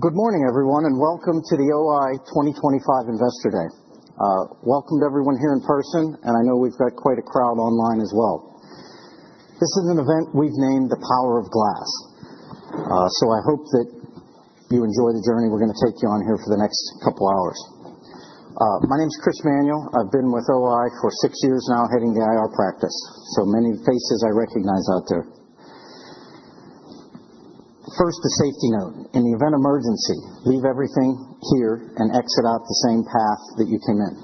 Good morning, everyone, and welcome to the O-I 2025 Investor Day. Welcome to everyone here in person, and I know we've got quite a crowd online as well. This is an event we've named The Power of Glass, so I hope that you enjoy the journey we're going to take you on here for the next couple of hours. My name is Chris Manuel. I've been with O-I for six years now, heading the IR practice. So, many faces I recognize out there. First, a safety note: in the event of emergency, leave everything here and exit out the same path that you came in.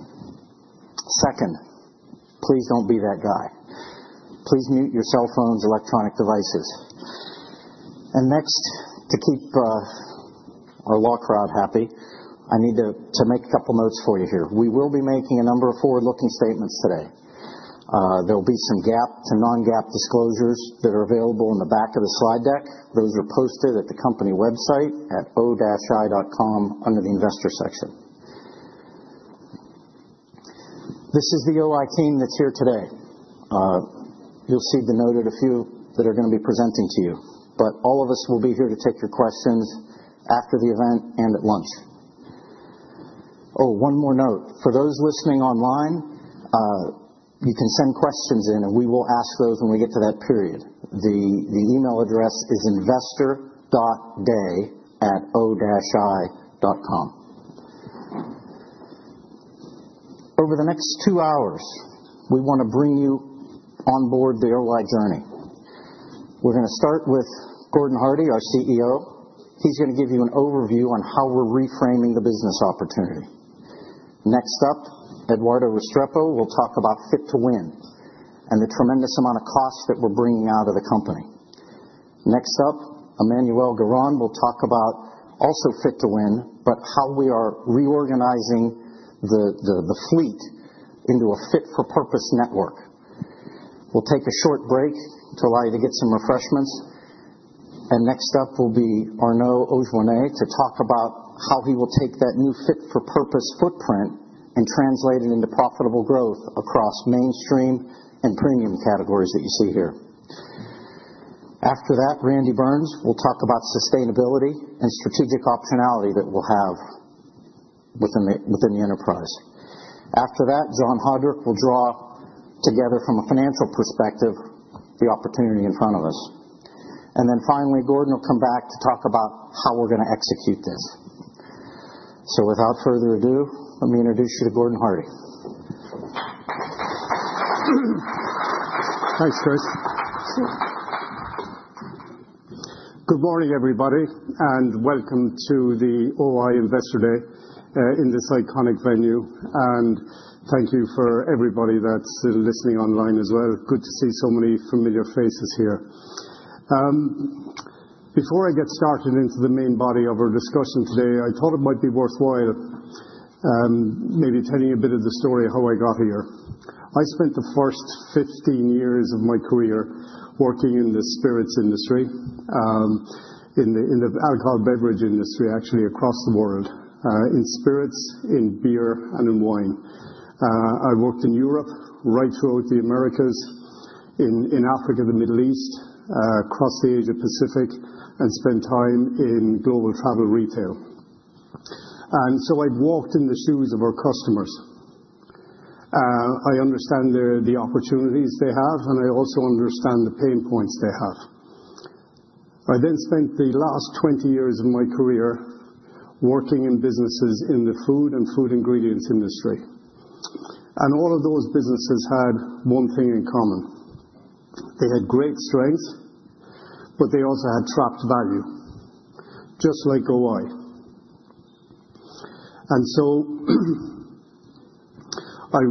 Second, please don't be that guy. Please mute your cell phones, electronic devices. Next, to keep our law crowd happy, I need to make a couple of notes for you here. We will be making a number of forward-looking statements today. There'll be some GAAP to non-GAAP disclosures that are available in the back of the slide deck. Those are posted at the company website at o-i.com under the Investor section. This is the O-I team that's here today. You'll see denoted a few that are going to be presenting to you, but all of us will be here to take your questions after the event and at lunch. Oh, one more note: for those listening online, you can send questions in, and we will ask those when we get to that period. The email address is investor.day@o-i.com. Over the next two hours, we want to bring you on board the O-I journey. We're going to start with Gordon Hardie, our CEO. He's going to give you an overview on how we're reframing the business opportunity. Next up, Eduardo Restrepo will talk about Fit to Win and the tremendous amount of cost that we're bringing out of the company. Next up, Emmanuelle Guerín will talk about also Fit to Win, but how we are reorganizing the fleet into a fit-for-purpose network. We'll take a short break to allow you to get some refreshments. Next up will be Arnaud Aujouannet to talk about how he will take that new fit-for-purpose footprint and translate it into profitable growth across mainstream and premium categories that you see here. After that, Randy Burns will talk about sustainability and strategic optionality that we'll have within the enterprise. After that, John Haudrich will draw together, from a financial perspective, the opportunity in front of us. Finally, Gordon will come back to talk about how we're going to execute this. Without further ado, let me introduce you to Gordon Hardie. Thanks, Chris. Good morning, everybody, and welcome to the O-I Investor Day in this iconic venue. Thank you for everybody that's listening online as well. Good to see so many familiar faces here. Before I get started into the main body of our discussion today, I thought it might be worthwhile maybe telling you a bit of the story of how I got here. I spent the first 15 years of my career working in the spirits industry, in the alcohol beverage industry, actually, across the world, in spirits, in beer, and in wine. I worked in Europe, right throughout the Americas, in Africa, the Middle East, across the Asia-Pacific, and spent time in global travel retail. I have walked in the shoes of our customers. I understand the opportunities they have, and I also understand the pain points they have. I then spent the last 20 years of my career working in businesses in the food and food ingredients industry. All of those businesses had one thing in common. They had great strength, but they also had trapped value, just like O-I. I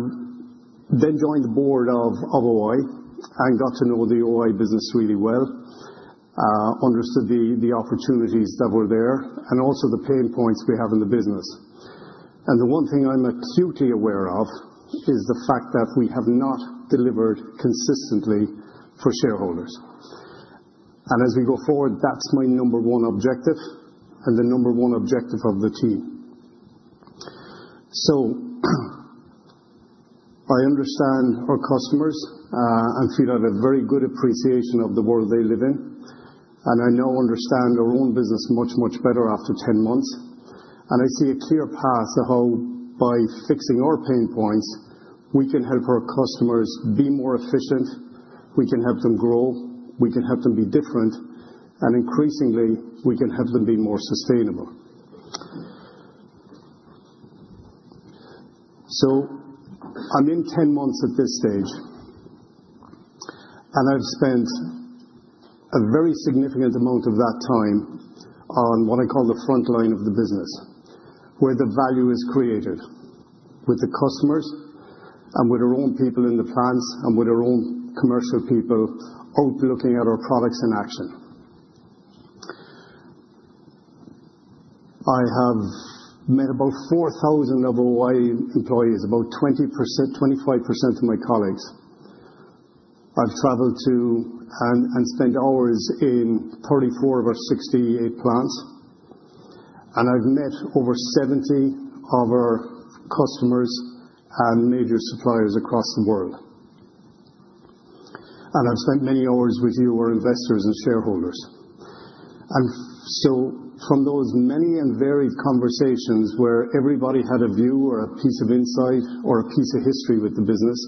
then joined the board of O-I and got to know the O-I business really well, understood the opportunities that were there, and also the pain points we have in the business. The one thing I'm acutely aware of is the fact that we have not delivered consistently for shareholders. As we go forward, that's my number one objective and the number one objective of the team. I understand our customers and feel a very good appreciation of the world they live in. I now understand our own business much, much better after 10 months. I see a clear path of how, by fixing our pain points, we can help our customers be more efficient, we can help them grow, we can help them be different, and increasingly, we can help them be more sustainable. I'm in 10 months at this stage, and I've spent a very significant amount of that time on what I call the front line of the business, where the value is created with the customers and with our own people in the plants and with our own commercial people out looking at our products in action. I have met about 4,000 of O-I employees, about 20%-25% of my colleagues. I've traveled to and spent hours in 34 of our 68 plants. I've met over 70 of our customers and major suppliers across the world. I've spent many hours with you, our investors and shareholders. From those many and varied conversations where everybody had a view or a piece of insight or a piece of history with the business,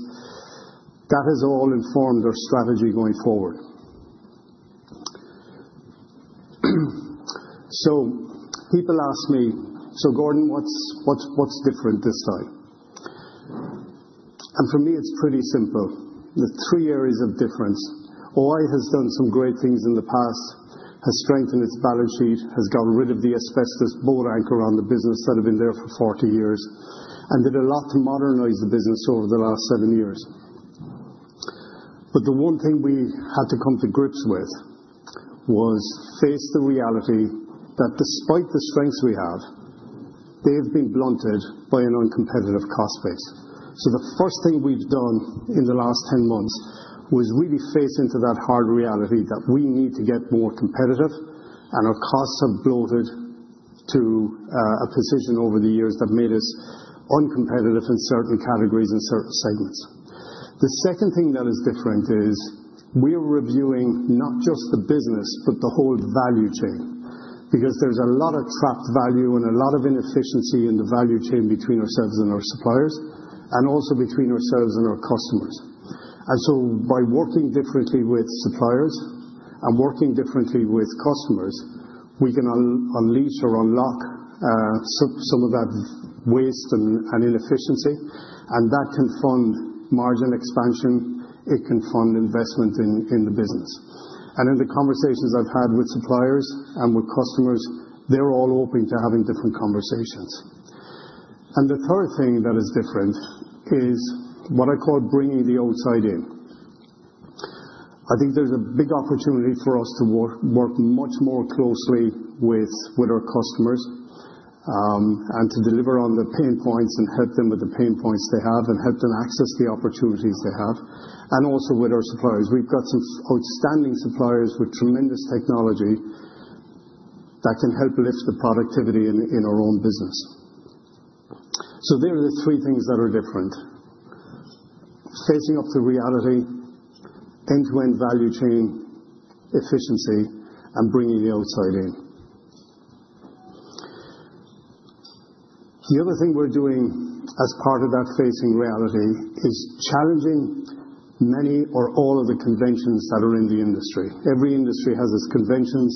that has all informed our strategy going forward. People ask me, "So, Gordon, what's different this time?" For me, it's pretty simple. The three areas of difference: O-I has done some great things in the past, has strengthened its balance sheet, has gotten rid of the asbestos boat anchor on the business that had been there for 40 years, and did a lot to modernize the business over the last seven years. The one thing we had to come to grips with was face the reality that, despite the strengths we have, they have been blunted by an uncompetitive cost base. The first thing we've done in the last 10 months was really face into that hard reality that we need to get more competitive, and our costs have bloated to a position over the years that made us uncompetitive in certain categories and certain segments. The second thing that is different is we are reviewing not just the business, but the whole value chain, because there's a lot of trapped value and a lot of inefficiency in the value chain between ourselves and our suppliers and also between ourselves and our customers. By working differently with suppliers and working differently with customers, we can unleash or unlock some of that waste and inefficiency, and that can fund margin expansion. It can fund investment in the business. In the conversations I've had with suppliers and with customers, they're all open to having different conversations. The third thing that is different is what I call bringing the outside in. I think there is a big opportunity for us to work much more closely with our customers and to deliver on the pain points and help them with the pain points they have and help them access the opportunities they have. Also with our suppliers, we have some outstanding suppliers with tremendous technology that can help lift the productivity in our own business. There are the three things that are different: facing up to reality, end-to-end value chain efficiency, and bringing the outside in. The other thing we are doing as part of that facing reality is challenging many or all of the conventions that are in the industry. Every industry has its conventions.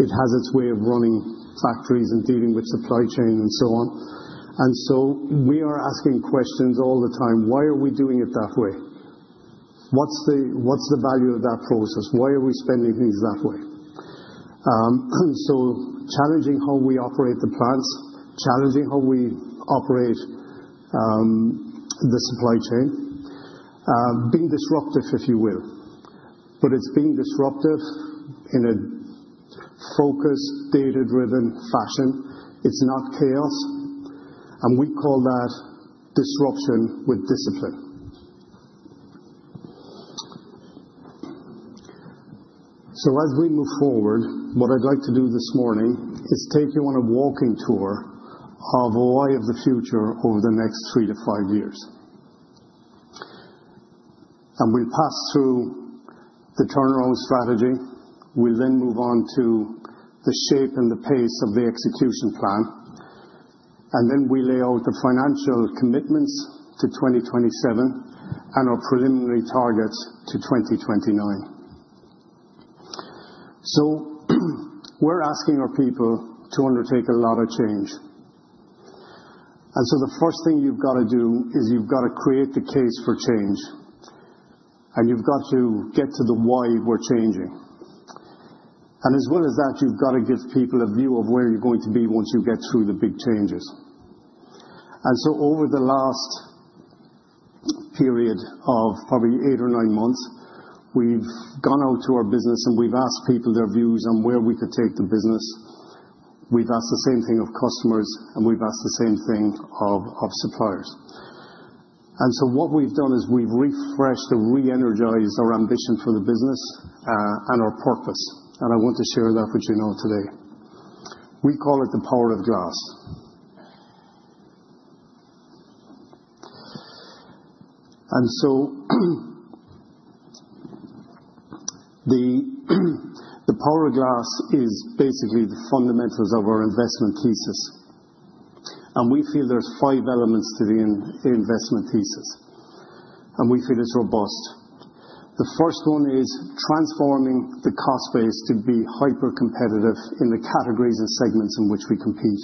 It has its way of running factories and dealing with supply chain and so on. We are asking questions all the time: Why are we doing it that way? What's the value of that process? Why are we spending things that way? Challenging how we operate the plants, challenging how we operate the supply chain, being disruptive, if you will. It is being disruptive in a focused, data-driven fashion. It is not chaos. We call that disruption with discipline. As we move forward, what I'd like to do this morning is take you on a walking tour of O-I of the future over the next three to five years. We will pass through the turnaround strategy. We will then move on to the shape and the pace of the execution plan. Then we lay out the financial commitments to 2027 and our preliminary targets to 2029. We are asking our people to undertake a lot of change. The first thing you've got to do is you've got to create the case for change. You've got to get to the why we're changing. As well as that, you've got to give people a view of where you're going to be once you get through the big changes. Over the last period of probably eight or nine months, we've gone out to our business and we've asked people their views on where we could take the business. We've asked the same thing of customers, and we've asked the same thing of suppliers. What we've done is we've refreshed and re-energized our ambition for the business and our purpose. I want to share that with you now today. We call it the power of glass. The power of glass is basically the fundamentals of our investment thesis. There are five elements to the investment thesis. We feel it is robust. The first one is transforming the cost base to be hyper-competitive in the categories and segments in which we compete.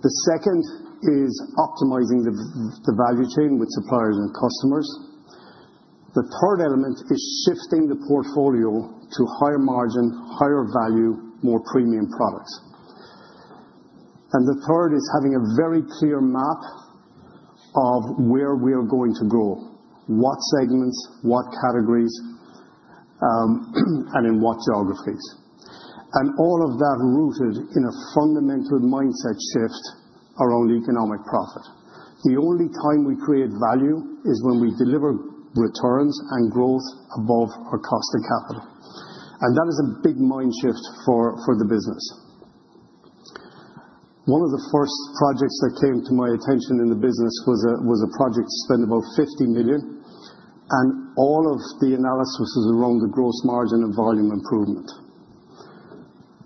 The second is optimizing the value chain with suppliers and customers. The third element is shifting the portfolio to higher margin, higher value, more premium products. The fourth is having a very clear map of where we are going to grow, what segments, what categories, and in what geographies. All of that is rooted in a fundamental mindset shift around economic profit. The only time we create value is when we deliver returns and growth above our cost of capital. That is a big mind shift for the business. One of the first projects that came to my attention in the business was a project to spend about $50 million. All of the analysis was around the gross margin and volume improvement.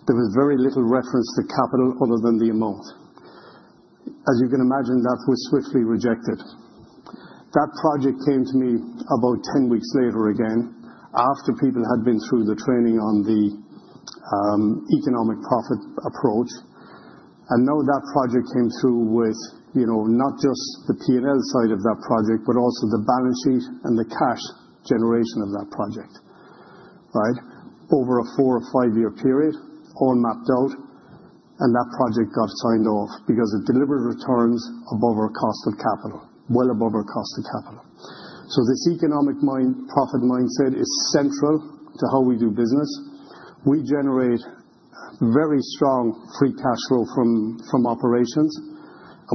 There was very little reference to capital other than the amount. As you can imagine, that was swiftly rejected. That project came to me about 10 weeks later again, after people had been through the training on the economic profit approach. Now that project came through with not just the P&L side of that project, but also the balance sheet and the cash generation of that project, right, over a four or five-year period, all mapped out. That project got signed off because it delivered returns above our cost of capital, well above our cost of capital. This economic profit mindset is central to how we do business. We generate very strong free cash flow from operations.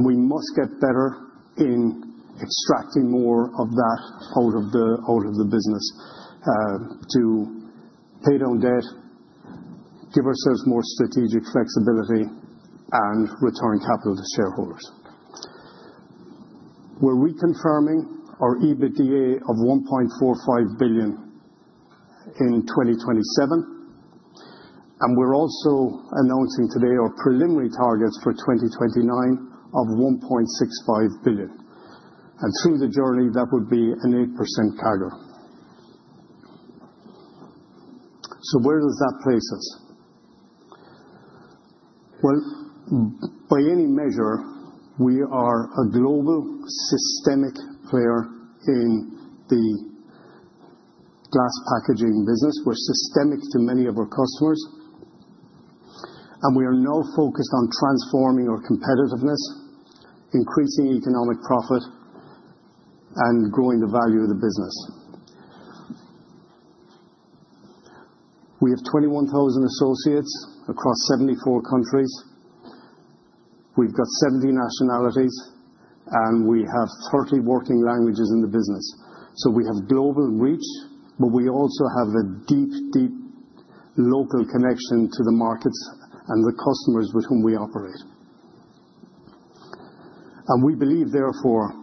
We must get better in extracting more of that out of the business to pay down debt, give ourselves more strategic flexibility, and return capital to shareholders. We are reconfirming our EBITDA of $1.45 billion in 2027. We are also announcing today our preliminary targets for 2029 of $1.65 billion. Through the journey, that would be an 8% CAGR. Where does that place us? By any measure, we are a global systemic player in the glass packaging business. We are systemic to many of our customers. We are now focused on transforming our competitiveness, increasing economic profit, and growing the value of the business. We have 21,000 associates across 74 countries. We have 70 nationalities, and we have 30 working languages in the business. We have global reach, but we also have a deep, deep local connection to the markets and the customers with whom we operate. We believe, therefore,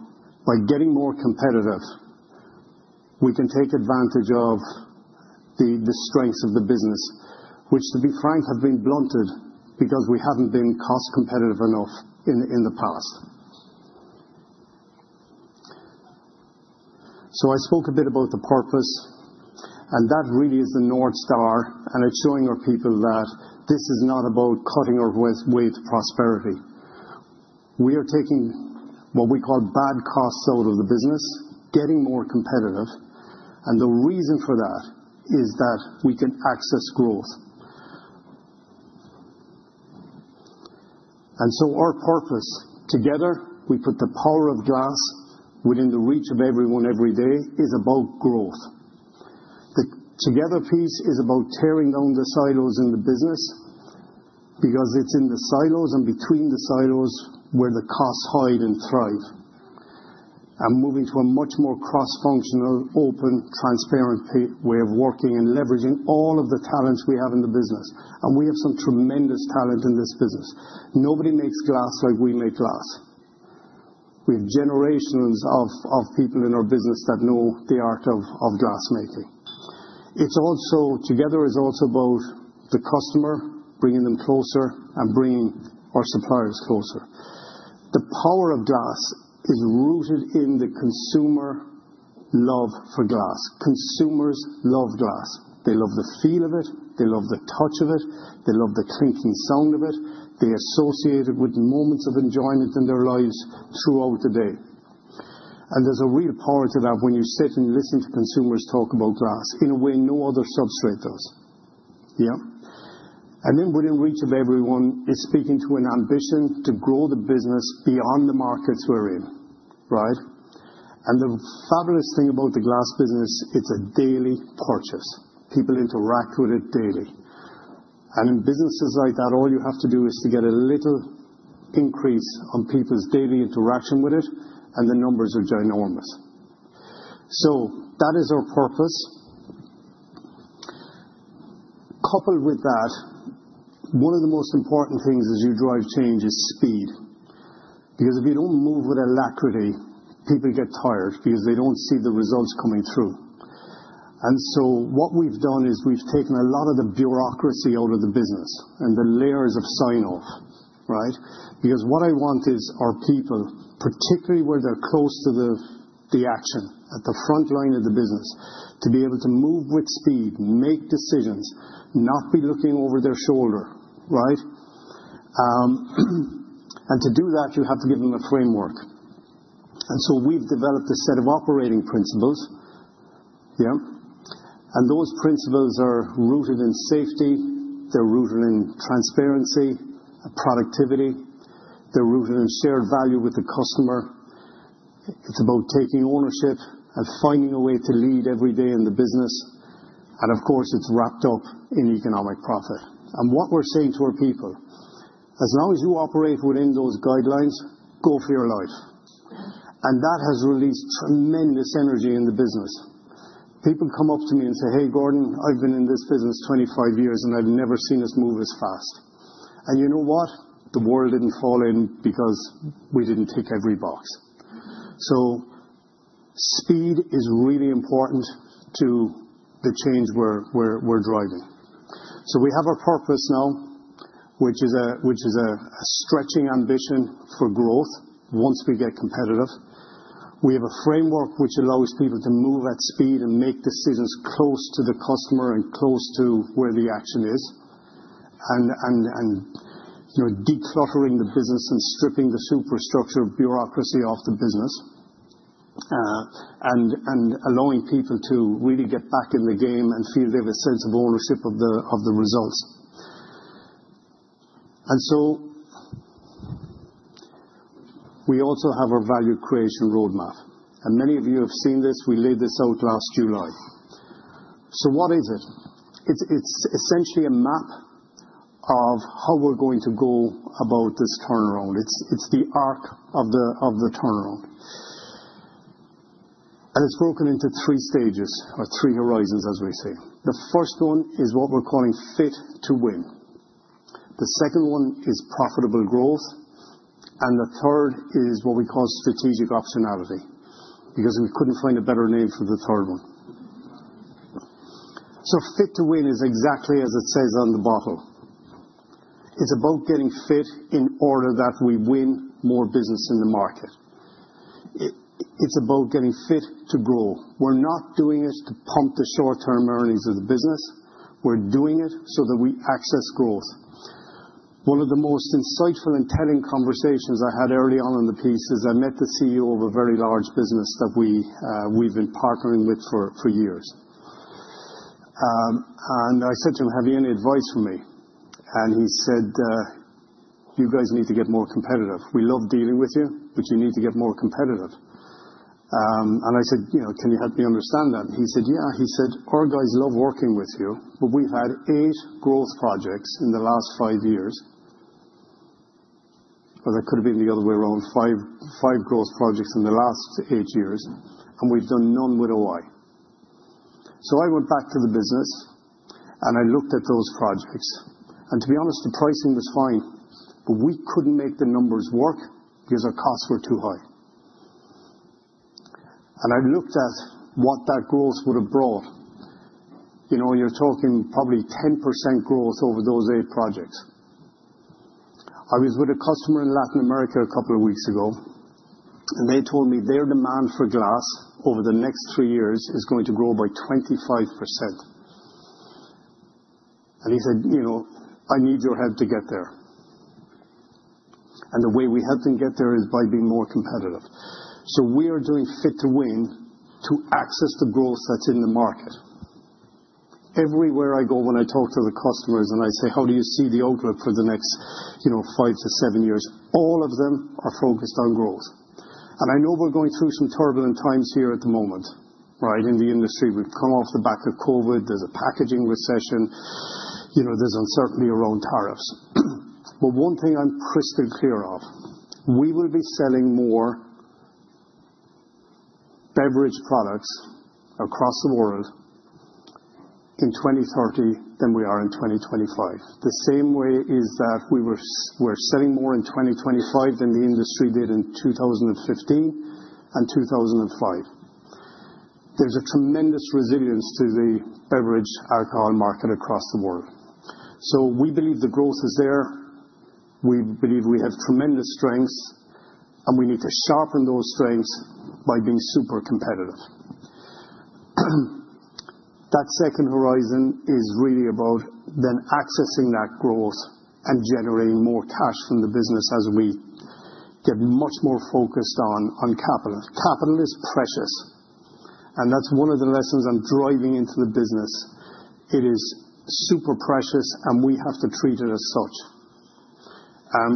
by getting more competitive, we can take advantage of the strengths of the business, which, to be frank, have been blunted because we have not been cost competitive enough in the past. I spoke a bit about the purpose. That really is the North Star. It is showing our people that this is not about cutting our way to prosperity. We are taking what we call bad costs out of the business, getting more competitive. The reason for that is that we can access growth. Our purpose together, we put the power of glass within the reach of everyone every day, is about growth. The together piece is about tearing down the silos in the business because it's in the silos and between the silos where the costs hide and thrive. Moving to a much more cross-functional, open, transparent way of working and leveraging all of the talents we have in the business. We have some tremendous talent in this business. Nobody makes glass like we make glass. We have generations of people in our business that know the art of glassmaking. Together is also about the customer, bringing them closer and bringing our suppliers closer. The power of glass is rooted in the consumer love for glass. Consumers love glass. They love the feel of it. They love the touch of it. They love the clinking sound of it. They associate it with moments of enjoyment in their lives throughout the day. There is a real power to that when you sit and listen to consumers talk about glass in a way no other substrate does. Within reach of everyone is speaking to an ambition to grow the business beyond the markets we are in, right? The fabulous thing about the glass business, it is a daily purchase. People interact with it daily. In businesses like that, all you have to do is to get a little increase on people's daily interaction with it, and the numbers are ginormous. That is our purpose. Coupled with that, one of the most important things as you drive change is speed. Because if you do not move with alacrity, people get tired because they do not see the results coming through. What we have done is we have taken a lot of the bureaucracy out of the business and the layers of sign-off, right? Because what I want is our people, particularly where they are close to the action, at the front line of the business, to be able to move with speed, make decisions, not be looking over their shoulder, right? To do that, you have to give them a framework. We have developed a set of operating principles. Yeah. Those principles are rooted in safety. They are rooted in transparency and productivity. They are rooted in shared value with the customer. It is about taking ownership and finding a way to lead every day in the business. Of course, it is wrapped up in economic profit. What we are saying to our people, as long as you operate within those guidelines, go for your life. That has released tremendous energy in the business. People come up to me and say, "Hey, Gordon, I've been in this business 25 years, and I've never seen us move as fast." You know what? The world didn't fall in because we didn't tick every box. Speed is really important to the change we're driving. We have our purpose now, which is a stretching ambition for growth once we get competitive. We have a framework which allows people to move at speed and make decisions close to the customer and close to where the action is. Decluttering the business and stripping the superstructure of bureaucracy off the business and allowing people to really get back in the game and feel they have a sense of ownership of the results. We also have our value creation roadmap. Many of you have seen this. We laid this out last July. What is it? It's essentially a map of how we're going to go about this turnaround. It's the arc of the turnaround. It's broken into three stages or three horizons, as we say. The first one is what we're calling fit to win. The second one is profitable growth. The third is what we call strategic optionality because we couldn't find a better name for the third one. Fit to win is exactly as it says on the bottle. It's about getting fit in order that we win more business in the market. It's about getting fit to grow. We're not doing it to pump the short-term earnings of the business. We're doing it so that we access growth. One of the most insightful and telling conversations I had early on in the piece is I met the CEO of a very large business that we've been partnering with for years. I said to him, "Have you any advice for me?" He said, "You guys need to get more competitive. We love dealing with you, but you need to get more competitive." I said, "Can you help me understand that?" He said, "Yeah." He said, "Our guys love working with you, but we've had eight growth projects in the last five years." That could have been the other way around, five growth projects in the last eight years. We've done none with O-I. I went back to the business, and I looked at those projects. To be honest, the pricing was fine. We couldn't make the numbers work because our costs were too high. I looked at what that growth would have brought. You're talking probably 10% growth over those eight projects. I was with a customer in Latin America a couple of weeks ago, and they told me their demand for glass over the next three years is going to grow by 25%. He said, "I need your help to get there." The way we help them get there is by being more competitive. We are doing Fit to Win to access the growth that's in the market. Everywhere I go when I talk to the customers and I say, "How do you see the outlook for the next five to seven years?" All of them are focused on growth. I know we're going through some turbulent times here at the moment, right, in the industry. We've come off the back of COVID. There's a packaging recession. There's uncertainty around tariffs. One thing I'm crystal clear of, we will be selling more beverage products across the world in 2030 than we are in 2025. The same way is that we're selling more in 2025 than the industry did in 2015 and 2005. There's a tremendous resilience to the beverage alcohol market across the world. We believe the growth is there. We believe we have tremendous strengths, and we need to sharpen those strengths by being super competitive. That second horizon is really about then accessing that growth and generating more cash from the business as we get much more focused on capital. Capital is precious. That's one of the lessons I'm driving into the business. It is super precious, and we have to treat it as such.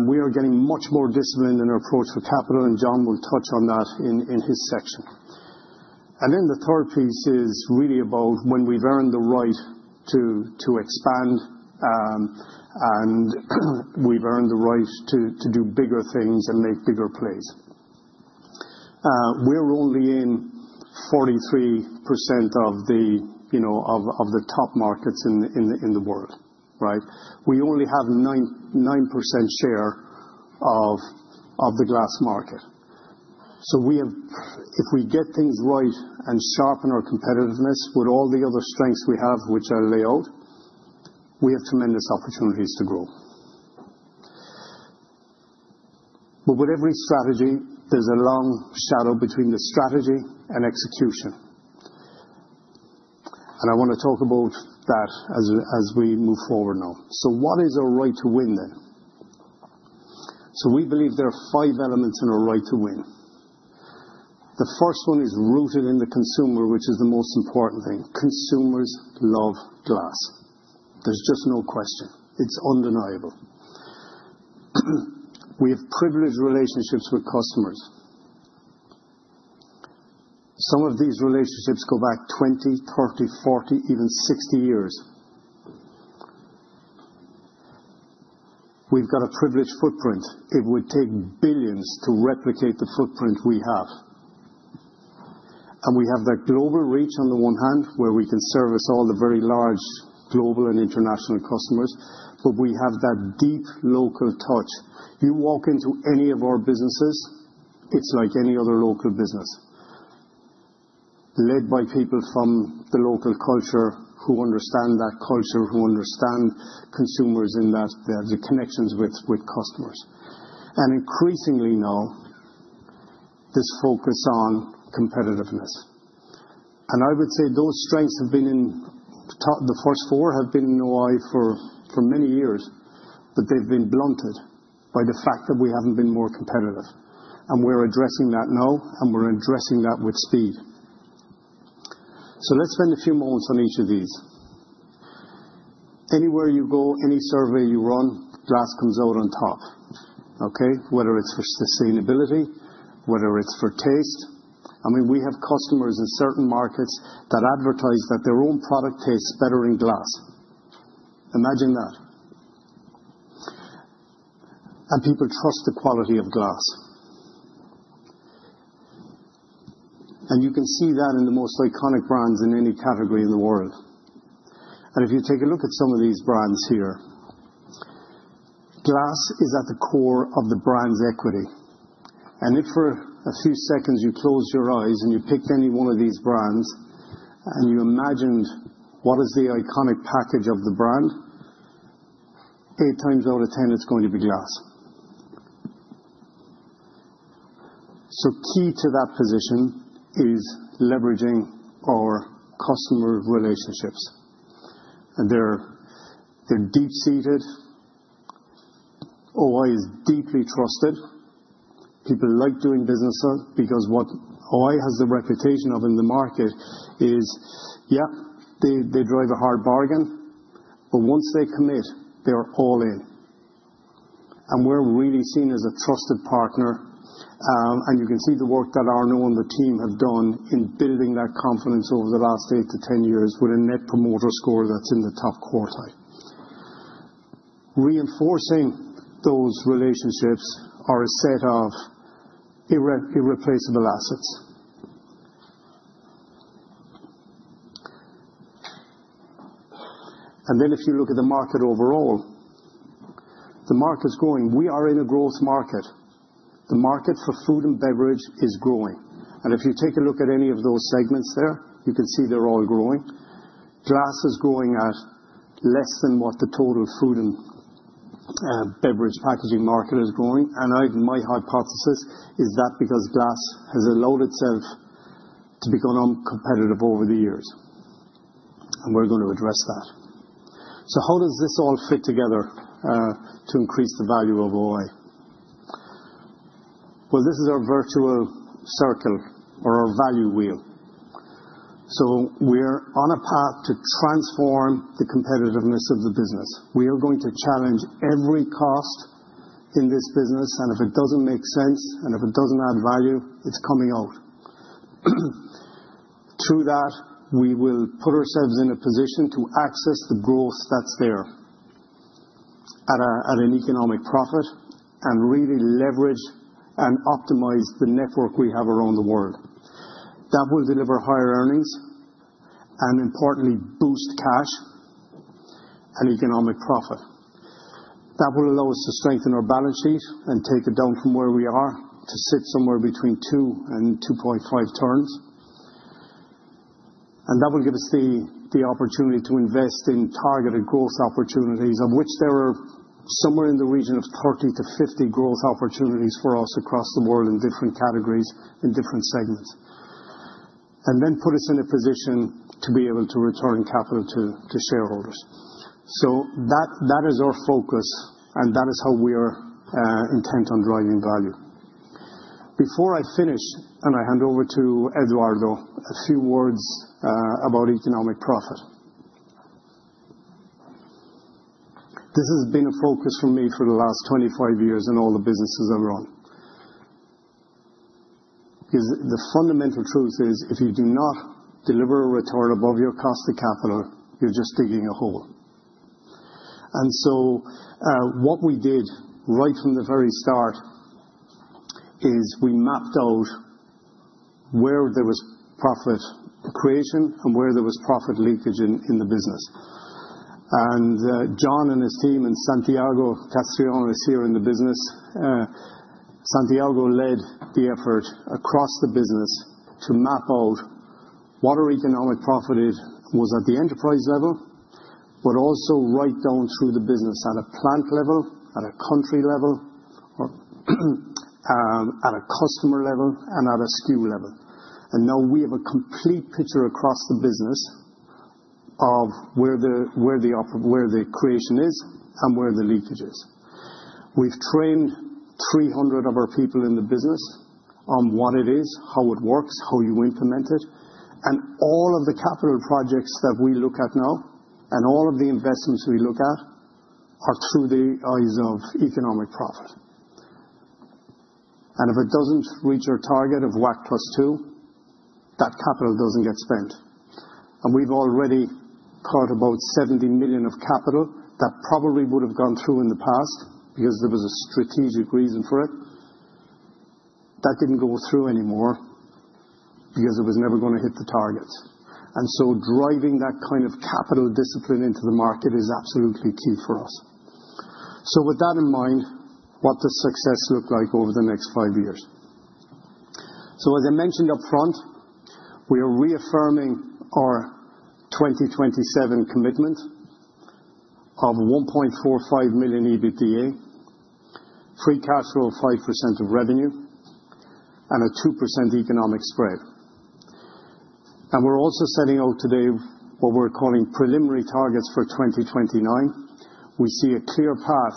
We are getting much more disciplined in our approach for capital, and John will touch on that in his section. The third piece is really about when we've earned the right to expand, and we've earned the right to do bigger things and make bigger plays. We're only in 43% of the top markets in the world, right? We only have 9% share of the glass market. If we get things right and sharpen our competitiveness with all the other strengths we have, which are layout, we have tremendous opportunities to grow. With every strategy, there's a long shadow between the strategy and execution. I want to talk about that as we move forward now. What is our right to win then? We believe there are five elements in our right to win. The first one is rooted in the consumer, which is the most important thing. Consumers love glass. There is just no question. It is undeniable. We have privileged relationships with customers. Some of these relationships go back 20, 30, 40, even 60 years. We have a privileged footprint. It would take billions to replicate the footprint we have. We have that global reach on the one hand, where we can service all the very large global and international customers, but we have that deep local touch. You walk into any of our businesses, it is like any other local business, led by people from the local culture who understand that culture, who understand consumers and the connections with customers. Increasingly now, this focus on competitiveness. I would say those strengths have been in the first four have been in O-I for many years, but they've been blunted by the fact that we haven't been more competitive. We're addressing that now, and we're addressing that with speed. Let's spend a few moments on each of these. Anywhere you go, any survey you run, glass comes out on top, okay? Whether it's for sustainability, whether it's for taste. I mean, we have customers in certain markets that advertise that their own product tastes better in glass. Imagine that. People trust the quality of glass. You can see that in the most iconic brands in any category in the world. If you take a look at some of these brands here, glass is at the core of the brand's equity. If for a few seconds you closed your eyes and you picked any one of these brands and you imagined what is the iconic package of the brand, 8 times out of 10, it's going to be glass. Key to that position is leveraging our customer relationships. They're deep-seated. O-I is deeply trusted. People like doing business because what O-I has the reputation of in the market is, yeah, they drive a hard bargain, but once they commit, they're all in. We're really seen as a trusted partner. You can see the work that Arnaud and the team have done in building that confidence over the last 8 to 10 years with a net promoter score that's in the top quartile. Reinforcing those relationships are a set of irreplaceable assets. If you look at the market overall, the market's growing. We are in a growth market. The market for food and beverage is growing. If you take a look at any of those segments there, you can see they're all growing. Glass is growing at less than what the total food and beverage packaging market is growing. My hypothesis is that is because glass has allowed itself to become competitive over the years. We are going to address that. How does this all fit together to increase the value of O-I? This is our virtual circle or our value wheel. We are on a path to transform the competitiveness of the business. We are going to challenge every cost in this business. If it doesn't make sense and if it doesn't add value, it's coming out. Through that, we will put ourselves in a position to access the growth that's there at an economic profit and really leverage and optimize the network we have around the world. That will deliver higher earnings and, importantly, boost cash and economic profit. That will allow us to strengthen our balance sheet and take it down from where we are to sit somewhere between 2-2.5 turns. That will give us the opportunity to invest in targeted growth opportunities, of which there are somewhere in the region of 30-50 growth opportunities for us across the world in different categories in different segments, and then put us in a position to be able to return capital to shareholders. That is our focus, and that is how we are intent on driving value. Before I finish and I hand over to Eduardo, a few words about economic profit. This has been a focus for me for the last 25 years in all the businesses I've run. The fundamental truth is if you do not deliver a return above your cost of capital, you're just digging a hole. What we did right from the very start is we mapped out where there was profit creation and where there was profit leakage in the business. John and his team, and Santiago Castrillon is here in the business. Santiago led the effort across the business to map out what our economic profit was at the enterprise level, but also right down through the business at a plant level, at a country level, at a customer level, and at a SKU level. We have a complete picture across the business of where the creation is and where the leakage is. We've trained 300 of our people in the business on what it is, how it works, how you implement it. All of the capital projects that we look at now and all of the investments we look at are through the eyes of economic profit. If it doesn't reach our target of WACC +2, that capital doesn't get spent. We've already put about $70 million of capital that probably would have gone through in the past because there was a strategic reason for it. That didn't go through anymore because it was never going to hit the targets. Driving that kind of capital discipline into the market is absolutely key for us. With that in mind, what does success look like over the next five years? As I mentioned upfront, we are reaffirming our 2027 commitment of $1.45 billion EBITDA, free cash flow of 5% of revenue, and a 2% economic spread. We are also setting out today what we are calling preliminary targets for 2029. We see a clear path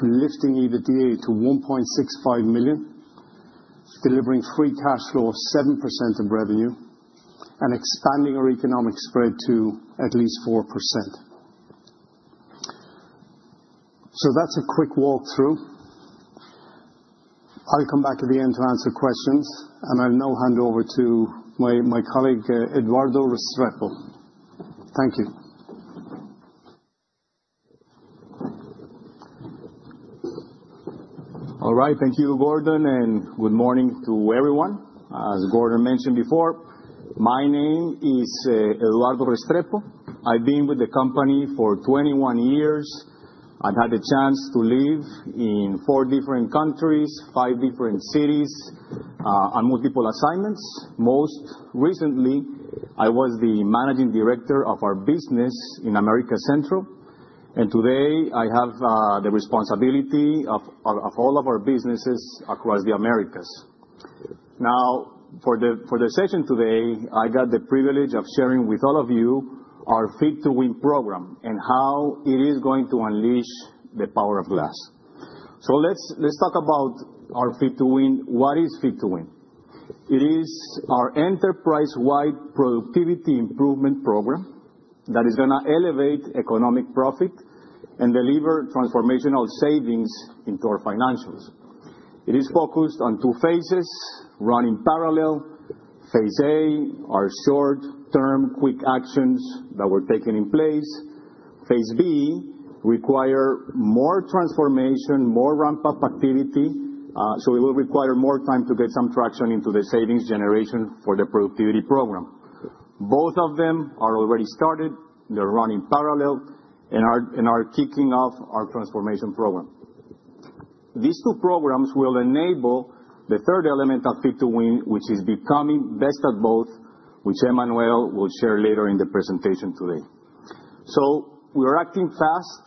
to lifting EBITDA to $1.65 billion, delivering free cash flow of 7% of revenue, and expanding our economic spread to at least 4%. That is a quick walkthrough. I will come back at the end to answer questions, and I will now hand over to my colleague, Eduardo Restrepo. Thank you. All right. Thank you, Gordon, and good morning to everyone. As Gordon mentioned before, my name is Eduardo Restrepo. I have been with the company for 21 years. I've had the chance to live in four different countries, five different cities, on multiple assignments. Most recently, I was the Managing Director of our business in America Central. Today, I have the responsibility of all of our businesses across the Americas. For the session today, I got the privilege of sharing with all of you our Fit to Win program and how it is going to unleash the power of glass. Let's talk about our Fit to Win. What is Fit to Win? It is our enterprise-wide productivity improvement program that is going to elevate economic profit and deliver transformational savings into our financials. It is focused on two phases running parallel. Phase A are short-term, quick actions that were taken in place. Phase B requires more transformation, more ramp-up activity. It will require more time to get some traction into the savings generation for the productivity program. Both of them are already started. They're running parallel and are kicking off our transformation program. These two programs will enable the third element of Fit to Win, which is becoming Best at Both, which Emmanuelle will share later in the presentation today. We are acting fast.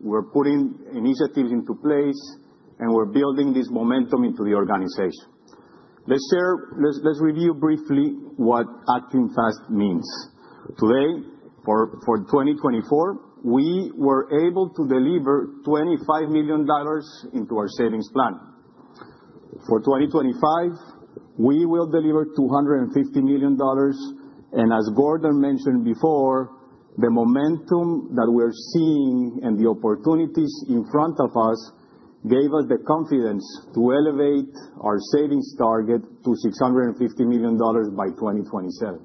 We're putting initiatives into place, and we're building this momentum into the organization. Let's review briefly what acting fast means. Today, for 2024, we were able to deliver $25 million into our savings plan. For 2025, we will deliver $250 million. As Gordon mentioned before, the momentum that we are seeing and the opportunities in front of us gave us the confidence to elevate our savings target to $650 million by 2027.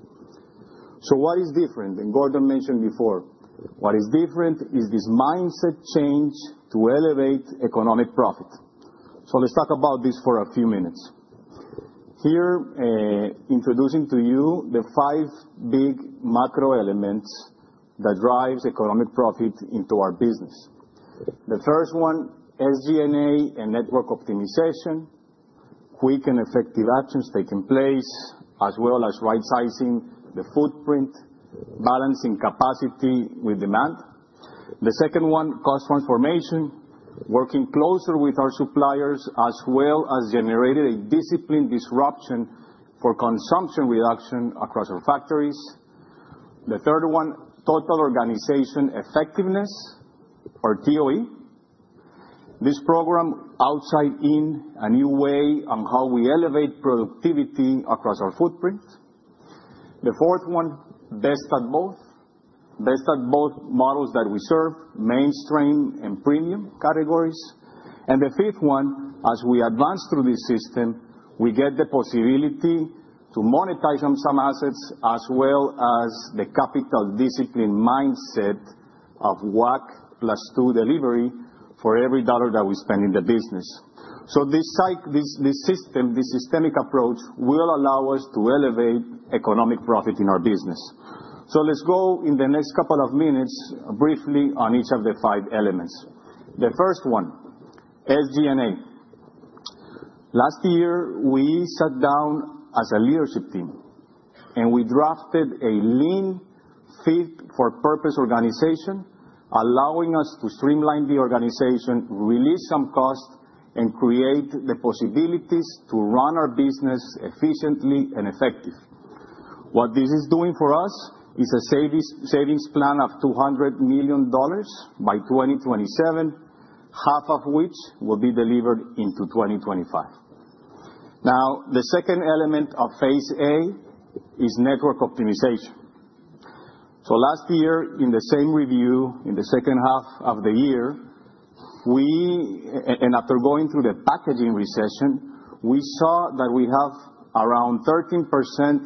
What is different? Gordon mentioned before, what is different is this mindset change to elevate economic profit. Let's talk about this for a few minutes. Here, introducing to you the five big macro elements that drive economic profit into our business. The first one, SG&A and Network Optimization, quick and effective actions taken place, as well as right-sizing the footprint, balancing capacity with demand. The second one, Cost Transformation, working closer with our suppliers, as well as generating a disciplined disruption for consumption reduction across our factories. The third one, Total Organization Effectiveness, or TOE. This program outside in a new way on how we elevate productivity across our footprint. The fourth one, Best at Both, Best at Both models that we serve, mainstream and premium categories. The fifth one, as we advance through this system, we get the possibility to monetize on some assets, as well as the capital discipline mindset WACC +2% delivery for every dollar that we spend in the business. This system, this systemic approach, will allow us to elevate economic profit in our business. Let's go in the next couple of minutes briefly on each of the five elements. The first one, SG&A. Last year, we sat down as a leadership team, and we drafted a lean fit-for-purpose organization, allowing us to streamline the organization, release some cost, and create the possibilities to run our business efficiently and effectively. What this is doing for us is a savings plan of $200 million by 2027, half of which will be delivered into 2025. The second element of Phase A is network optimization. Last year, in the same review, in the second half of the year, and after going through the packaging recession, we saw that we have around 13%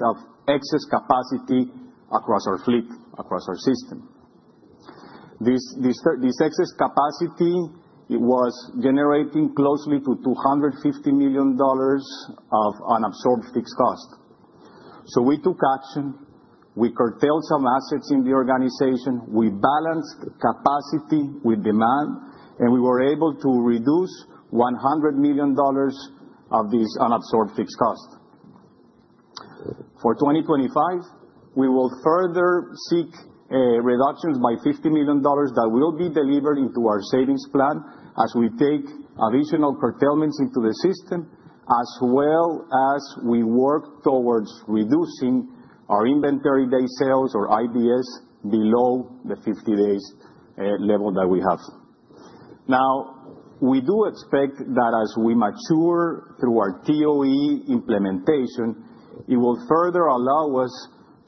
of excess capacity across our fleet, across our system. This excess capacity was generating closely to $250 million of unabsorbed fixed cost. We took action. We curtailed some assets in the organization. We balanced capacity with demand, and we were able to reduce $100 million of this unabsorbed fixed cost. For 2025, we will further seek reductions by $50 million that will be delivered into our savings plan as we take additional curtailments into the system, as well as we work towards reducing our inventory day sales, or IBS, below the 50-day level that we have. Now, we do expect that as we mature through our TOE implementation, it will further allow us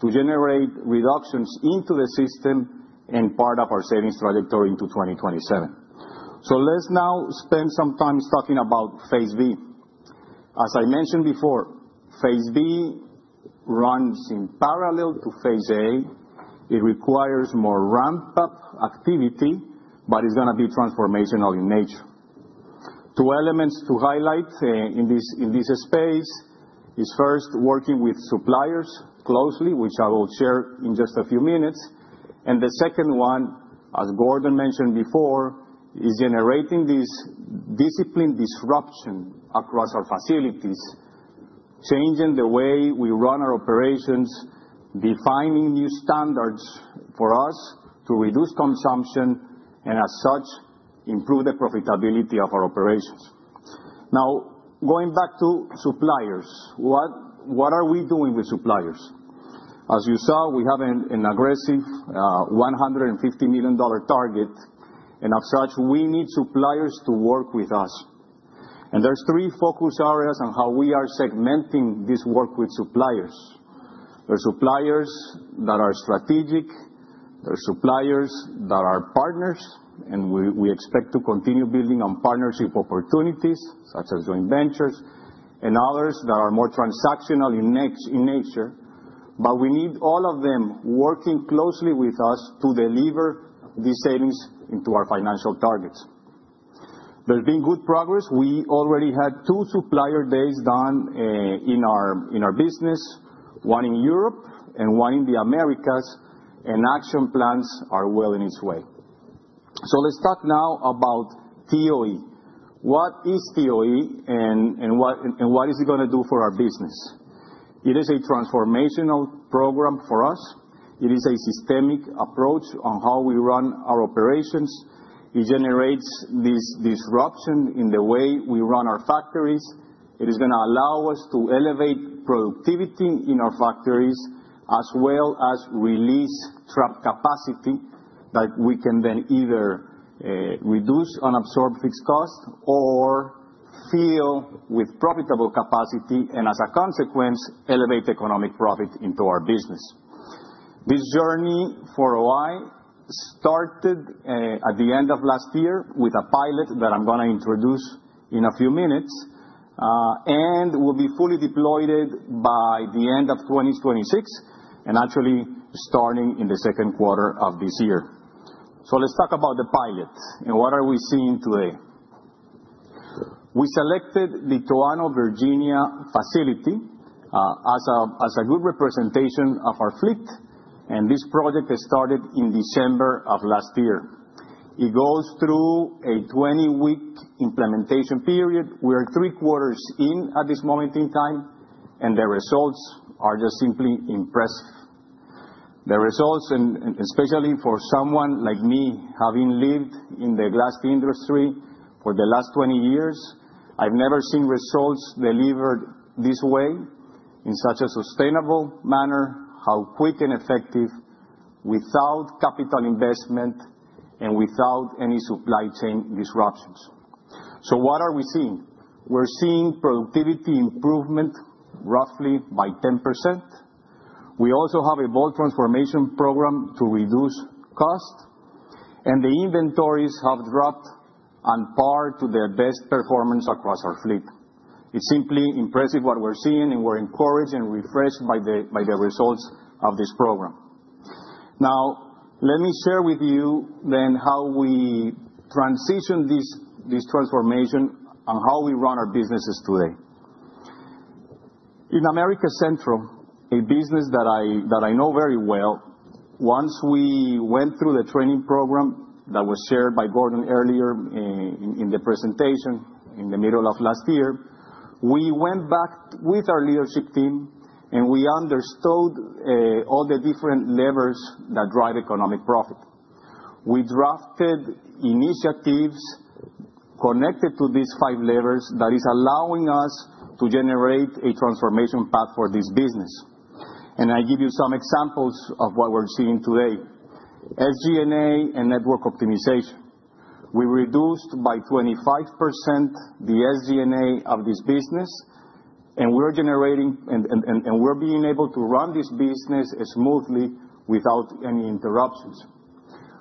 to generate reductions into the system and part of our savings trajectory into 2027. Let's now spend some time talking about Phase B. As I mentioned before, Phase B runs in parallel to Phase A. It requires more ramp-up activity, but it's going to be transformational in nature. Two elements to highlight in this space is first, working with suppliers closely, which I will share in just a few minutes. The second one, as Gordon mentioned before, is generating this discipline disruption across our facilities, changing the way we run our operations, defining new standards for us to reduce consumption and, as such, improve the profitability of our operations. Now, going back to suppliers, what are we doing with suppliers? As you saw, we have an aggressive $150 million target, and as such, we need suppliers to work with us. There are three focus areas on how we are segmenting this work with suppliers. There are suppliers that are strategic. There are suppliers that are partners, and we expect to continue building on partnership opportunities such as joint ventures and others that are more transactional in nature. We need all of them working closely with us to deliver these savings into our financial targets. There has been good progress. We already had two supplier days done in our business, one in Europe and one in the Americas, and action plans are well on its way. Let's talk now about TOE. What is TOE and what is it going to do for our business? It is a transformational program for us. It is a systemic approach on how we run our operations. It generates this disruption in the way we run our factories. It is going to allow us to elevate productivity in our factories, as well as release trapped capacity that we can then either reduce unabsorbed fixed cost or fill with profitable capacity and, as a consequence, elevate economic profit into our business. This journey for O-I started at the end of last year with a pilot that I'm going to introduce in a few minutes and will be fully deployed by the end of 2026, actually starting in the second quarter of this year. Let's talk about the pilot and what we are seeing today. We selected the Toano, Virginia facility as a good representation of our fleet, and this project started in December of last year. It goes through a 20-week implementation period. We are three quarters in at this moment in time, and the results are just simply impressive. The results, and especially for someone like me, having lived in the glass industry for the last 20 years, I've never seen results delivered this way in such a sustainable manner, how quick and effective, without capital investment and without any supply chain disruptions. What are we seeing? We're seeing productivity improvement roughly by 10%. We also have a bold transformation program to reduce cost, and the inventories have dropped on par to the best performance across our fleet. It's simply impressive what we're seeing, and we're encouraged and refreshed by the results of this program. Now, let me share with you then how we transitioned this transformation and how we run our businesses today. In America Central, a business that I know very well, once we went through the training program that was shared by Gordon earlier in the presentation in the middle of last year, we went back with our leadership team and we understood all the different levers that drive economic profit. We drafted initiatives connected to these five levers that are allowing us to generate a transformation path for this business. I give you some examples of what we're seeing today. SG&A and network optimization. We reduced by 25% the SG&A of this business, and we are generating and we're being able to run this business smoothly without any interruptions.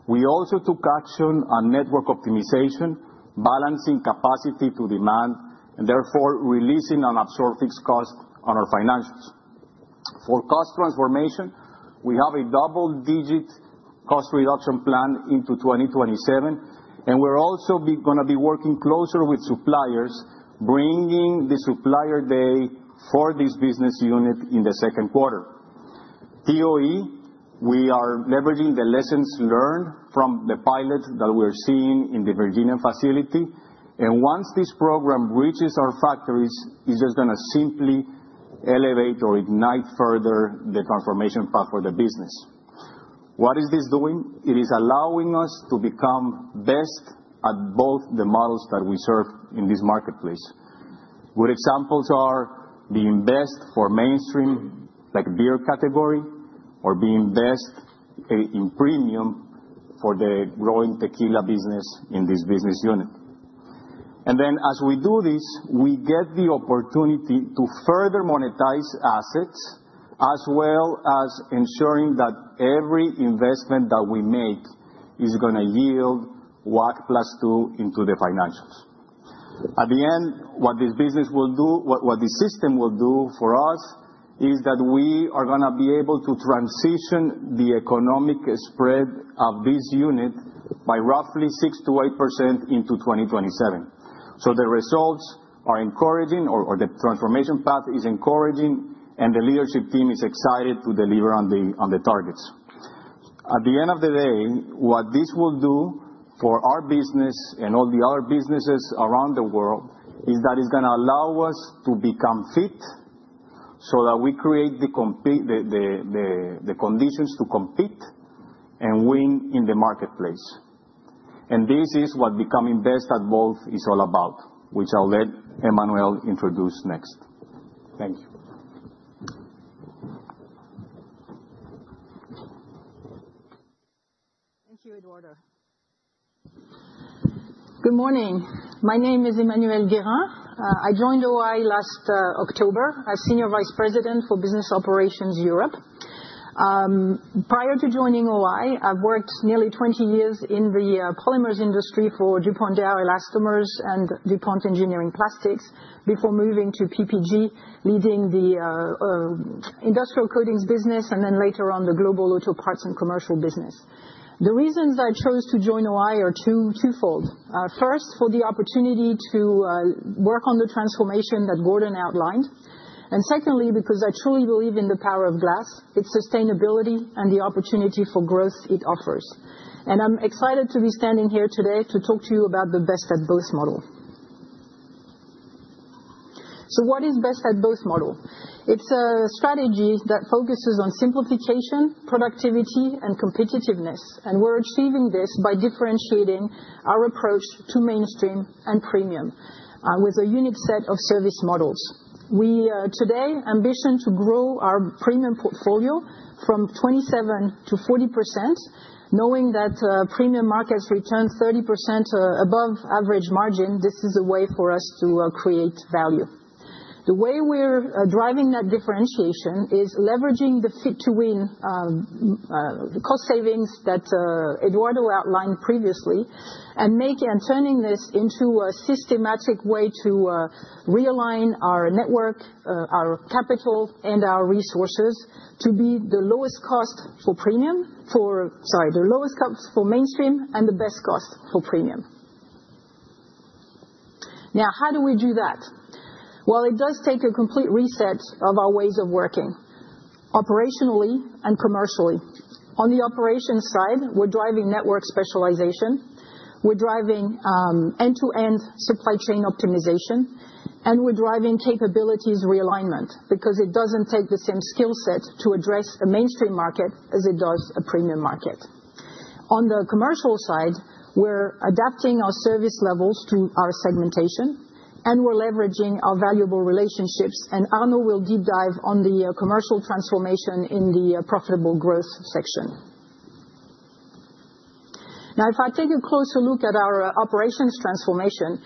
We also took action on network optimization, balancing capacity to demand and therefore releasing unabsorbed fixed cost on our financials. For cost transformation, we have a double-digit cost reduction plan into 2027, and we're also going to be working closer with suppliers, bringing the supplier day for this business unit in the second quarter. TOE, we are leveraging the lessons learned from the pilot that we are seeing in the Virginia facility. Once this program reaches our factories, it's just going to simply elevate or ignite further the transformation path for the business. What is this doing? It is allowing us to become Best at Both the models that we serve in this marketplace. Good examples are being best for mainstream like beer category or being best in premium for the growing tequila business in this business unit. As we do this, we get the opportunity to further monetize assets, as well as ensuring that every investment that we make is going to WACC +2% into the financials. At the end, what this business will do, what this system will do for us, is that we are going to be able to transition the economic spread of this unit by roughly 6%-8% into 2027. The results are encouraging, or the transformation path is encouraging, and the leadership team is excited to deliver on the targets. At the end of the day, what this will do for our business and all the other businesses around the world is that it's going to allow us to become fit so that we create the conditions to compete and win in the marketplace. This is what becoming Best at Both is all about, which I'll let Emmanuelle introduce next. Thank you. Thank you, Eduardo. Good morning. My name is Emmanuelle Guerín. I joined O-I last October as Senior Vice President for Business Operations Europe. Prior to joining O-I, I've worked nearly 20 years in the polymers industry for DuPont Dow Elastomers and DuPont Engineering Plastics before moving to PPG, leading the Industrial Coatings business and then later on the Global Auto Parts and Commercial Business. The reasons I chose to join O-I are twofold. First, for the opportunity to work on the transformation that Gordon outlined. Secondly, because I truly believe in the power of glass, its sustainability, and the opportunity for growth it offers. I am excited to be standing here today to talk to you about the Best at Both model. What is Best at Both model? It's a strategy that focuses on simplification, productivity, and competitiveness. We're achieving this by differentiating our approach to mainstream and premium with a unique set of service models. We today ambition to grow our premium portfolio from 27% to 40%, knowing that premium markets return 30% above average margin. This is a way for us to create value. The way we're driving that differentiation is leveraging the Fit to Win cost savings that Eduardo outlined previously and turning this into a systematic way to realign our network, our capital, and our resources to be the lowest cost for mainstream and the best cost for premium. Now, how do we do that? It does take a complete reset of our ways of working operationally and commercially. On the operations side, we're driving network specialization. We're driving end-to-end supply chain optimization, and we're driving capabilities realignment because it doesn't take the same skill set to address a mainstream market as it does a premium market. On the commercial side, we're adapting our service levels to our segmentation, and we're leveraging our valuable relationships. Arnaud will deep dive on the commercial transformation in the profitable growth section. Now, if I take a closer look at our operations transformation,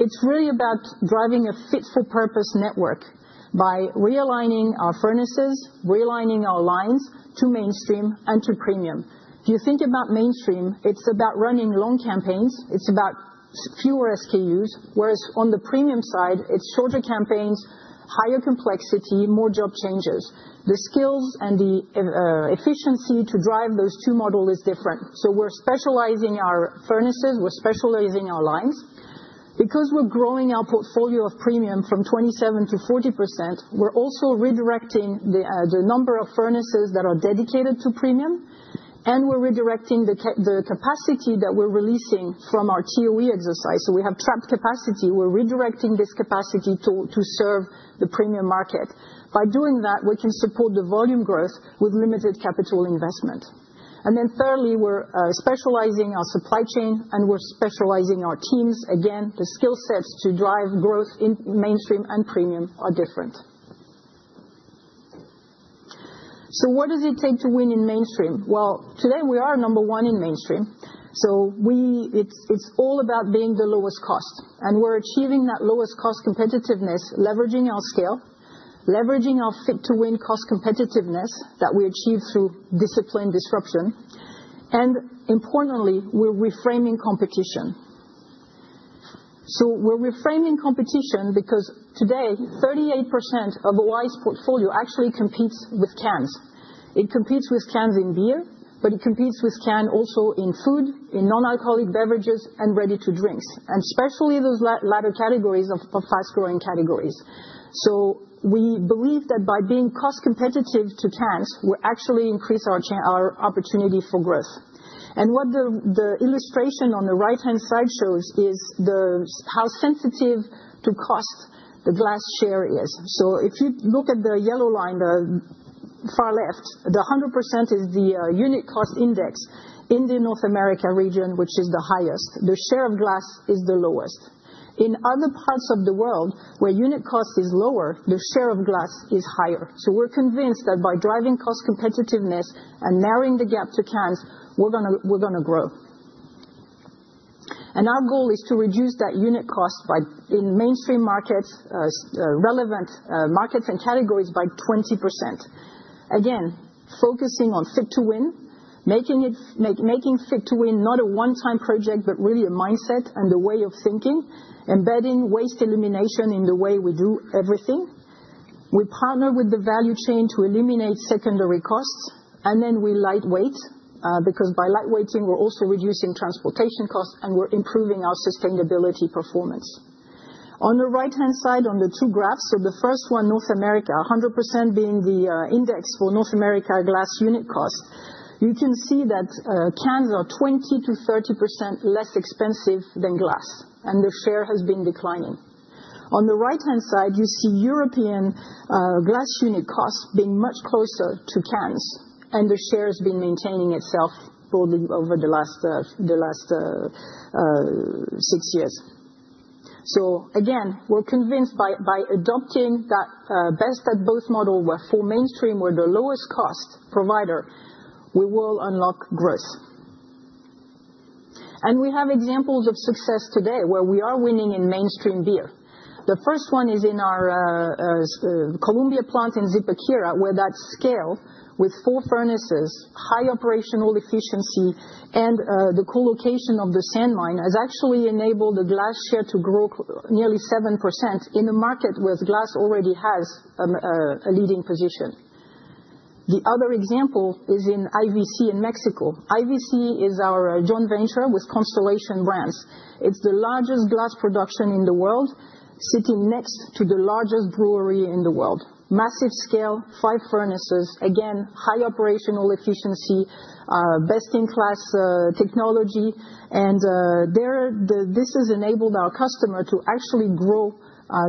it's really about driving a fit for purpose network by realigning our furnaces, realigning our lines to mainstream and to premium. If you think about mainstream, it's about running long campaigns. It's about fewer SKUs, whereas on the premium side, it's shorter campaigns, higher complexity, more job changes. The skills and the efficiency to drive those two models is different. We're specializing our furnaces. We're specializing our lines. Because we're growing our portfolio of premium from 27% to 40%, we're also redirecting the number of furnaces that are dedicated to premium, and we're redirecting the capacity that we're releasing from our TOE exercise. We have trapped capacity. We're redirecting this capacity to serve the premium market. By doing that, we can support the volume growth with limited capital investment. Thirdly, we're specializing our supply chain, and we're specializing our teams. Again, the skill sets to drive growth in mainstream and premium are different. What does it take to win in mainstream? Today we are number one in mainstream. It's all about being the lowest cost. We're achieving that lowest cost competitiveness, leveraging our scale, leveraging our Fit to Win cost competitiveness that we achieve through discipline disruption. Importantly, we're reframing competition. We're reframing competition because today 38% of O-I's portfolio actually competes with cans. It competes with cans in beer, but it competes with cans also in food, in non-alcoholic beverages, and ready-to-drinks, and especially those latter categories of fast-growing categories. We believe that by being cost competitive to cans, we actually increase our opportunity for growth. What the illustration on the right-hand side shows is how sensitive to cost the glass share is. If you look at the yellow line far left, the 100% is the unit cost index in the North America region, which is the highest. The share of glass is the lowest. In other parts of the world where unit cost is lower, the share of glass is higher. We're convinced that by driving cost competitiveness and narrowing the gap to cans, we're going to grow. Our goal is to reduce that unit cost in mainstream markets, relevant markets and categories by 20%. Again, focusing on Fit to Win, making Fit to Win not a one-time project, but really a mindset and a way of thinking, embedding waste elimination in the way we do everything. We partner with the value chain to eliminate secondary costs, and then we lightweight because by lightweighting, we're also reducing transportation costs and we're improving our sustainability performance. On the right-hand side, on the two graphs, the first one, North America, 100% being the index for North America glass unit cost, you can see that cans are 20%-30% less expensive than glass, and the share has been declining. On the right-hand side, you see European glass unit costs being much closer to cans, and the share has been maintaining itself broadly over the last six years. We're convinced by adopting that Best at Both model where for mainstream, we're the lowest cost provider, we will unlock growth. We have examples of success today where we are winning in mainstream beer. The first one is in our Colombia plant in Zipaquirá, where that scale with four furnaces, high operational efficiency, and the co-location of the sand mine has actually enabled the glass share to grow nearly 7% in a market where glass already has a leading position. The other example is in IVC in Mexico. IVC is our joint venture with Constellation Brands. It's the largest glass production in the world, sitting next to the largest brewery in the world. Massive scale, five furnaces, again, high operational efficiency, best-in-class technology. This has enabled our customer to actually grow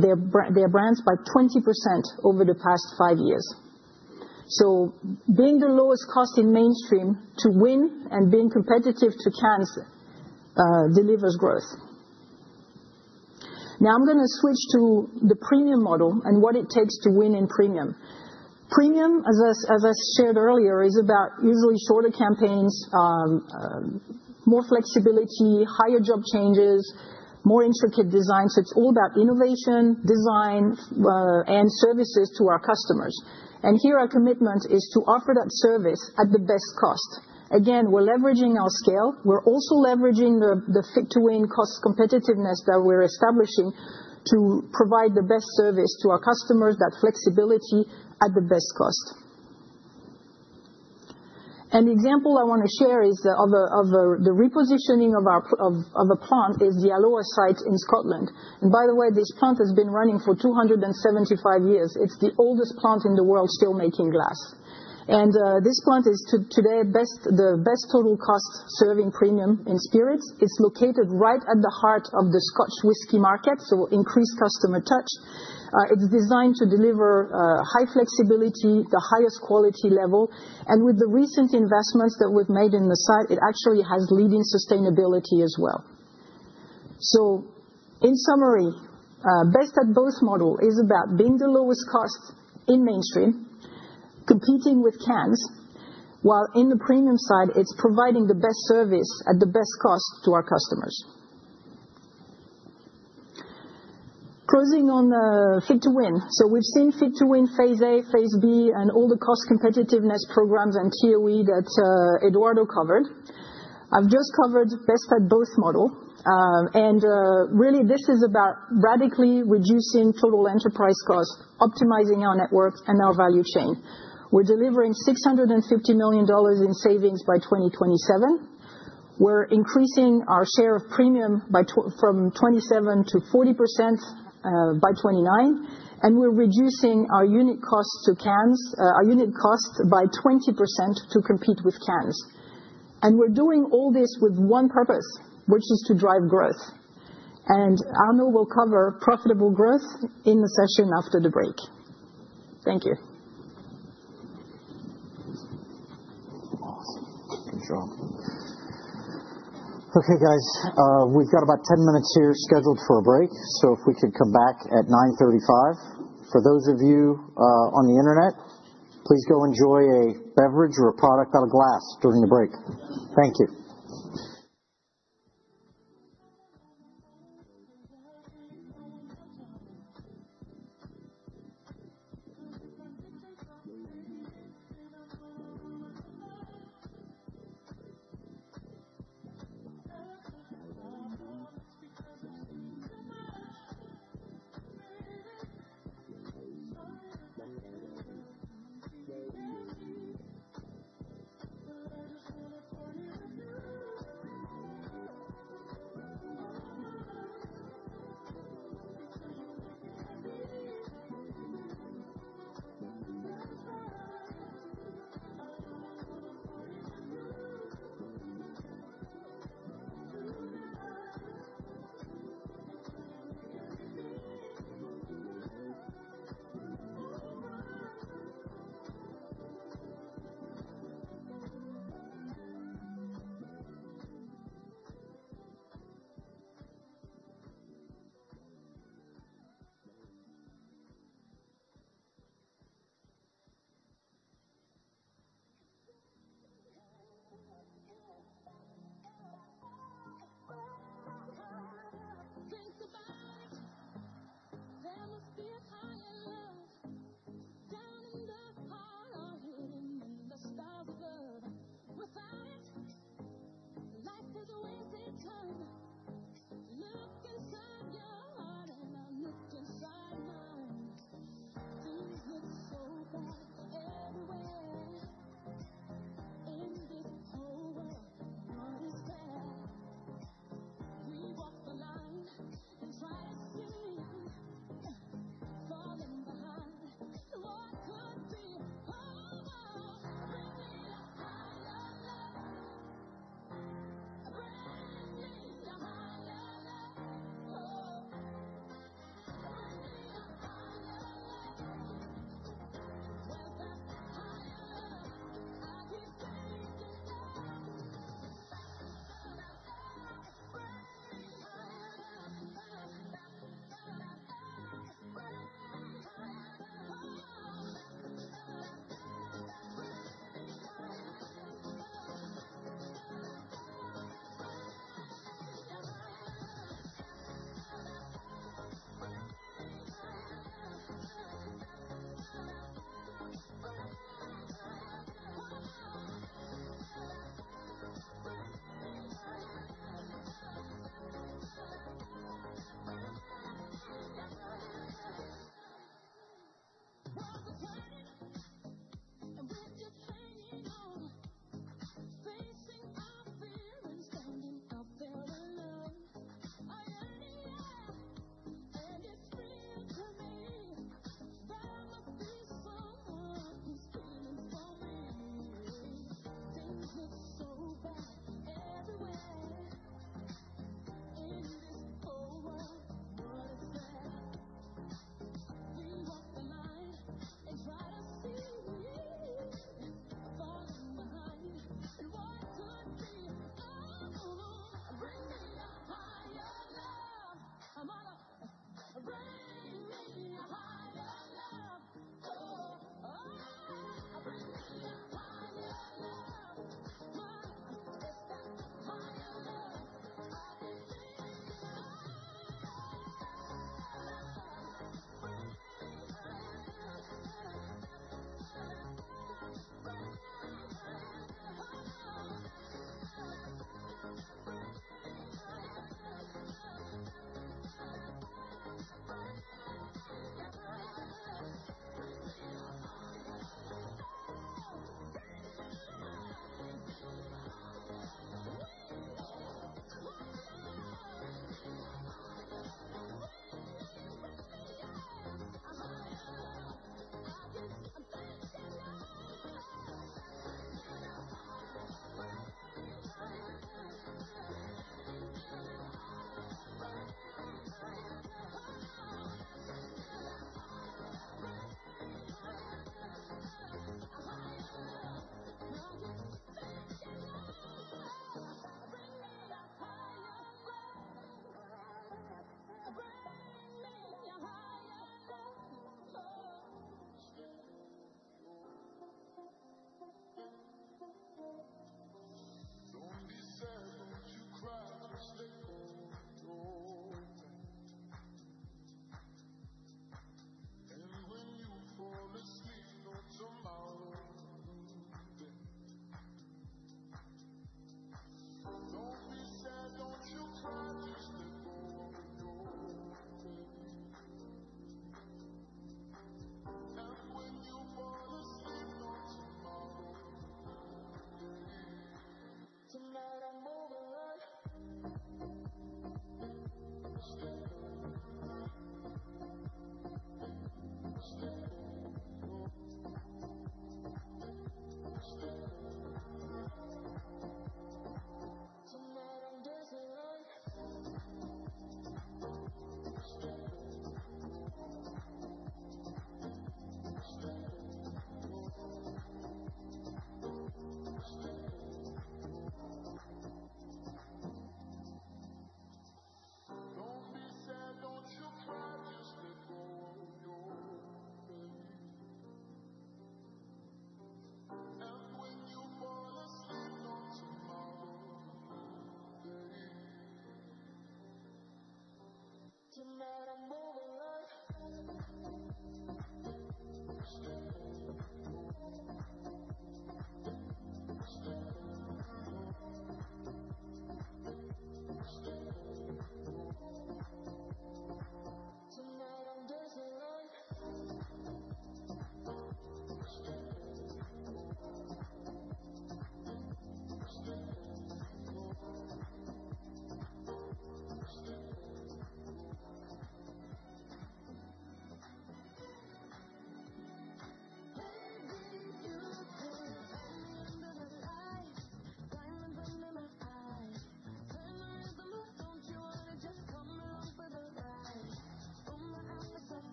their brands by 20% over the past five years. Being the lowest cost in mainstream to win and being competitive to cans delivers growth. Now I'm going to switch to the premium model and what it takes to win in premium. Premium, as I shared earlier, is about usually shorter campaigns, more flexibility, higher job changes, more intricate design. It is all about innovation, design, and services to our customers. Here our commitment is to offer that service at the best cost. Again, we're leveraging our scale. We're also leveraging the Fit to Win cost competitiveness that we're establishing to provide the best ervice to our customers, that flexibility at the best cost. An example I want to share is of the repositioning of a plant, the Alloa site in Scotland. By the way, this plant has been running for 275 years. It is the oldest plant in the world still making glass. This plant is today the best total cost serving premium in spirits. It is located right at the heart of the Scotch whisky market, so increased customer touch. It is designed to deliver high flexibility, the highest quality level. With the recent investments that we have made in the site, it actually has leading sustainability as well. In summary, Best at Both model is about being the lowest cost in mainstream, competing with cans, while in the premium side, it is providing the best service at the best cost to our customers. Closing on Fit to Win. We have seen Fit to Win phase A, phase B, and all the cost competitiveness programs and TOE that Eduardo covered. I have just covered Best at Both model. Really, this is about radically reducing total enterprise cost, optimizing our network and our value chain. We are delivering $650 million in savings by 2027. We're increasing our share of premium from 27% to 40% by 2029. We're reducing our unit cost to cans, our unit cost by 20% to compete with cans. We're doing all this with one purpose, which is to drive growth. Arnaud will cover profitable growth in the session after the break. Thank you. Awesome. Good job. Okay, guys, we've got about 10 minutes here scheduled for a break. If we could come back at 9:35 A.M. For those of you on the internet, please go enjoy a beverage or a product out of glass during the break. Thank you.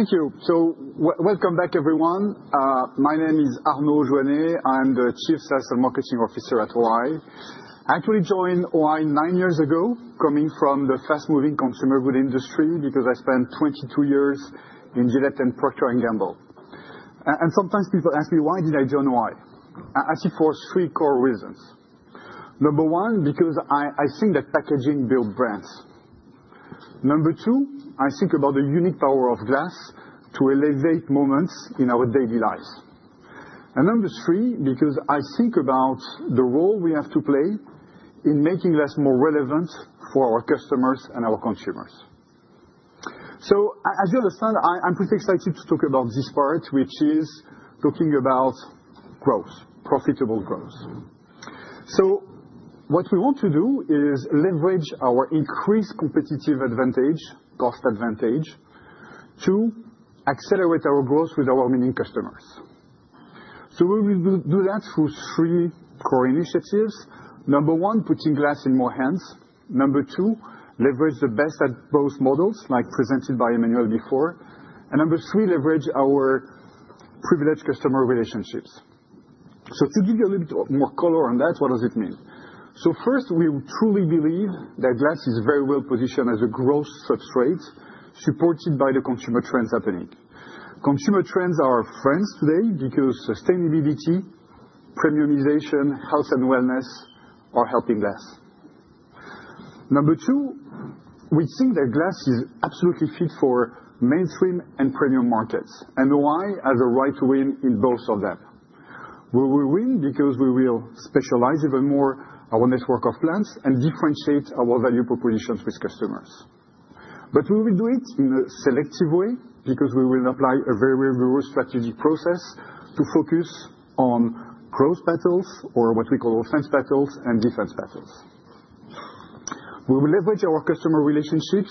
Thank you. Welcome back, everyone. My name is Arnaud Aujouannet. I'm the Chief Sales and Marketing Officer at O-I. I actually joined O-I nine years ago, coming from the fast-moving consumer goods industry because I spent 22 years in Gillette and Procter & Gamble. Sometimes people ask me, "Why did I join O-I?" I see for three core reasons. Number one, because I think that packaging builds brands. Number two, I think about the unique power of glass to elevate moments in our daily lives. Number three, because I think about the role we have to play in making glass more relevant for our customers and our consumers. As you understand, I'm pretty excited to talk about this part, which is talking about growth, profitable growth. What we want to do is leverage our increased competitive advantage, cost advantage, to accelerate our growth with our winning customers. We will do that through three core initiatives. Number one, putting glass in more hands. Number two, leverage the Best at Both models, like presented by Emmanuelle before. Number three, leverage our privileged customer relationships. To give you a little bit more color on that, what does it mean? First, we truly believe that glass is very well positioned as a growth substrate supported by the consumer trends happening. Consumer trends are our friends today because sustainability, premiumization, health, and wellness are helping glass. Number two, we think that glass is absolutely fit for mainstream and premium markets. O-I has a right to win in both of them. We will win because we will specialize even more our network of plants and differentiate our value propositions with customers. We will do it in a selective way because we will apply a very, very rigorous strategic process to focus on growth battles or what we call offense battles and defense battles. We will leverage our customer relationships.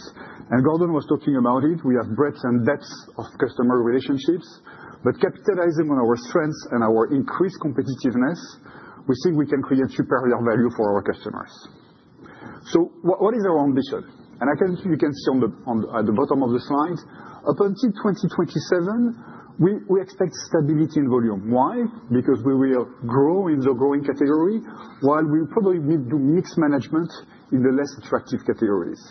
Gordon was talking about it. We have breadth and depth of customer relationships. Capitalizing on our strengths and our increased competitiveness, we think we can create superior value for our customers. What is our ambition? You can see at the bottom of the slide, up until 2027, we expect stability in volume. Why? We will grow in the growing category while we probably need to do mix management in the less attractive categories.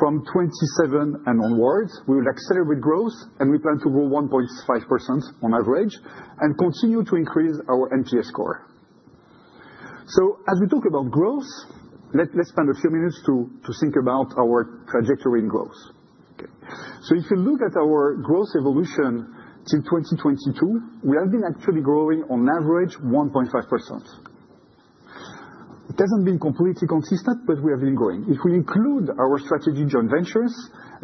From 2027 and onwards, we will accelerate growth, and we plan to grow 1.5% on average and continue to increase our NPS score. As we talk about growth, let's spend a few minutes to think about our trajectory in growth. If you look at our growth evolution till 2022, we have been actually growing on average 1.5%. It has not been completely consistent, but we have been growing. If we include our strategic joint ventures,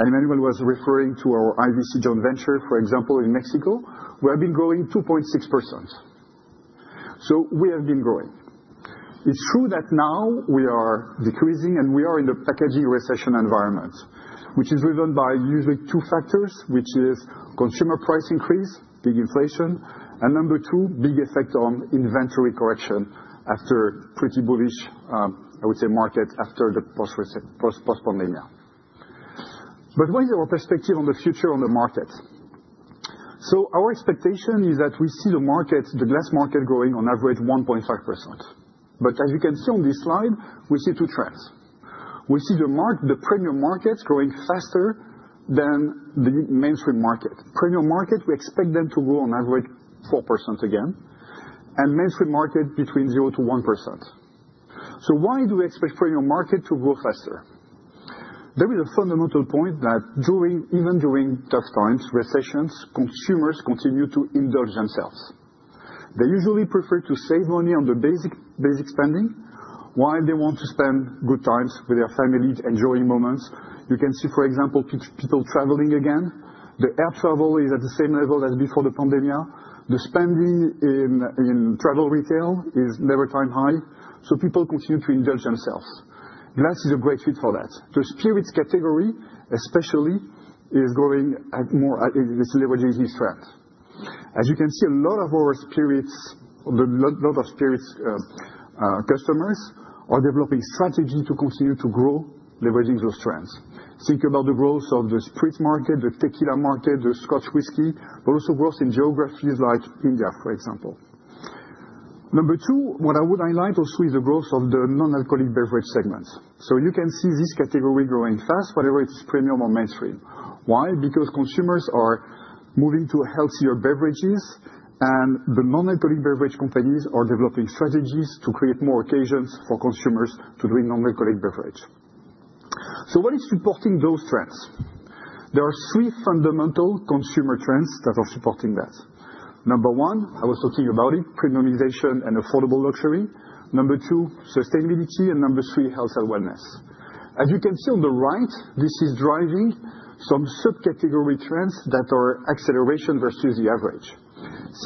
and Emmanuelle was referring to our IVC joint venture, for example, in Mexico, we have been growing 2.6%. We have been growing. It is true that now we are decreasing, and we are in the packaging recession environment, which is driven by usually two factors, which are consumer price increase, big inflation, and number two, a big effect on inventory correction after a pretty bullish, I would say, market after the post-pandemia. What is our perspective on the future of the market? Our expectation is that we see the glass market growing on average 1.5%. As you can see on this slide, we see two trends. We see the premium markets growing faster than the mainstream market. Premium market, we expect them to grow on average 4% again, and mainstream market between 0%-1%. Why do we expect premium market to grow faster? There is a fundamental point that even during tough times, recessions, consumers continue to indulge themselves. They usually prefer to save money on the basic spending while they want to spend good times with their family, enjoying moments. You can see, for example, people traveling again. The air travel is at the same level as before the pandemic. The spending in travel retail is at an all-time high. People continue to indulge themselves. Glass is a great fit for that. The spirits category, especially, is growing more; it is leveraging these trends. As you can see, a lot of our spirits, a lot of spirits customers are developing strategies to continue to grow, leveraging those trends. Think about the growth of the spirits market, the tequila market, the Scotch whisky, but also growth in geographies like India, for example. Number two, what I would highlight also is the growth of the non-alcoholic beverage segments. You can see this category growing fast, whether it is premium or mainstream. Why? Because consumers are moving to healthier beverages, and the non-alcoholic beverage companies are developing strategies to create more occasions for consumers to drink non-alcoholic beverage. What is supporting those trends? There are three fundamental consumer trends that are supporting that. Number one, I was talking about it, premiumization and affordable luxury. Number two, sustainability, and number three, health and wellness. As you can see on the right, this is driving some subcategory trends that are acceleration versus the average.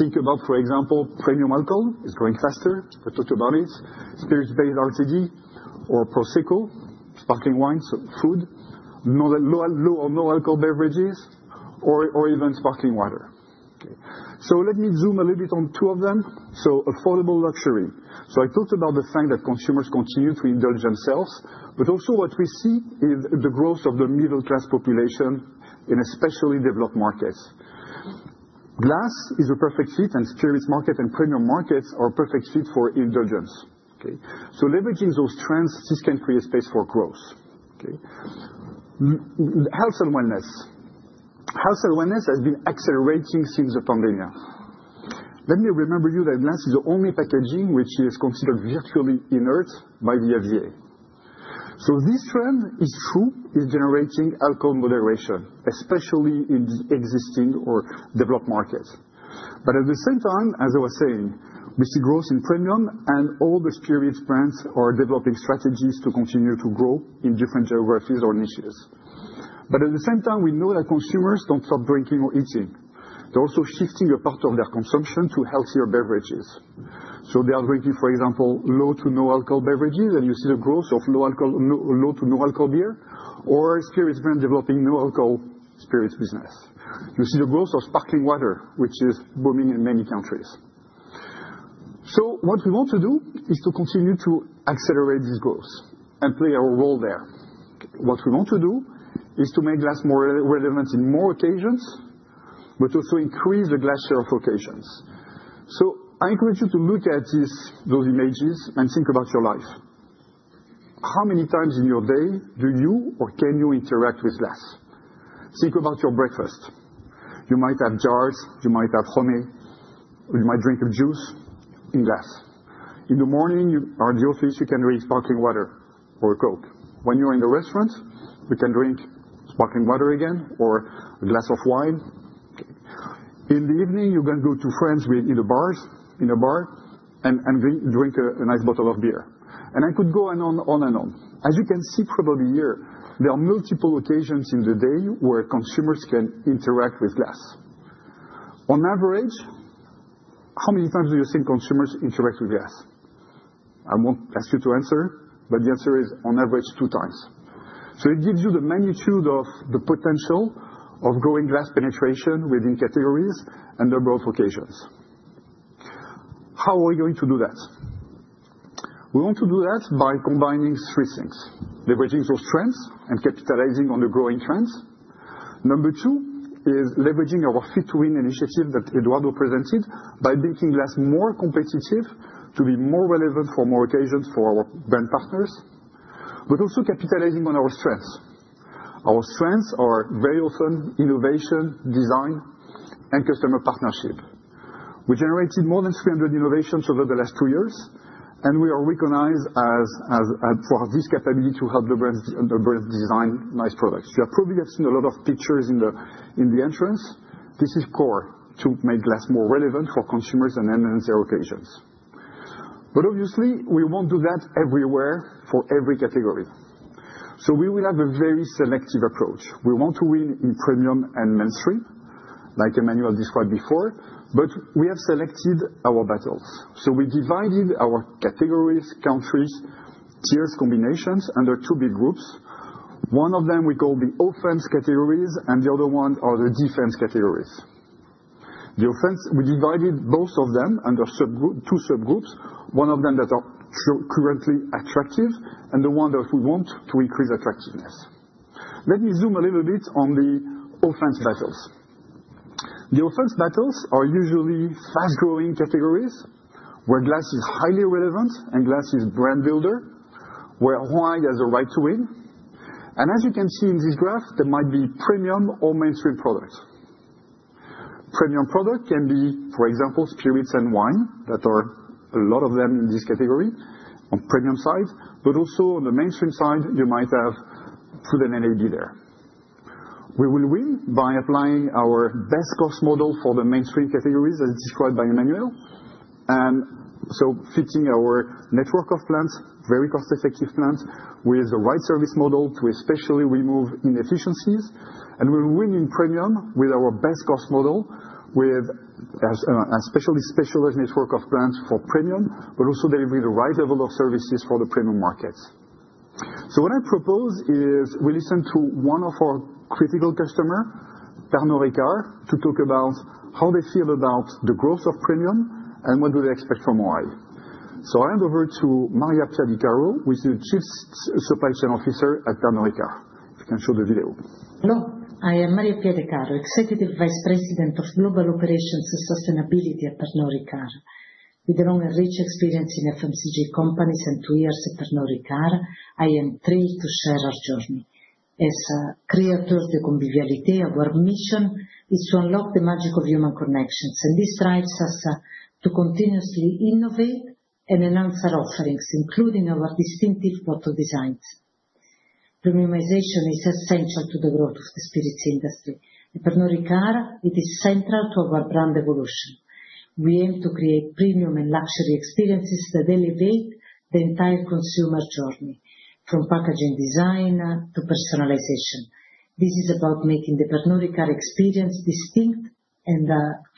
Think about, for example, premium alcohol is growing faster. We talked about it. Spirits-based RTD or Prosecco, sparkling wines, food, no alcohol beverages, or even sparkling water. Let me zoom a little bit on two of them. Affordable luxury. I talked about the fact that consumers continue to indulge themselves, but also what we see is the growth of the middle-class population in especially developed markets. Glass is a perfect fit, and spirits market and premium markets are a perfect fit for indulgence. Leveraging those trends, this can create space for growth. Health and wellness. Health and wellness has been accelerating since the pandemia. Let me remind you that glass is the only packaging which is considered virtually inert by the FDA. This trend is true, is generating alcohol moderation, especially in the existing or developed markets. At the same time, as I was saying, we see growth in premium, and all the spirits brands are developing strategies to continue to grow in different geographies or niches. At the same time, we know that consumers do not stop drinking or eating. They are also shifting a part of their consumption to healthier beverages. They are drinking, for example, low to no alcohol beverages, and you see the growth of low alcohol, low to no alcohol beer, or spirits brands developing no alcohol spirits business. You see the growth of sparkling water, which is booming in many countries. What we want to do is to continue to accelerate this growth and play our role there. What we want to do is to make glass more relevant in more occasions, but also increase the glass share of occasions. I encourage you to look at those images and think about your life. How many times in your day do you or can you interact with glass? Think about your breakfast. You might have jars, you might have home, or you might drink a juice in glass. In the morning, you are in the office, you can drink sparkling water or a Coke. When you're in the restaurant, you can drink sparkling water again or a glass of wine. In the evening, you're going to go to friends in a bar and drink a nice bottle of beer. I could go on and on and on. As you can see probably here, there are multiple occasions in the day where consumers can interact with glass. On average, how many times do you think consumers interact with glass? I won't ask you to answer, but the answer is on average two times. It gives you the magnitude of the potential of growing glass penetration within categories and number of occasions. How are we going to do that? We want to do that by combining three things: leveraging those trends and capitalizing on the growing trends. Number two is leveraging our Fit to Win initiative that Eduardo presented by making glass more competitive to be more relevant for more occasions for our brand partners, but also capitalizing on our strengths. Our strengths are very often innovation, design, and customer partnership. We generated more than 300 innovations over the last two years, and we are recognized for this capability to help the brands design nice products. You probably have seen a lot of pictures in the entrance. This is core to make glass more relevant for consumers and end-to-end occasions. Obviously, we won't do that everywhere for every category. We will have a very selective approach. We want to win in premium and mainstream, like Emmanuelle described before, but we have selected our battles. We divided our categories, countries, tiers, combinations under two big groups. One of them we call the offense categories, and the other one are the defense categories. The offense, we divided both of them under two subgroups, one of them that are currently attractive and the one that we want to increase attractiveness. Let me zoom a little bit on the offense battles. The offense battles are usually fast-growing categories where glass is highly relevant and glass is brand builder, where O-I has a right to win. As you can see in this graph, there might be premium or mainstream products. Premium product can be, for example, spirits and wine that are a lot of them in this category on the premium side, but also on the mainstream side, you might have food and LAD there. We will win by applying our best cost model for the mainstream categories, as described by Emmanuelle, and so fitting our network of plants, very cost-effective plants, with the right service model to especially remove inefficiencies. We will win in premium with our best cost model, with a specialized network of plants for premium, but also delivering the right level of services for the premium markets. What I propose is we listen to one of our critical customers, Pernod Ricard, to talk about how they feel about the growth of premium and what they expect from O-I. I hand over to Maria Pia De Caro, who is the Chief Supply Chain Officer at Pernod Ricard. If you can show the video. Hello. I am Maria Pia De Caro, Executive Vice President of Global Operations and Sustainability at Pernod Ricard. We belong to a rich experience in FMCG companies and two years at Pernod Ricard. I am thrilled to share our journey. As creators de convivialité, our mission is to unlock the magic of human connections, and this drives us to continuously innovate and enhance our offerings, including our distinctive bottle designs. Premiumization is essential to the growth of the spirits industry. At Pernod Ricard, it is central to our brand evolution. We aim to create premium and luxury experiences that elevate the entire consumer journey, from packaging design to personalization. This is about making the Pernod Ricard experience distinct and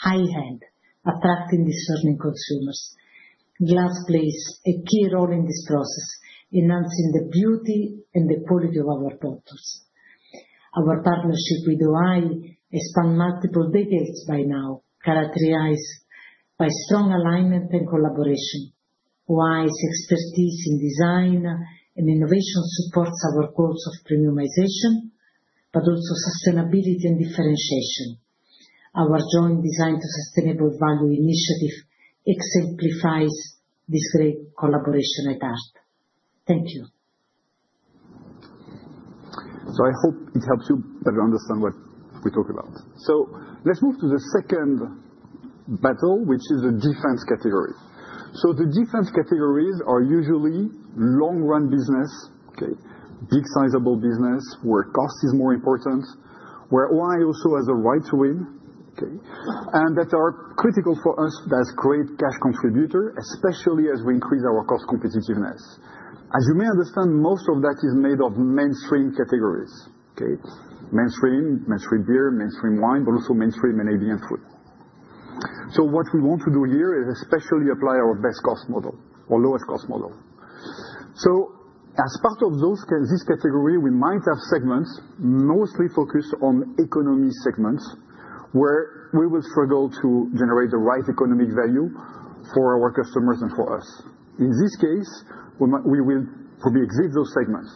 high-end, attracting discerning consumers. Glass plays a key role in this process, enhancing the beauty and the quality of our bottles. Our partnership with O-I has spanned multiple decades by now, characterized by strong alignment and collaboration. O-I's expertise in design and innovation supports our goals of premiumization, but also sustainability and differentiation. Our joint design to sustainable value initiative exemplifies this great collaboration at heart. Thank you. I hope it helps you better understand what we talk about. Let's move to the second battle, which is the defense category. The defense categories are usually long-run business, big sizable business, where cost is more important, where O-I also has a right to win, and that are critical for us as great cash contributors, especially as we increase our cost competitiveness. As you may understand, most of that is made of mainstream categories: mainstream, mainstream beer, mainstream wine, but also mainstream LAD and food. What we want to do here is especially apply our best cost model or lowest cost model. As part of this category, we might have segments mostly focused on economy segments, where we will struggle to generate the right economic value for our customers and for us. In this case, we will probably exit those segments.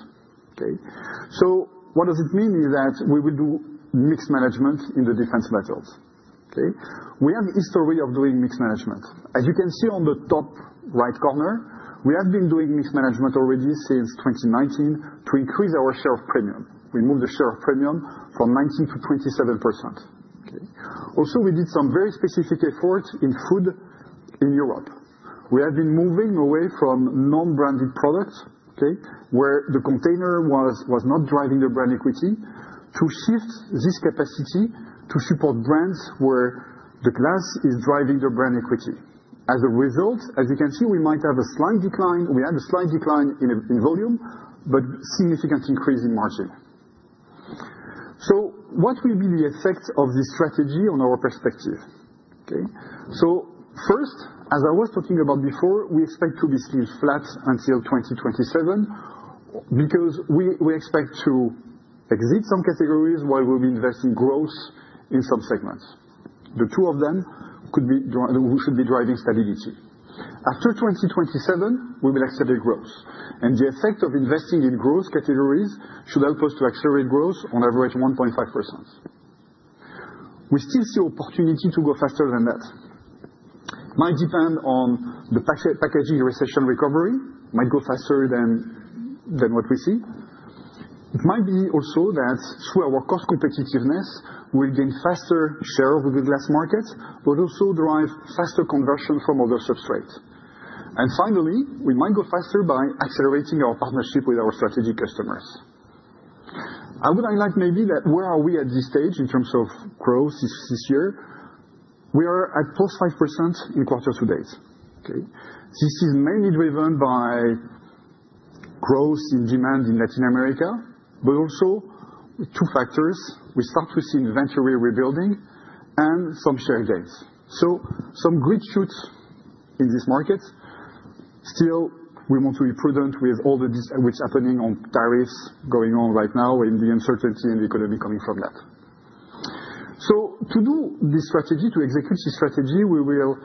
What it means is that we will do mixed management in the defense battles. We have a history of doing mixed management. As you can see on the top right corner, we have been doing mixed management already since 2019 to increase our share of premium. We moved the share of premium from 19% to 27%. Also, we did some very specific efforts in food in Europe. We have been moving away from non-branded products, where the container was not driving the brand equity, to shift this capacity to support brands where the glass is driving the brand equity. As a result, as you can see, we might have a slight decline. We had a slight decline in volume, but significant increase in margin. What will be the effect of this strategy on our perspective? First, as I was talking about before, we expect to be still flat until 2027 because we expect to exit some categories while we will be investing growth in some segments. The two of them could be we should be driving stability. After 2027, we will accelerate growth. The effect of investing in growth categories should help us to accelerate growth on average 1.5%. We still see opportunity to go faster than that. It might depend on the packaging recession recovery; it might go faster than what we see. It might be also that through our cost competitiveness, we will gain faster share of the glass market, but also derive faster conversion from other substrates. Finally, we might go faster by accelerating our partnership with our strategic customers. I would highlight maybe that where are we at this stage in terms of growth this year? We are at plus 5% in quarter to date. This is mainly driven by growth in demand in Latin America, but also two factors. We start to see inventory rebuilding and some share gains. are some great shoots in this market. Still, we want to be prudent with all that is happening on tariffs going on right now and the uncertainty in the economy coming from that. To do this strategy, to execute this strategy, we will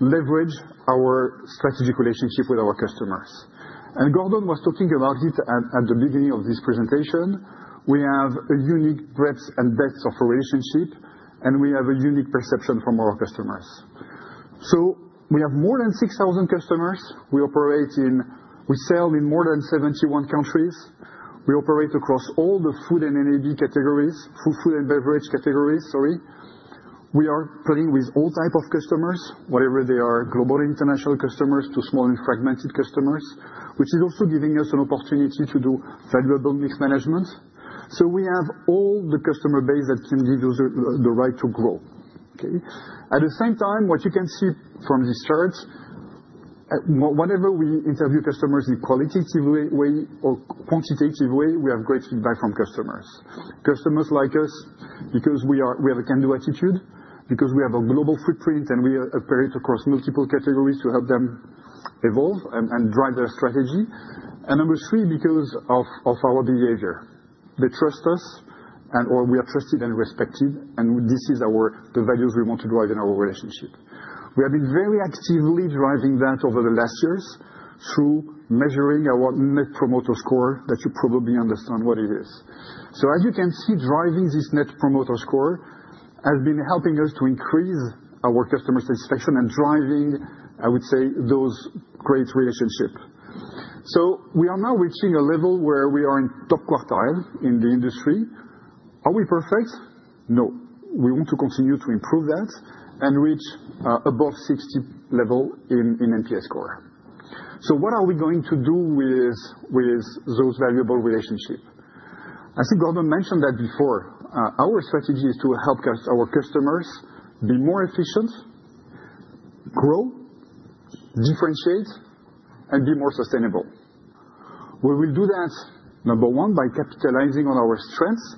leverage our strategic relationship with our customers. Gordon was talking about it at the beginning of this presentation. We have a unique breadth and depth of relationship, and we have a unique perception from our customers. We have more than 6,000 customers. We sell in more than 71 countries. We operate across all the food and beverage categories, sorry. We are playing with all types of customers, whether they are global and international customers to small and fragmented customers, which is also giving us an opportunity to do valuable mixed management. We have all the customer base that can give you the right to grow. At the same time, what you can see from this chart, whenever we interview customers in a qualitative way or quantitative way, we have great feedback from customers. Customers like us because we have a can-do attitude, because we have a global footprint, and we operate across multiple categories to help them evolve and drive their strategy. Number three, because of our behavior. They trust us, and we are trusted and respected, and this is the values we want to drive in our relationship. We have been very actively driving that over the last years through measuring our net promoter score that you probably understand what it is. As you can see, driving this net promoter score has been helping us to increase our customer satisfaction and driving, I would say, those great relationships. We are now reaching a level where we are in top quartile in the industry. Are we perfect? No. We want to continue to improve that and reach above 60 level in NPS score. What are we going to do with those valuable relationships? I think Gordon mentioned that before. Our strategy is to help our customers be more efficient, grow, differentiate, and be more sustainable. We will do that, number one, by capitalizing on our strengths.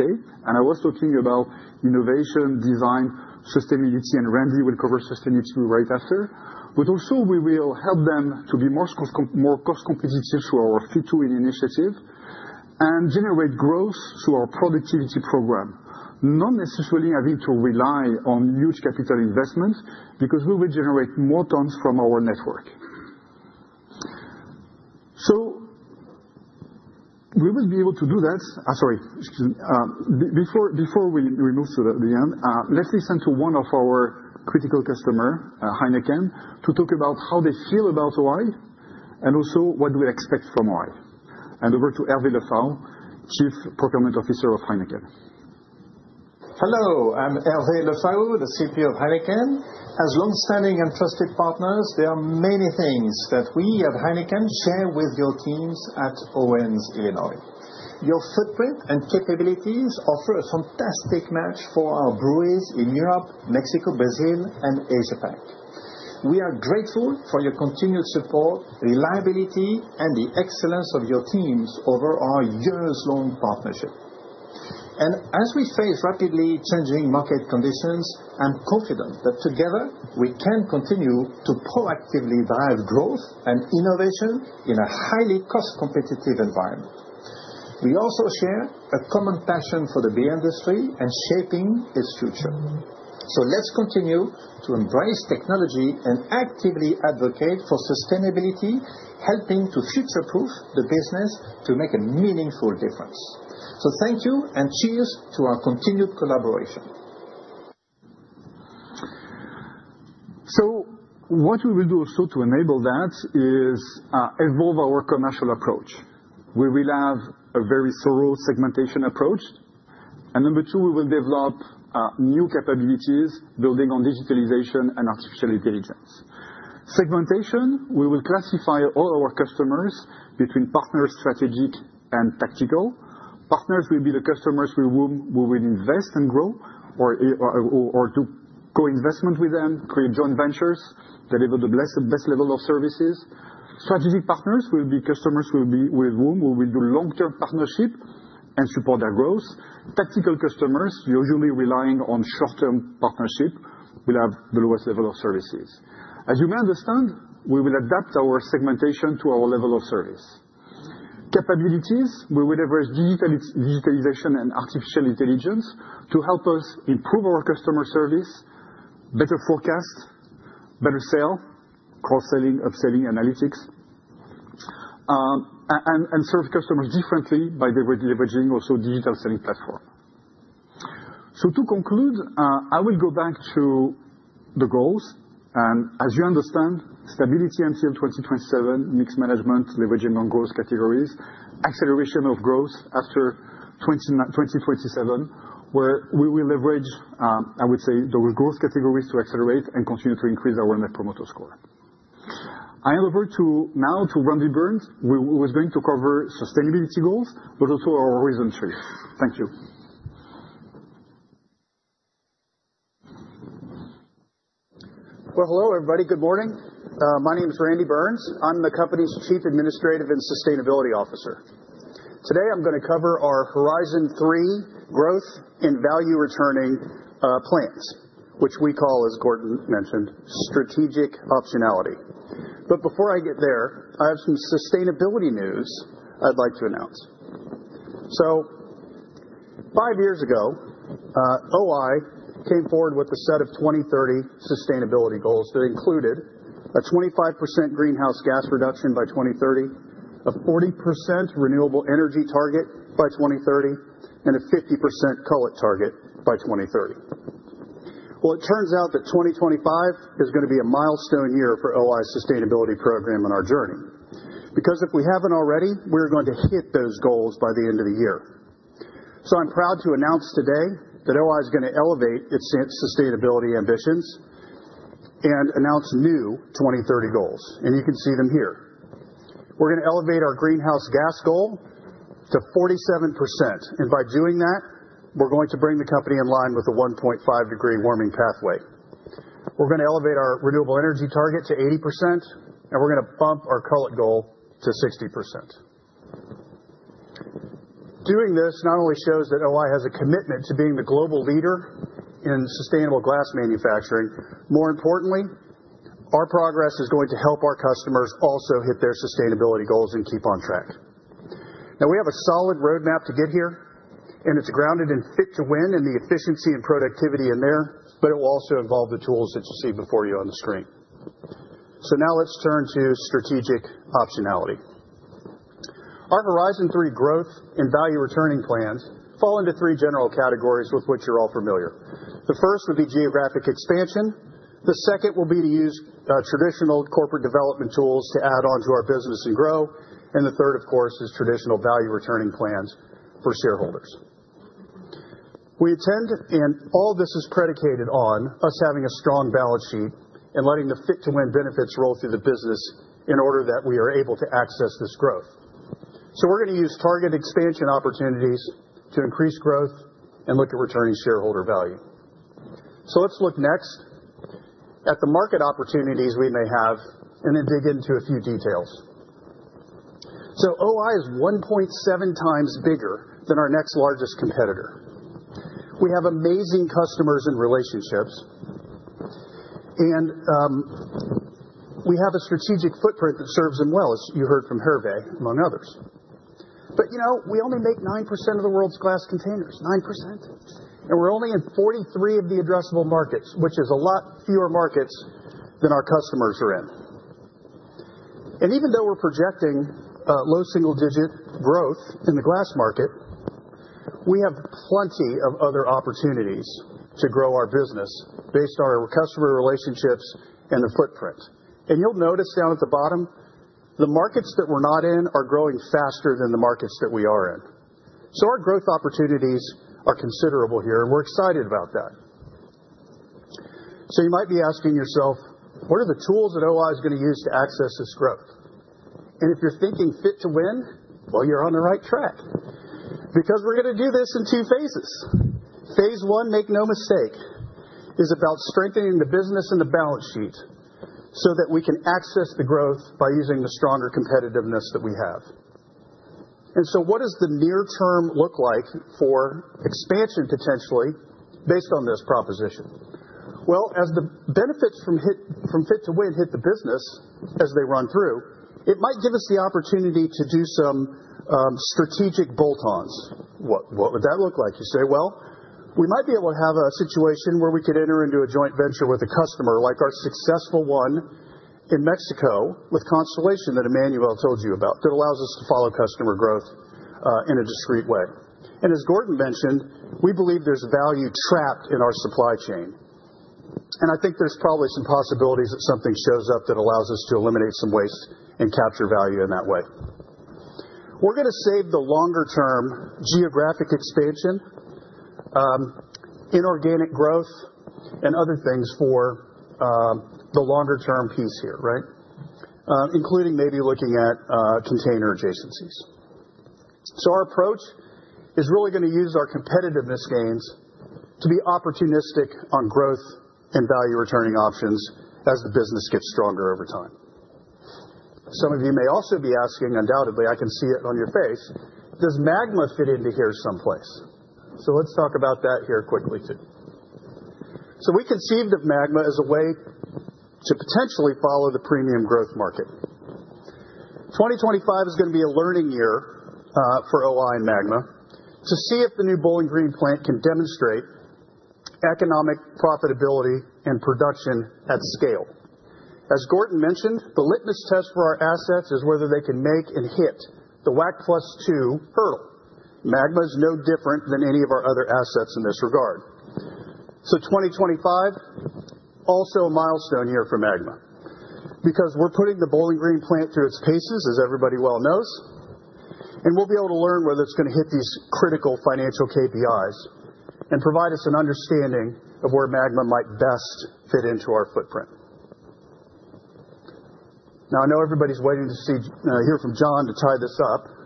I was talking about innovation, design, sustainability, and Randy will cover sustainability right after. We will also help them to be more cost competitive through our Fit to Win initiative and generate growth through our productivity program, not necessarily having to rely on huge capital investments because we will generate more tons from our network. We will be able to do that. Sorry. Before we move to the end, let's listen to one of our critical customers, HEINEKEN, to talk about how they feel about O-I and also what we expect from O-I. Over to Hervé Le Faou, Chief Procurement Officer of HEINEKEN. Hello. I'm Hervé Le Faou, the CPO of HEINEKEN. As long-standing and trusted partners, there are many things that we at HEINEKEN share with your teams at Owens-Illinois. Your footprint and capabilities offer a fantastic match for our breweries in Europe, Mexico, Brazil, and Asia-Pac. We are grateful for your continued support, reliability, and the excellence of your teams over our years-long partnership. As we face rapidly changing market conditions, I'm confident that together, we can continue to proactively drive growth and innovation in a highly cost-competitive environment. We also share a common passion for the beer industry and shaping its future. Let's continue to embrace technology and actively advocate for sustainability, helping to future-proof the business to make a meaningful difference. Thank you and cheers to our continued collaboration. What we will do also to enable that is evolve our commercial approach. We will have a very thorough segmentation approach. Number two, we will develop new capabilities building on digitalization and artificial intelligence. Segmentation, we will classify all our customers between partner, strategic, and tactical. Partners will be the customers with whom we will invest and grow or do co-investment with them, create joint ventures, deliver the best level of services. Strategic partners will be customers with whom we will do long-term partnership and support their growth. Tactical customers, usually relying on short-term partnership, will have the lowest level of services. As you may understand, we will adapt our segmentation to our level of service. Capabilities, we will leverage digitalization and artificial intelligence to help us improve our customer service, better forecast, better sale, cross-selling, upselling analytics, and serve customers differently by leveraging also digital selling platform. To conclude, I will go back to the goals. As you understand, stability until 2027, mixed management, leveraging on growth categories, acceleration of growth after 2027, where we will leverage, I would say, those growth categories to accelerate and continue to increase our net promoter score. I hand over now to Randy Burns. He was going to cover sustainability goals, but also our horizon three. Thank you. Hello, everybody. Good morning. My name is Randy Burns. I'm the company's Chief Administrative and Sustainability Officer. Today, I'm going to cover our Horizon 3 growth and value returning plans, which we call, as Gordon mentioned, strategic optionality. Before I get there, I have some sustainability news I'd like to announce. Five years ago, O-I came forward with a set of 2030 sustainability goals that included a 25% greenhouse gas reduction by 2030, a 40% renewable energy target by 2030, and a 50% co-op target by 2030. It turns out that 2025 is going to be a milestone year for O-I's sustainability program and our journey. Because if we haven't already, we're going to hit those goals by the end of the year. I'm proud to announce today that O-I is going to elevate its sustainability ambitions and announce new 2030 goals. You can see them here. We're going to elevate our greenhouse gas goal to 47%. By doing that, we're going to bring the company in line with the 1.5-degree warming pathway. We're going to elevate our renewable energy target to 80%, and we're going to bump our co-op goal to 60%. Doing this not only shows that O-I has a commitment to being the global leader in sustainable glass manufacturing. More importantly, our progress is going to help our customers also hit their sustainability goals and keep on track. Now, we have a solid roadmap to get here, and it's grounded in Fit to Win and the efficiency and productivity in there, but it will also involve the tools that you see before you on the screen. Now let's turn to strategic optionality. Our Horizon 3 growth and value returning plans fall into three general categories with which you're all familiar. The first would be geographic expansion. The second will be to use traditional corporate development tools to add on to our business and grow. The third, of course, is traditional value returning plans for shareholders. We attend, and all this is predicated on us having a strong balance sheet and letting the Fit to Win benefits roll through the business in order that we are able to access this growth. We are going to use target expansion opportunities to increase growth and look at returning shareholder value. Let's look next at the market opportunities we may have and then dig into a few details. O-I is 1.7 times bigger than our next largest competitor. We have amazing customers and relationships, and we have a strategic footprint that serves them well, as you heard from Hervé, among others. We only make 9% of the world's glass containers, 9%. We are only in 43 of the addressable markets, which is a lot fewer markets than our customers are in. Even though we're projecting low single-digit growth in the glass market, we have plenty of other opportunities to grow our business based on our customer relationships and the footprint. You'll notice down at the bottom, the markets that we're not in are growing faster than the markets that we are in. Our growth opportunities are considerable here, and we're excited about that. You might be asking yourself, what are the tools that O-I is going to use to access this growth? If you're thinking Fit to Win, you're on the right track because we're going to do this in two phases. Phase one, make no mistake, is about strengthening the business and the balance sheet so that we can access the growth by using the stronger competitiveness that we have. What does the near term look like for expansion potentially based on this proposition? As the benefits from Fit to Win hit the business as they run through, it might give us the opportunity to do some strategic bolt-ons. What would that look like? You say, we might be able to have a situation where we could enter into a joint venture with a customer like our successful one in Mexico with Constellation that Emmanuelle told you about that allows us to follow customer growth in a discreet way. As Gordon mentioned, we believe there is value trapped in our supply chain. I think there are probably some possibilities that something shows up that allows us to eliminate some waste and capture value in that way. We are going to save the longer-term geographic expansion, inorganic growth, and other things for the longer-term piece here, right? Including maybe looking at container adjacencies. Our approach is really going to use our competitiveness gains to be opportunistic on growth and value returning options as the business gets stronger over time. Some of you may also be asking, undoubtedly, I can see it on your face, does Magma fit into here someplace? Let's talk about that here quickly too. We conceived of Magma as a way to potentially follow the premium growth market. 2025 is going to be a learning year for O-I and Magma to see if the new Bowling Green plant can demonstrate economic profitability and production at scale. As Gordon mentioned, the litmus test for our assets is whether they can make and hit WACC +2% hurdle. Magma is no different than any of our other assets in this regard. 2025 is also a milestone year for Magma because we're putting the Bowling Green plant through its paces, as everybody well knows, and we'll be able to learn whether it's going to hit these critical financial KPIs and provide us an understanding of where Magma might best fit into our footprint. I know everybody's waiting to hear from John to tie this up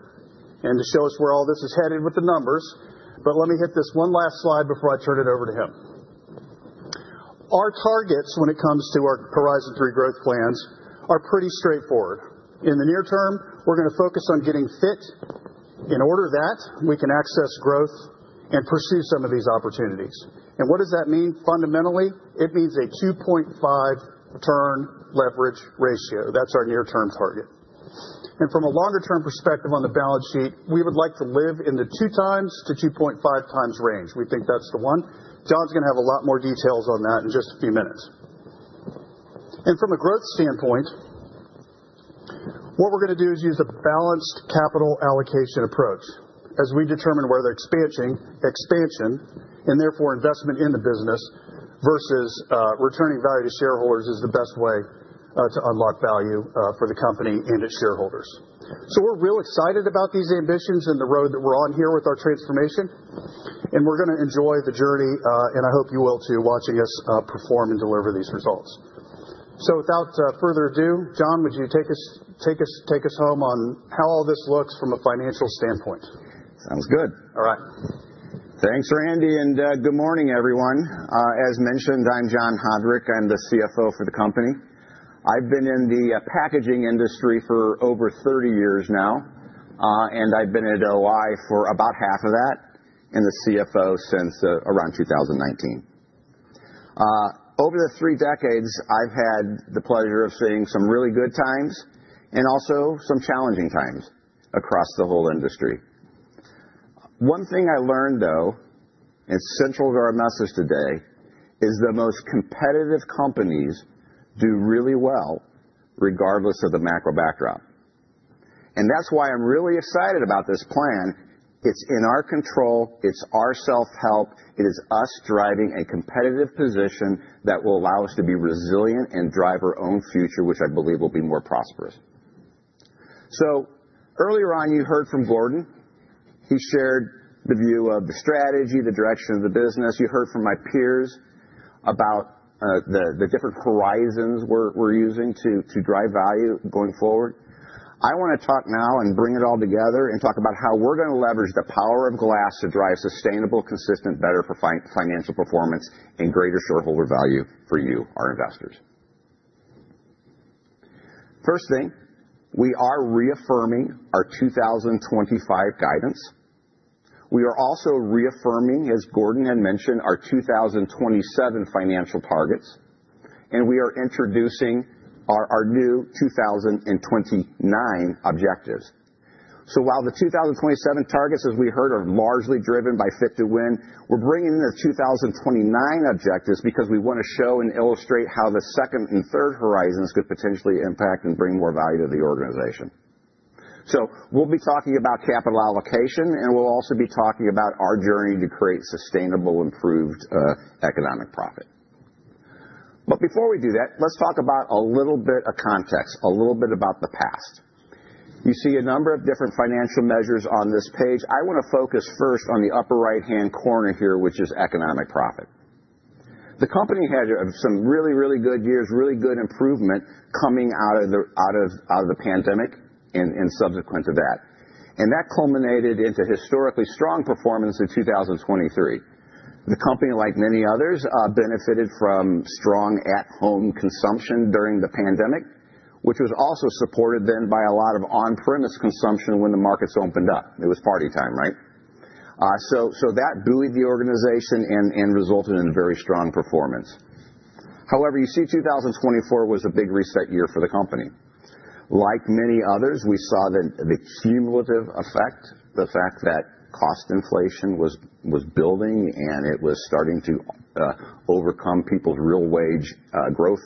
and to show us where all this is headed with the numbers, but let me hit this one last slide before I turn it over to him. Our targets when it comes to our Horizon 3 growth plans are pretty straightforward. In the near term, we're going to focus on getting fit in order that we can access growth and pursue some of these opportunities. What does that mean fundamentally? It means a 2.5 turn leverage ratio. That's our near-term target. From a longer-term perspective on the balance sheet, we would like to live in the 2-2.5 times range. We think that's the one. John's going to have a lot more details on that in just a few minutes. From a growth standpoint, what we're going to do is use a balanced capital allocation approach as we determine whether expansion and therefore investment in the business versus returning value to shareholders is the best way to unlock value for the company and its shareholders. We are real excited about these ambitions and the road that we're on here with our transformation, and we're going to enjoy the journey, and I hope you will too, watching us perform and deliver these results. Without further ado, John, would you take us home on how all this looks from a financial standpoint? Sounds good. All right. Thanks, Randy, and good morning, everyone. As mentioned, I'm John Haudrich. I'm the CFO for the company. I've been in the packaging industry for over 30 years now, and I've been at O-I for about half of that and the CFO since around 2019. Over the three decades, I've had the pleasure of seeing some really good times and also some challenging times across the whole industry. One thing I learned, though, and central to our message today is the most competitive companies do really well regardless of the macro backdrop. That is why I'm really excited about this plan. It's in our control. It's our self-help. It is us driving a competitive position that will allow us to be resilient and drive our own future, which I believe will be more prosperous. Earlier on, you heard from Gordon. He shared the view of the strategy, the direction of the business. You heard from my peers about the different horizons we're using to drive value going forward. I want to talk now and bring it all together and talk about how we're going to leverage the power of glass to drive sustainable, consistent, better financial performance and greater shareholder value for you, our investors. First thing, we are reaffirming our 2025 guidance. We are also reaffirming, as Gordon had mentioned, our 2027 financial targets, and we are introducing our new 2029 objectives. While the 2027 targets, as we heard, are largely driven by Fit to Win, we're bringing in the 2029 objectives because we want to show and illustrate how the second and third horizons could potentially impact and bring more value to the organization. We will be talking about capital allocation, and we will also be talking about our journey to create sustainable, improved economic profit. Before we do that, let's talk about a little bit of context, a little bit about the past. You see a number of different financial measures on this page. I want to focus first on the upper right-hand corner here, which is economic profit. The company had some really, really good years, really good improvement coming out of the pandemic and subsequent to that. That culminated into historically strong performance in 2023. The company, like many others, benefited from strong at-home consumption during the pandemic, which was also supported then by a lot of on-premise consumption when the markets opened up. It was party time, right? That buoyed the organization and resulted in very strong performance. However, you see 2024 was a big reset year for the company. Like many others, we saw the cumulative effect, the fact that cost inflation was building and it was starting to overcome people's real wage growth.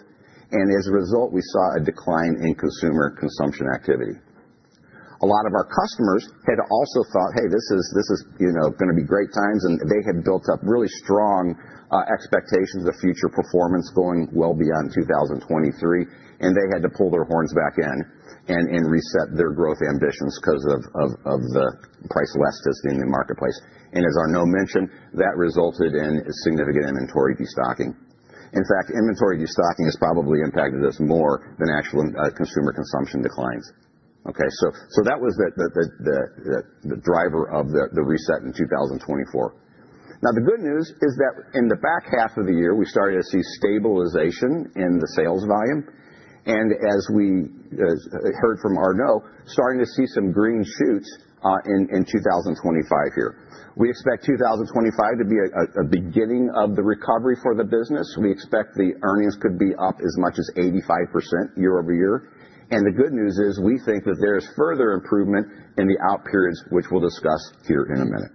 As a result, we saw a decline in consumer consumption activity. A lot of our customers had also thought, "Hey, this is going to be great times," and they had built up really strong expectations of future performance going well beyond 2023, and they had to pull their horns back in and reset their growth ambitions because of the price elasticity in the marketplace. As Arnaud mentioned, that resulted in significant inventory destocking. In fact, inventory destocking has probably impacted us more than actual consumer consumption declines. Okay? That was the driver of the reset in 2024. Now, the good news is that in the back half of the year, we started to see stabilization in the sales volume. As we heard from Arnaud, starting to see some green shoots in 2025 here. We expect 2025 to be a beginning of the recovery for the business. We expect the earnings could be up as much as 85% year-over-year. The good news is we think that there is further improvement in the out periods, which we'll discuss here in a minute.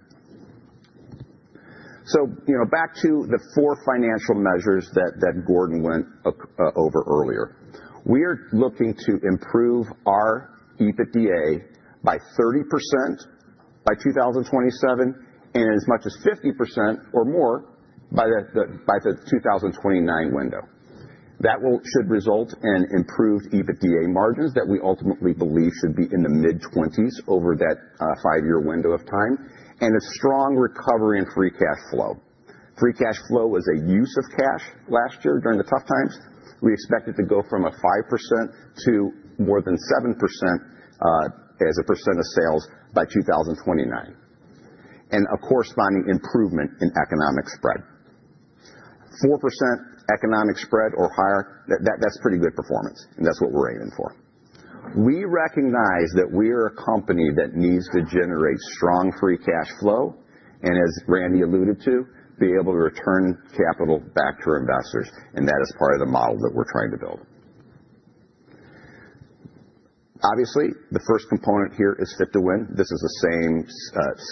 Back to the four financial measures that Gordon went over earlier. We are looking to improve our EBITDA by 30% by 2027 and as much as 50% or more by the 2029 window. That should result in improved EBITDA margins that we ultimately believe should be in the mid-20s over that five-year window of time and a strong recovery in free cash flow. Free cash flow was a use of cash last year during the tough times. We expect it to go from 5% to more than 7% as a percent of sales by 2029 and a corresponding improvement in economic spread. 4% economic spread or higher, that's pretty good performance, and that's what we're aiming for. We recognize that we are a company that needs to generate strong free cash flow and, as Randy alluded to, be able to return capital back to our investors, and that is part of the model that we're trying to build. Obviously, the first component here is Fit to Win. This is the same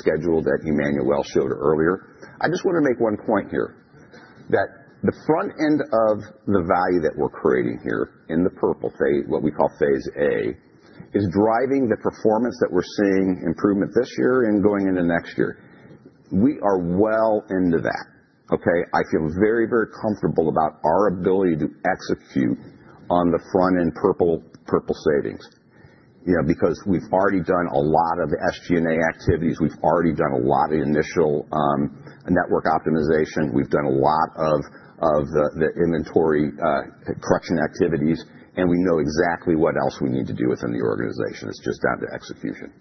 schedule that Emmanuelle showed earlier. I just want to make one point here that the front end of the value that we're creating here in the purple, what we call phase A, is driving the performance that we're seeing improvement this year and going into next year. We are well into that. Okay? I feel very, very comfortable about our ability to execute on the front-end purple savings because we've already done a lot of SG&A activities. We've already done a lot of initial network optimization. We've done a lot of the inventory correction activities, and we know exactly what else we need to do within the organization. It's just down to execution.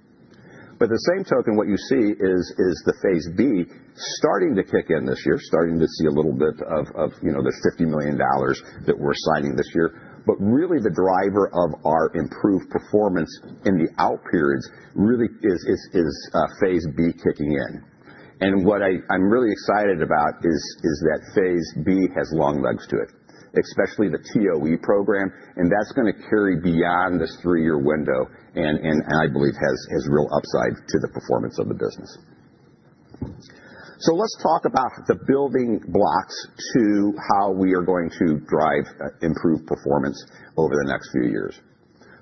At the same token, what you see is the phase B starting to kick in this year, starting to see a little bit of there's $50 million that we're signing this year. Really, the driver of our improved performance in the out periods really is phase B kicking in. What I am really excited about is that phase B has long legs to it, especially the TOE program, and that is going to carry beyond the three-year window and I believe has real upside to the performance of the business. Let us talk about the building blocks to how we are going to drive improved performance over the next few years.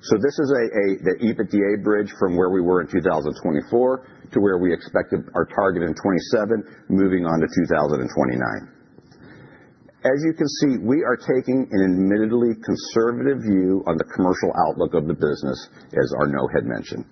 This is the EBITDA bridge from where we were in 2024 to where we expected our target in 2027, moving on to 2029. As you can see, we are taking an admittedly conservative view on the commercial outlook of the business, as Arnaud had mentioned.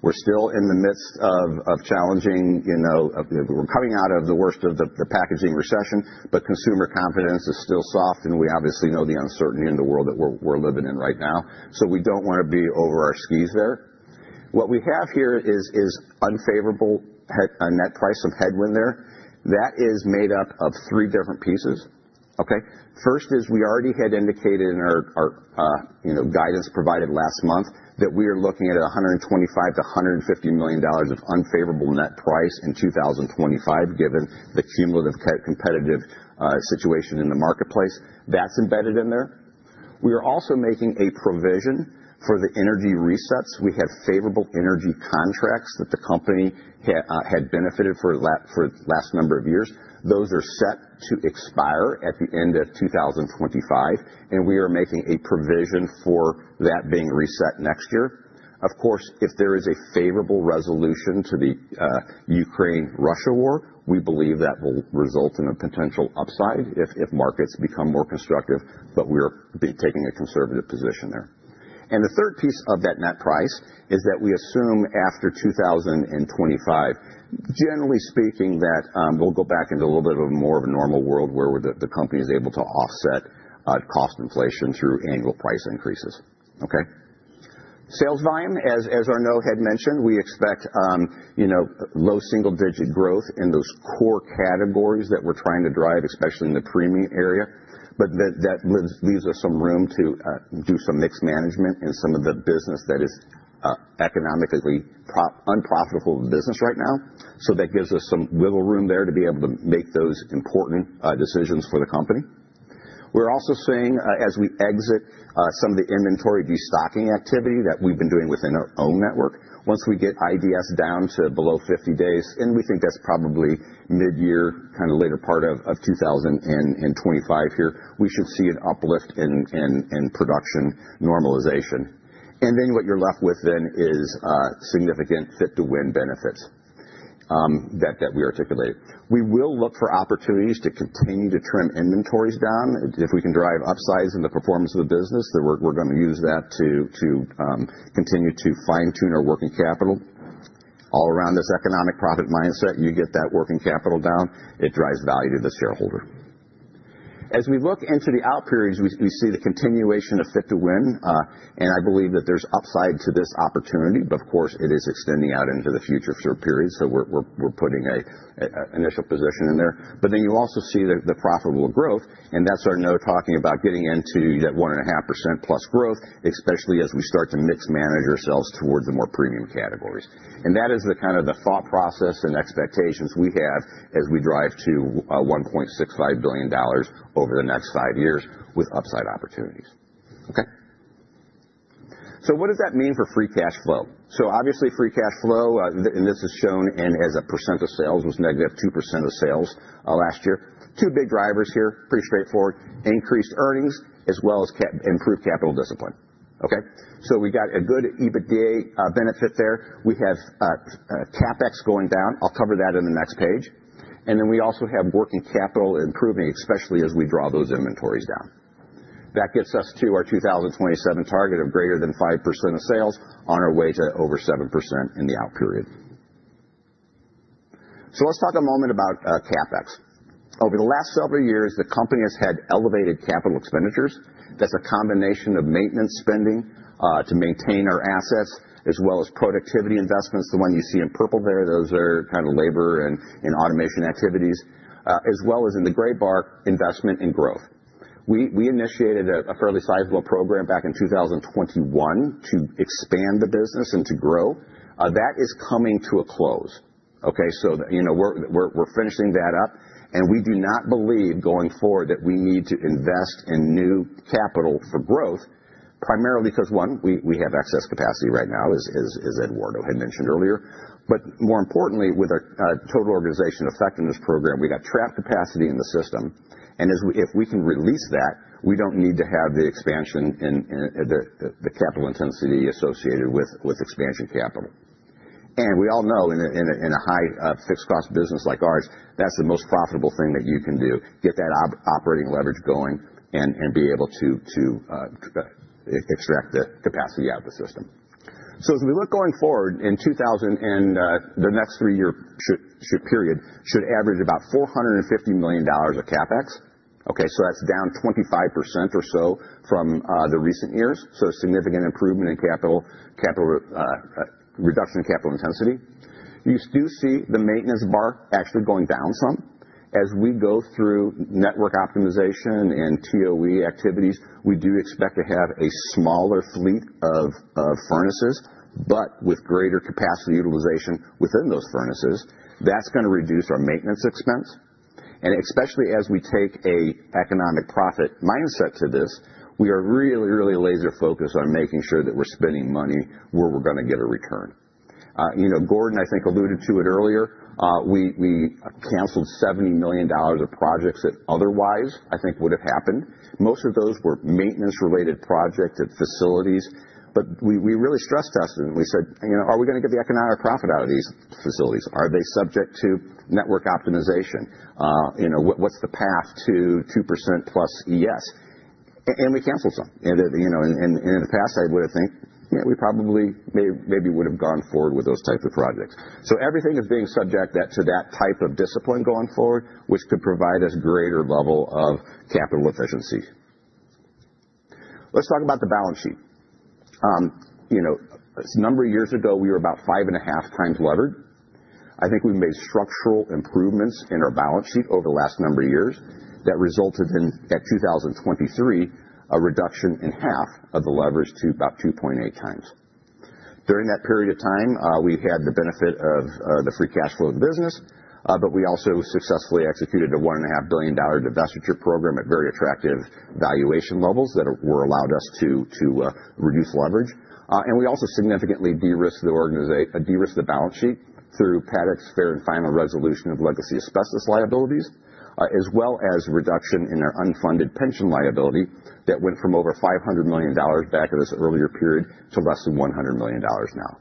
We're still in the midst of challenging we're coming out of the worst of the packaging recession, but consumer confidence is still soft, and we obviously know the uncertainty in the world that we're living in right now. We don't want to be over our skis there. What we have here is unfavorable net price of headwind there. That is made up of three different pieces. Okay? First is we already had indicated in our guidance provided last month that we are looking at $125 million-$150 million of unfavorable net price in 2025, given the cumulative competitive situation in the marketplace. That's embedded in there. We are also making a provision for the energy resets. We had favorable energy contracts that the company had benefited for the last number of years. Those are set to expire at the end of 2025, and we are making a provision for that being reset next year. Of course, if there is a favorable resolution to the Ukraine-Russia war, we believe that will result in a potential upside if markets become more constructive. We are taking a conservative position there. The third piece of that net price is that we assume after 2025, generally speaking, that we'll go back into a little bit of a more normal world where the company is able to offset cost inflation through annual price increases. Okay? Sales volume, as Arnaud had mentioned, we expect low single-digit growth in those core categories that we're trying to drive, especially in the premium area. That leaves us some room to do some mixed management in some of the business that is economically unprofitable business right now. That gives us some wiggle room there to be able to make those important decisions for the company. We're also seeing, as we exit some of the inventory destocking activity that we've been doing within our own network, once we get IDS down to below 50 days, and we think that's probably mid-year, kind of later part of 2025 here, we should see an uplift in production normalization. What you're left with then is significant Fit to Win benefits that we articulated. We will look for opportunities to continue to trim inventories down. If we can drive upsides in the performance of the business, we're going to use that to continue to fine-tune our working capital. All around this economic profit mindset, you get that working capital down, it drives value to the shareholder. As we look into the out periods, we see the continuation of Fit to Win, and I believe that there's upside to this opportunity, but of course, it is extending out into the future for a period. We are putting an initial position in there. You also see the profitable growth, and that's Arnaud talking about getting into that 1.5%+ growth, especially as we start to mix manage ourselves toward the more premium categories. That is the kind of the thought process and expectations we have as we drive to $1.65 billion over the next five years with upside opportunities. Okay? What does that mean for free cash flow? Obviously, free cash flow, and this is shown as a % of sales, was negative 2% of sales last year. Two big drivers here, pretty straightforward: increased earnings as well as improved capital discipline. Okay? We got a good EBITDA benefit there. We have CapEx going down. I'll cover that in the next page. We also have working capital improving, especially as we draw those inventories down. That gets us to our 2027 target of greater than 5% of sales on our way to over 7% in the out period. Let's talk a moment about CapEx. Over the last several years, the company has had elevated capital expenditures. That's a combination of maintenance spending to maintain our assets as well as productivity investments, the one you see in purple there. Those are kind of labor and automation activities, as well as in the gray bar, investment and growth. We initiated a fairly sizable program back in 2021 to expand the business and to grow. That is coming to a close. Okay? We're finishing that up, and we do not believe going forward that we need to invest in new capital for growth, primarily because, one, we have excess capacity right now, as Eduardo had mentioned earlier. More importantly, with our Total Organization Effectiveness program, we got trapped capacity in the system. If we can release that, we do not need to have the expansion and the capital intensity associated with expansion capital. We all know in a high fixed cost business like ours, that's the most profitable thing that you can do: get that operating leverage going and be able to extract the capacity out of the system. As we look going forward, in 2000 and the next three-year period should average about $450 million of CapEx. That's down 25% or so from the recent years. Significant improvement in capital reduction in capital intensity. You do see the maintenance bar actually going down some. As we go through network optimization and TOE activities, we do expect to have a smaller fleet of furnaces, but with greater capacity utilization within those furnaces. That is going to reduce our maintenance expense. Especially as we take an economic profit mindset to this, we are really, really laser-focused on making sure that we are spending money where we are going to get a return. Gordon, I think, alluded to it earlier. We canceled $70 million of projects that otherwise, I think, would have happened. Most of those were maintenance-related projects at facilities, but we really stress-tested and we said, "Are we going to get the economic profit out of these facilities? Are they subject to network optimization? What is the path to 2% plus ES?" We canceled some. In the past, I would have think, "Yeah, we probably maybe would have gone forward with those types of projects." Everything is being subject to that type of discipline going forward, which could provide us greater level of capital efficiency. Let's talk about the balance sheet. A number of years ago, we were about five and a half times levered. I think we made structural improvements in our balance sheet over the last number of years that resulted in, at 2023, a reduction in half of the leverage to about 2.8 times. During that period of time, we had the benefit of the free cash flow of the business, but we also successfully executed a $1.5 billion divestiture program at very attractive valuation levels that allowed us to reduce leverage. We also significantly de-risked the balance sheet through PDEx FAIR and final resolution of legacy asbestos liabilities, as well as reduction in our unfunded pension liability that went from over $500 million back in this earlier period to less than $100 million now.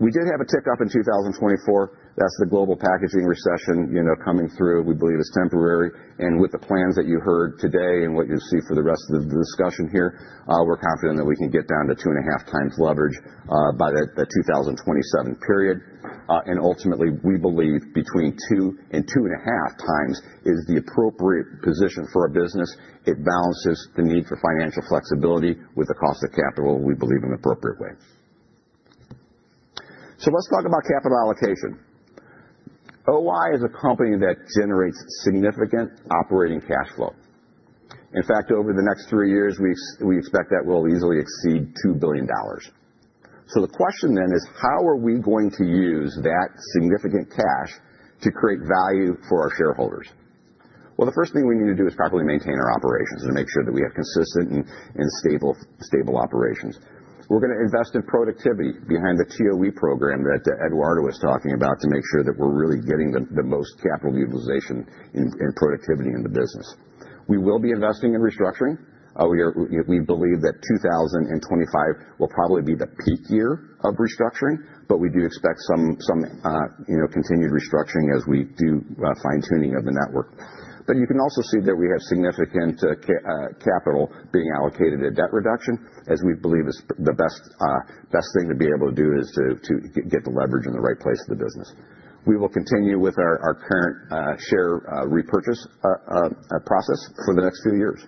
We did have a tick up in 2024. That is the global packaging recession coming through. We believe it is temporary. With the plans that you heard today and what you will see for the rest of the discussion here, we are confident that we can get down to 2.5 times leverage by the 2027 period. Ultimately, we believe between 2 and 2.5 times is the appropriate position for our business. It balances the need for financial flexibility with the cost of capital, we believe, in an appropriate way. Let's talk about capital allocation. O-I is a company that generates significant operating cash flow. In fact, over the next three years, we expect that we'll easily exceed $2 billion. The question then is, how are we going to use that significant cash to create value for our shareholders? The first thing we need to do is properly maintain our operations and make sure that we have consistent and stable operations. We're going to invest in productivity behind the TOE program that Eduardo was talking about to make sure that we're really getting the most capital utilization and productivity in the business. We will be investing in restructuring. We believe that 2025 will probably be the peak year of restructuring, but we do expect some continued restructuring as we do fine-tuning of the network. You can also see that we have significant capital being allocated at debt reduction, as we believe the best thing to be able to do is to get the leverage in the right place of the business. We will continue with our current share repurchase process for the next few years.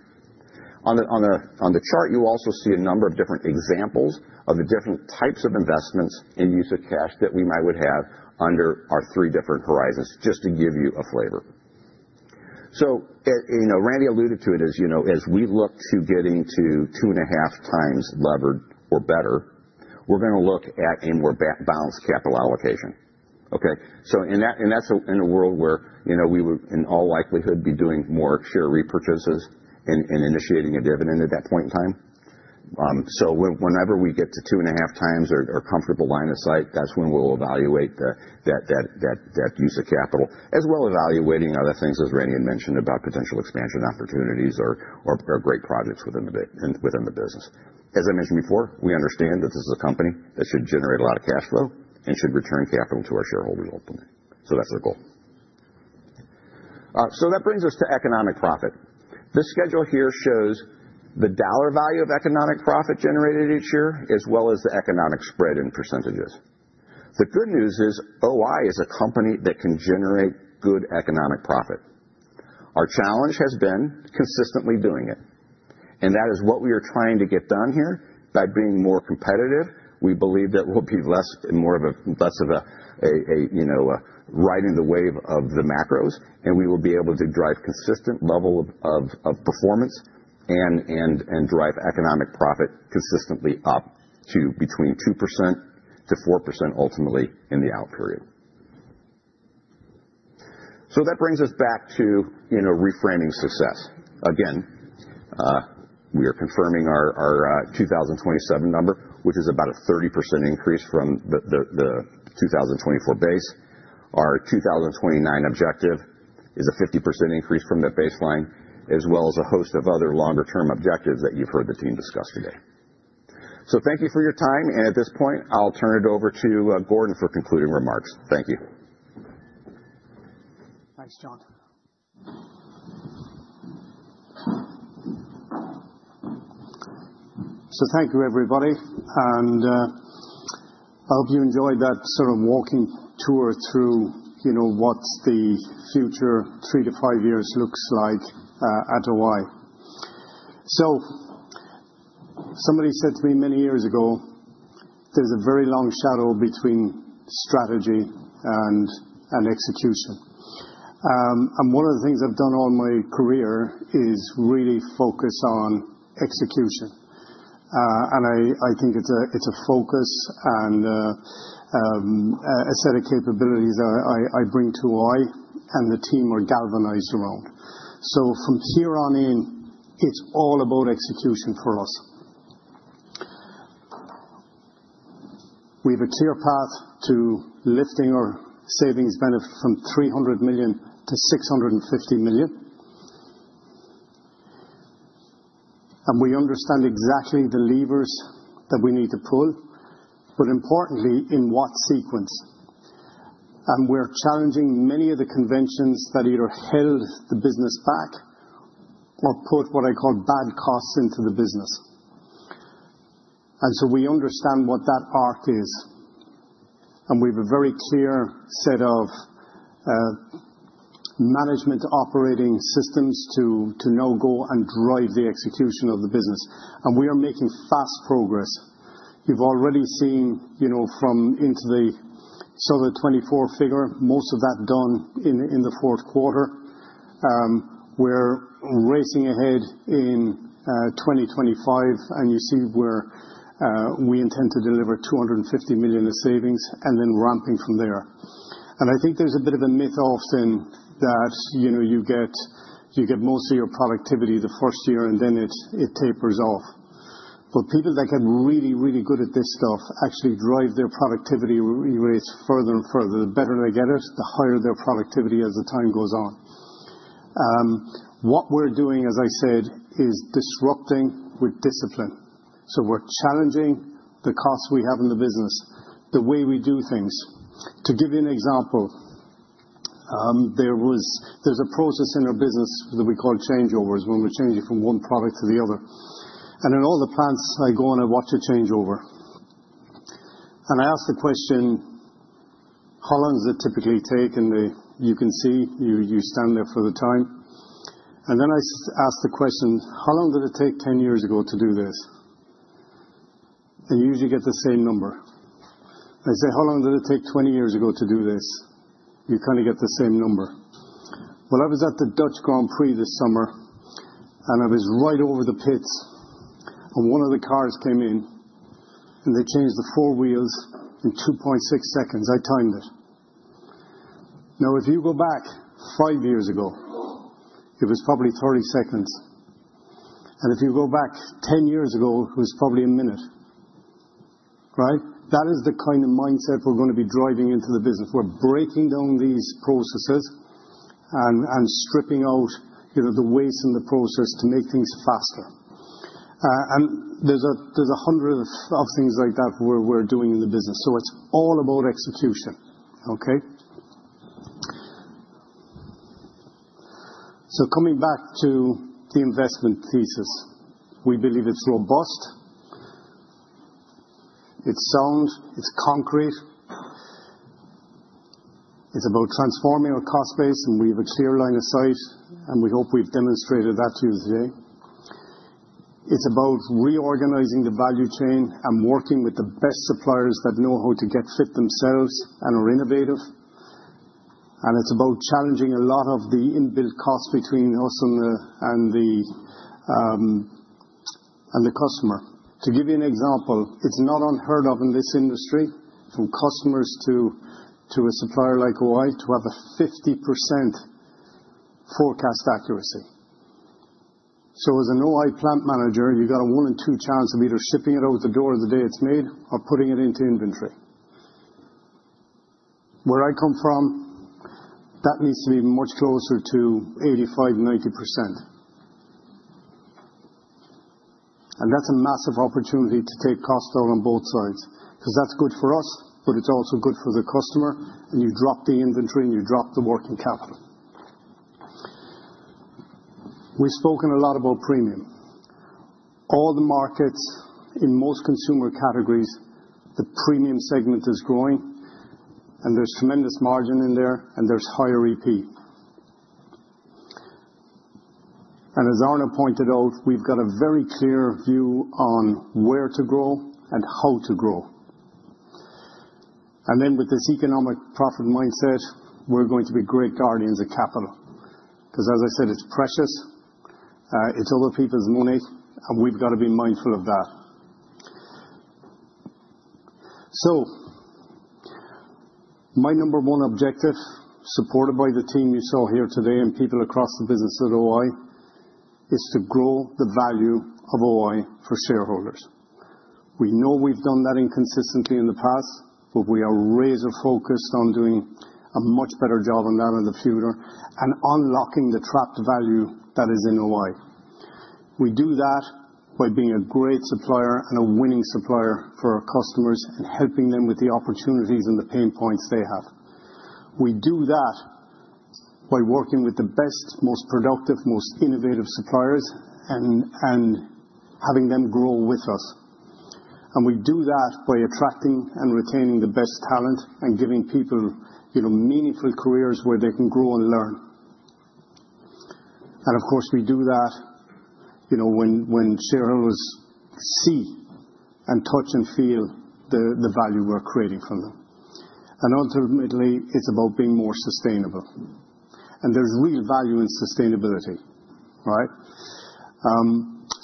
On the chart, you also see a number of different examples of the different types of investments and use of cash that we might have under our three different horizons, just to give you a flavor. Randy alluded to it. As we look to getting to two and a half times leverage or better, we're going to look at a more balanced capital allocation. In that world, we would, in all likelihood, be doing more share repurchases and initiating a dividend at that point in time. Whenever we get to two and a half times or comfortable line of sight, that's when we'll evaluate that use of capital, as well as evaluating other things, as Randy had mentioned, about potential expansion opportunities or great projects within the business. As I mentioned before, we understand that this is a company that should generate a lot of cash flow and should return capital to our shareholders ultimately. That is our goal. That brings us to economic profit. This schedule here shows the dollar value of economic profit generated each year, as well as the economic spread in %. The good news is O-I is a company that can generate good economic profit. Our challenge has been consistently doing it. That is what we are trying to get done here by being more competitive. We believe that we'll be less and more of a less of a riding the wave of the macros, and we will be able to drive consistent level of performance and drive economic profit consistently up to between 2%-4% ultimately in the out period. That brings us back to reframing success. Again, we are confirming our 2027 number, which is about a 30% increase from the 2024 base. Our 2029 objective is a 50% increase from that baseline, as well as a host of other longer-term objectives that you've heard the team discuss today. Thank you for your time. At this point, I'll turn it over to Gordon for concluding remarks. Thank you. Thanks, John. Thank you, everybody. I hope you enjoyed that sort of walking tour through what the future three to five years looks like at O-I. Somebody said to me many years ago, "There's a very long shadow between strategy and execution." One of the things I've done all my career is really focus on execution. I think it's a focus and a set of capabilities that I bring to O-I and the team are galvanized around. From here on in, it's all about execution for us. We have a clear path to lifting our savings benefit from $300 million to $650 million. We understand exactly the levers that we need to pull, but importantly, in what sequence. We're challenging many of the conventions that either held the business back or put what I call bad costs into the business. We understand what that arc is. We have a very clear set of management operating systems to no-go and drive the execution of the business. We are making fast progress. You have already seen from into the solid 2024 figure, most of that done in the fourth quarter. We are racing ahead in 2025, and you see where we intend to deliver $250 million of savings and then ramping from there. I think there is a bit of a myth often that you get most of your productivity the first year, and then it tapers off. People that get really, really good at this stuff actually drive their productivity rates further and further. The better they get at it, the higher their productivity as the time goes on. What we are doing, as I said, is disrupting with discipline. We're challenging the costs we have in the business, the way we do things. To give you an example, there's a process in our business that we call changeovers when we're changing from one product to the other. In all the plants, I go and I watch a changeover. I ask the question, "How long does it typically take?" You can see you stand there for the time. I ask the question, "How long did it take 10 years ago to do this?" You usually get the same number. They say, "How long did it take 20 years ago to do this?" You kind of get the same number. I was at the Dutch Grand Prix this summer, and I was right over the pits. One of the cars came in, and they changed the four wheels in 2.6 seconds. I timed it. Now, if you go back five years ago, it was probably 30 seconds. If you go back 10 years ago, it was probably a minute. Right? That is the kind of mindset we are going to be driving into the business. We are breaking down these processes and stripping out the waste in the process to make things faster. There are a hundred of things like that we are doing in the business. It is all about execution. Okay? Coming back to the investment thesis, we believe it is robust. It is sound. It is concrete. It is about transforming our cost base, and we have a clear line of sight, and we hope we have demonstrated that to you today. It is about reorganizing the value chain and working with the best suppliers that know how to get fit themselves and are innovative. It is about challenging a lot of the inbuilt costs between us and the customer. To give you an example, it is not unheard of in this industry from customers to a supplier like O-I to have a 50% forecast accuracy. As an O-I plant manager, you have a one-in-two chance of either shipping it out the door the day it is made or putting it into inventory. Where I come from, that needs to be much closer to 85-90%. That is a massive opportunity to take cost out on both sides because that is good for us, but it is also good for the customer, and you drop the inventory and you drop the working capital. We have spoken a lot about premium. All the markets in most consumer categories, the premium segment is growing, and there is tremendous margin in there, and there is higher EP. As Arnaud pointed out, we've got a very clear view on where to grow and how to grow. With this economic profit mindset, we're going to be great guardians of capital because, as I said, it's precious. It's other people's money, and we've got to be mindful of that. My number one objective, supported by the team you saw here today and people across the business at O-I, is to grow the value of O-I for shareholders. We know we've done that inconsistently in the past, but we are razor-focused on doing a much better job on that in the future and unlocking the trapped value that is in O-I. We do that by being a great supplier and a winning supplier for our customers and helping them with the opportunities and the pain points they have. We do that by working with the best, most productive, most innovative suppliers and having them grow with us. We do that by attracting and retaining the best talent and giving people meaningful careers where they can grow and learn. Of course, we do that when shareholders see and touch and feel the value we're creating for them. Ultimately, it's about being more sustainable. There's real value in sustainability. Right?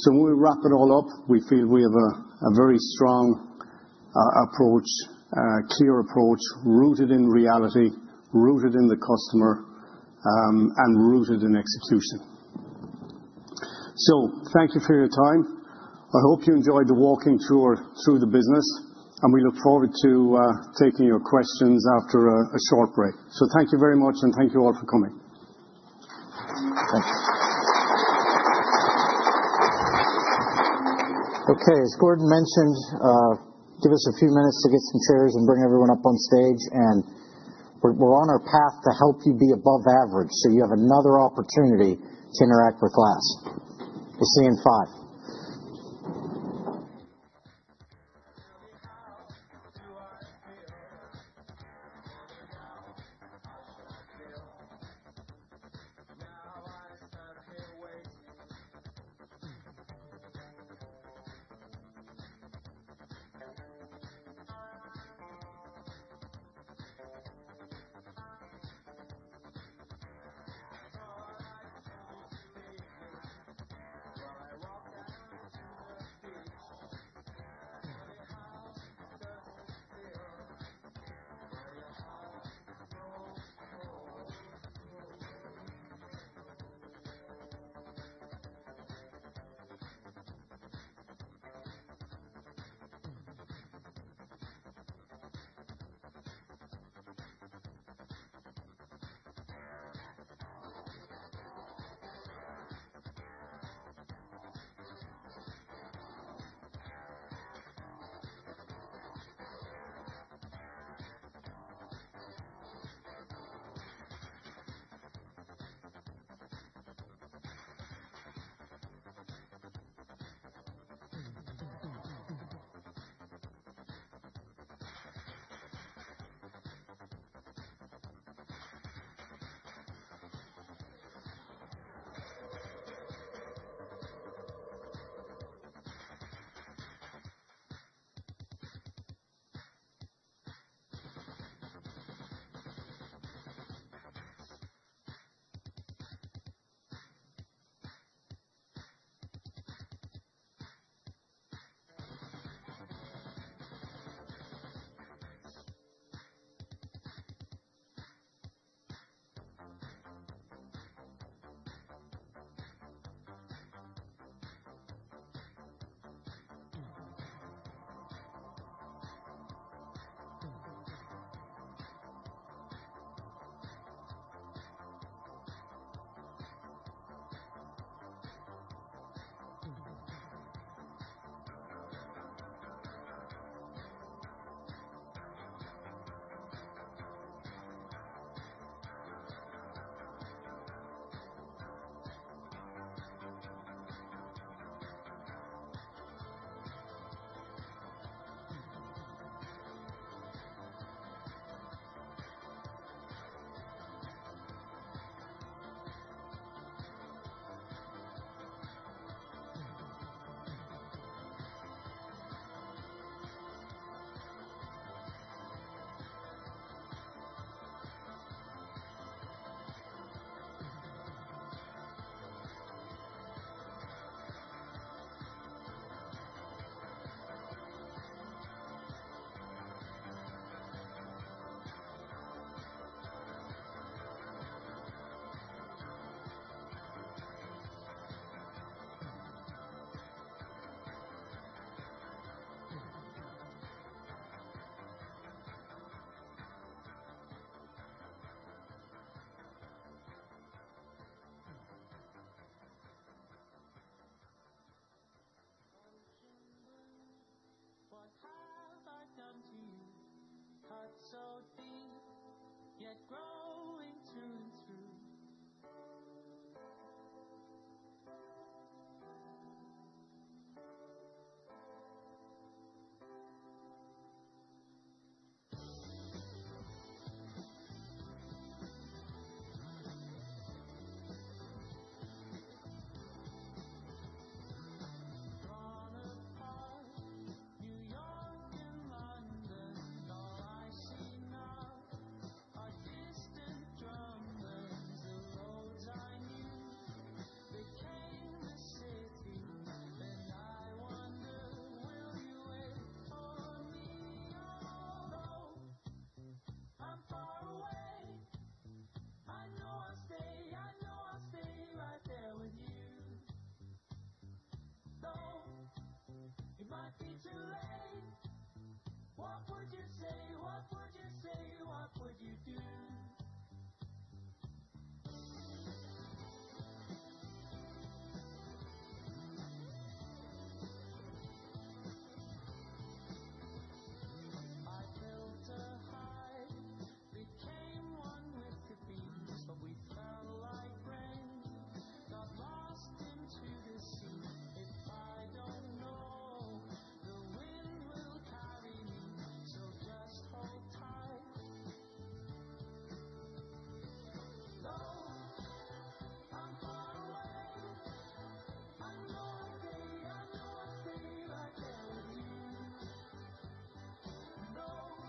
When we wrap it all up, we feel we have a very strong approach, a clear approach rooted in reality, rooted in the customer, and rooted in execution. Thank you for your time. I hope you enjoyed the walking tour through the business, and we look forward to taking your questions after a short break. Thank you very much, and thank you all for coming. Thanks. Okay. As Gordon mentioned, give us a few minutes to get some chairs and bring everyone up on stage. We're on our path to help you be above average so you have another opportunity to interact with glass. We'll see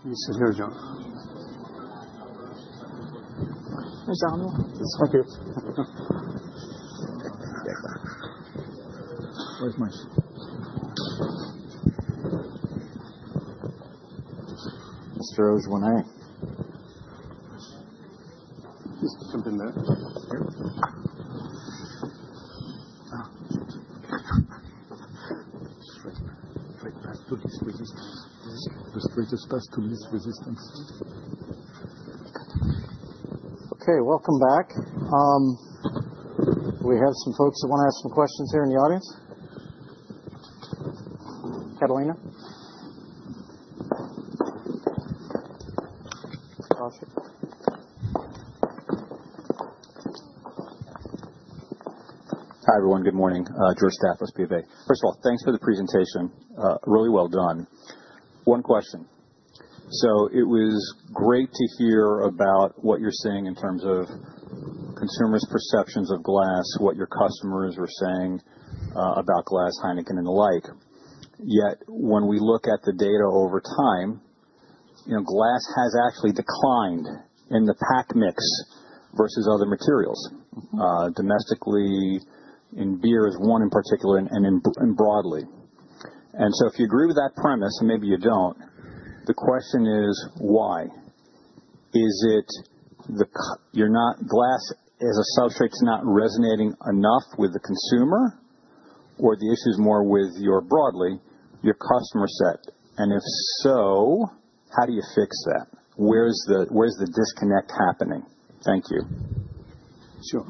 you in five. I thought I'd change the It was great to hear about what you're seeing in terms of consumers' perceptions of glass, what your customers were saying about glass, HEINEKEN, and the like. Yet when we look at the data over time, glass has actually declined in the pack mix versus other materials, domestically in beers one in particular and broadly. If you agree with that premise, and maybe you don't, the question is, why? Is it the glass as a substrate, it's not resonating enough with the consumer, or the issue is more with, broadly, your customer set? If so, how do you fix that? Where's the disconnect happening? Thank you. Sure.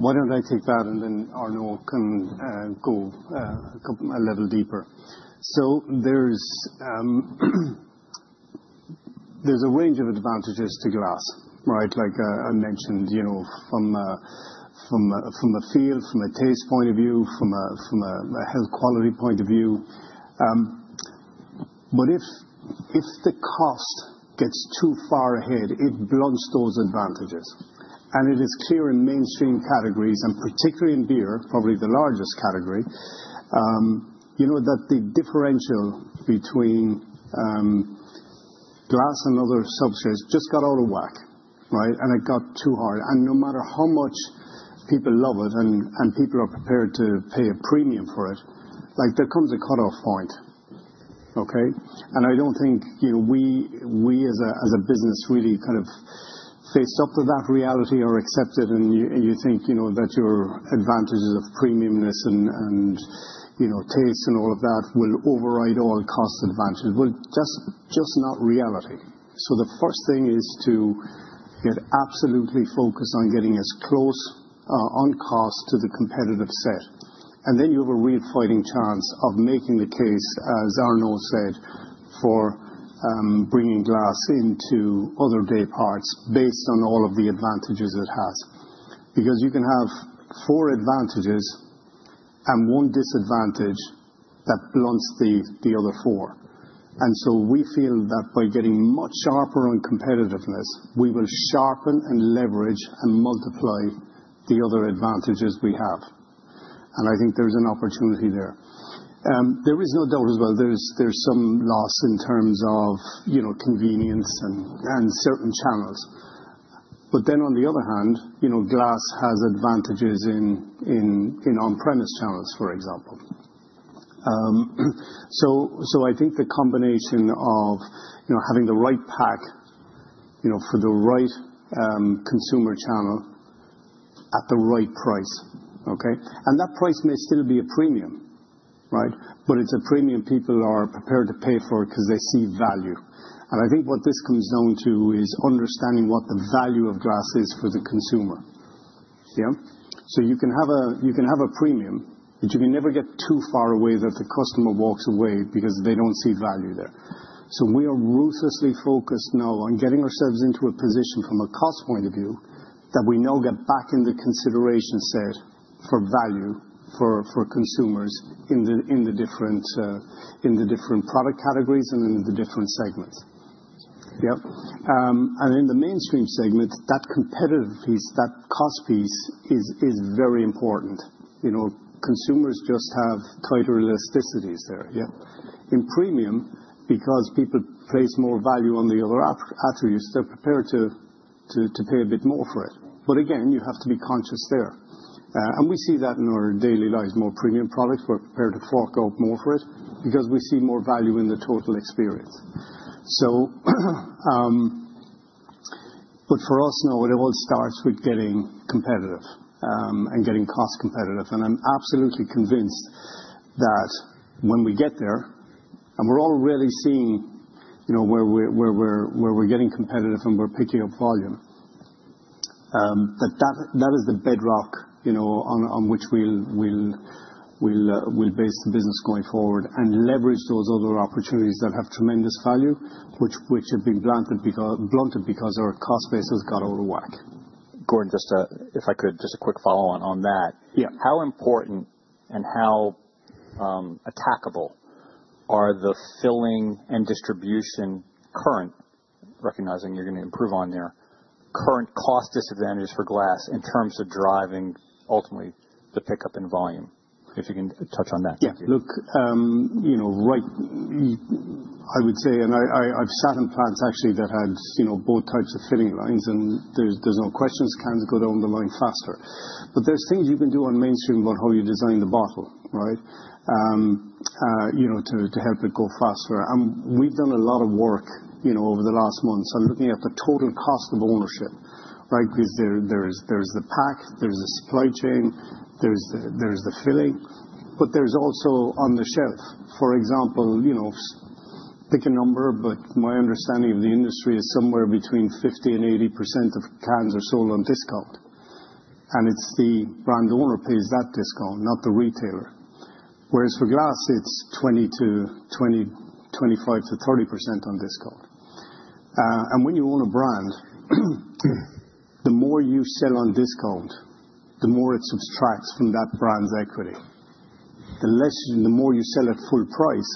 Why don't I take that, and then Arnaud can go a level deeper? There is a range of advantages to glass, right, like I mentioned, from a feel, from a taste point of view, from a health quality point of view. If the cost gets too far ahead, it blunts those advantages. It is clear in mainstream categories, and particularly in beer, probably the largest category, that the differential between glass and other substrates just got out of whack, right, and it got too hard. No matter how much people love it and people are prepared to pay a premium for it, there comes a cutoff point. Okay? I do not think we, as a business, really kind of faced up to that reality or accept it, and you think that your advantages of premiumness and taste and all of that will override all cost advantages. That is just not reality. The first thing is to get absolutely focused on getting as close on cost to the competitive set. Then you have a real fighting chance of making the case, as Arnaud said, for bringing glass into other day parts based on all of the advantages it has. You can have four advantages and one disadvantage that blunts the other four. We feel that by getting much sharper on competitiveness, we will sharpen and leverage and multiply the other advantages we have. I think there's an opportunity there. There is no doubt as well. There's some loss in terms of convenience and certain channels. On the other hand, glass has advantages in on-premise channels, for example. I think the combination of having the right pack for the right consumer channel at the right price. That price may still be a premium, right, but it's a premium people are prepared to pay for because they see value. I think what this comes down to is understanding what the value of glass is for the consumer. Yeah? You can have a premium, but you can never get too far away that the customer walks away because they don't see value there. We are ruthlessly focused now on getting ourselves into a position, from a cost point of view, that we now get back in the consideration set for value for consumers in the different product categories and in the different segments. Yeah? In the mainstream segment, that competitive piece, that cost piece, is very important. Consumers just have tighter elasticities there. Yeah? In premium, because people place more value on the other attributes, they're prepared to pay a bit more for it. You have to be conscious there. We see that in our daily lives. More premium products, we're prepared to fork out more for it because we see more value in the total experience. For us now, it all starts with getting competitive and getting cost competitive. I'm absolutely convinced that when we get there, and we're all really seeing where we're getting competitive and we're picking up volume, that is the bedrock on which we'll base the business going forward and leverage those other opportunities that have tremendous value, which have been blunted because our cost base has got out of whack. Gordon, just if I could, just a quick follow-on on that. Yeah. How important and how attackable are the filling and distribution current, recognizing you're going to improve on their current cost disadvantages for glass in terms of driving, ultimately, the pickup in volume? If you can touch on that, thank you. Yeah. Look, right, I would say, and I've sat on plants, actually, that had both types of filling lines, and there's no question it's going to go down the line faster. There are things you can do on mainstream about how you design the bottle, right, to help it go faster. We've done a lot of work over the last months on looking at the total cost of ownership, right, because there's the pack, there's the supply chain, there's the filling, but there's also on the shelf. For example, pick a number, but my understanding of the industry is somewhere between 50-80% of cans are sold on discount. It's the brand owner who pays that discount, not the retailer. Whereas for glass, it's 20-25-30% on discount. When you own a brand, the more you sell on discount, the more it subtracts from that brand's equity. The more you sell at full price,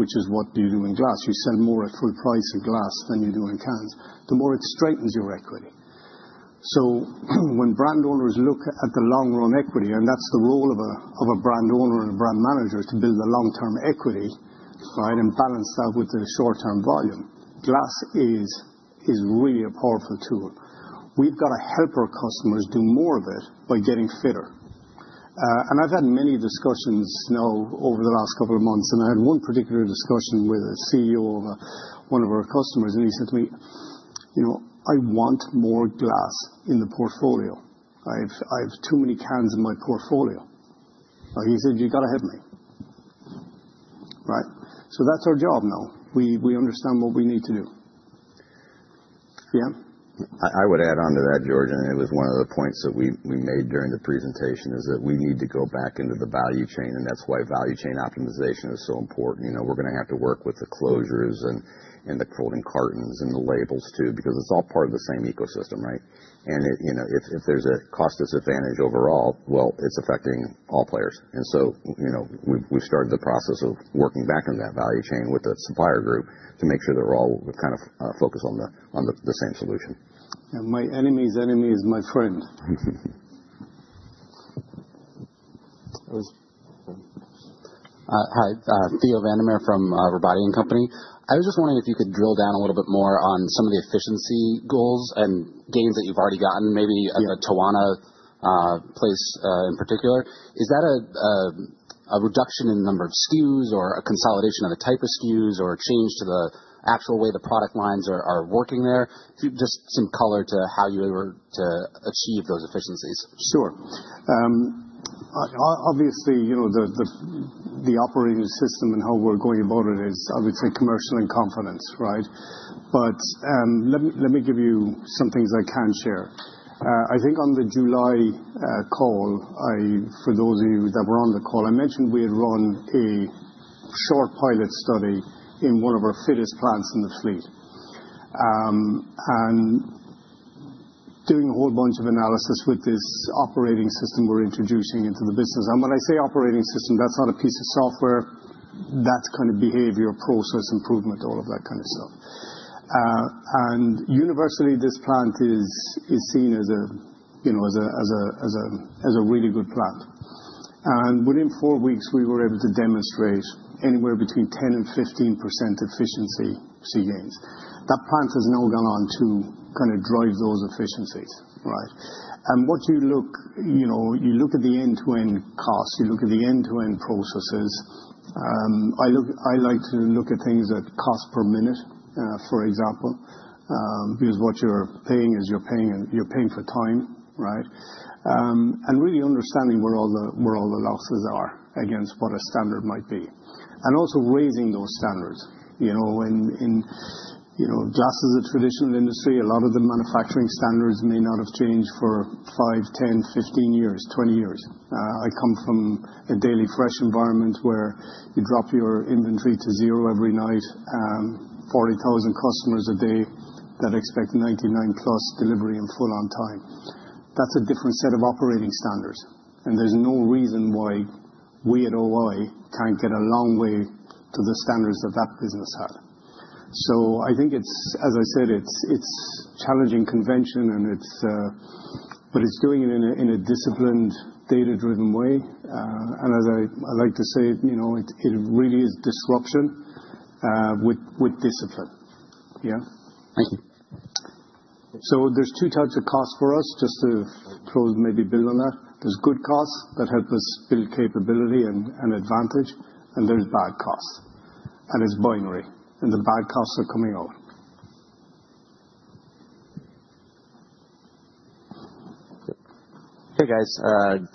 which is what you do in glass, you sell more at full price in glass than you do in cans, the more it strengthens your equity. When brand owners look at the long-run equity, and that is the role of a brand owner and a brand manager to build the long-term equity, right, and balance that with the short-term volume, glass is really a powerful tool. We have got to help our customers do more of it by getting fitter. I have had many discussions now over the last couple of months, and I had one particular discussion with the CEO of one of our customers, and he said to me, "I want more glass in the portfolio. I have too many cans in my portfolio." He said, "You got to help me." Right? That is our job now. We understand what we need to do. Yeah? I would add on to that, George. It was one of the points that we made during the presentation is that we need to go back into the value chain, and that is why value chain optimization is so important. We are going to have to work with the closures and the folding cartons and the labels, too, because it is all part of the same ecosystem, right? If there is a cost disadvantage overall, it is affecting all players. We have started the process of working back on that value chain with the supplier group to make sure they are all kind of focused on the same solution. Yeah. My enemy's enemy is my friend. My enemy's enemy is my friend. Hi. Theo van der Meer from Robotti and Company. I was just wondering if you could drill down a little bit more on some of the efficiency goals and gains that you've already gotten, maybe at the Toano plant in particular. Is that a reduction in the number of SKUs or a consolidation of the type of SKUs or a change to the actual way the product lines are working there? Just some color to how you were to achieve those efficiencies. Sure. Obviously, the operating system and how we're going about it is, I would say, commercial and confidence, right? Let me give you some things I can share. I think on the July call, for those of you that were on the call, I mentioned we had run a short pilot study in one of our fittest plants in the fleet and doing a whole bunch of analysis with this operating system we're introducing into the business. When I say operating system, that's not a piece of software. That's kind of behavior, process improvement, all of that kind of stuff. Universally, this plant is seen as a really good plant. Within four weeks, we were able to demonstrate anywhere between 10-15% efficiency gains. That plant has now gone on to kind of drive those efficiencies, right? What you look at, you look at the end-to-end costs, you look at the end-to-end processes. I like to look at things at cost per minute, for example, because what you're paying is you're paying for time, right, and really understanding where all the losses are against what a standard might be. Also raising those standards. In glass as a traditional industry, a lot of the manufacturing standards may not have changed for 5, 10, 15 years, 20 years. I come from a daily fresh environment where you drop your inventory to zero every night, 40,000 customers a day that expect 99% plus delivery and full-on time. That's a different set of operating standards. There is no reason why we at O-I can't get a long way to the standards that that business had. I think, as I said, it's challenging convention, but it's doing it in a disciplined, data-driven way. As I like to say, it really is disruption with discipline. Yeah? Thank you. There are two types of costs for us, just to close, maybe build on that. There are good costs that help us build capability and advantage, and there are bad costs. It is binary. The bad costs are coming out. Hey, guys.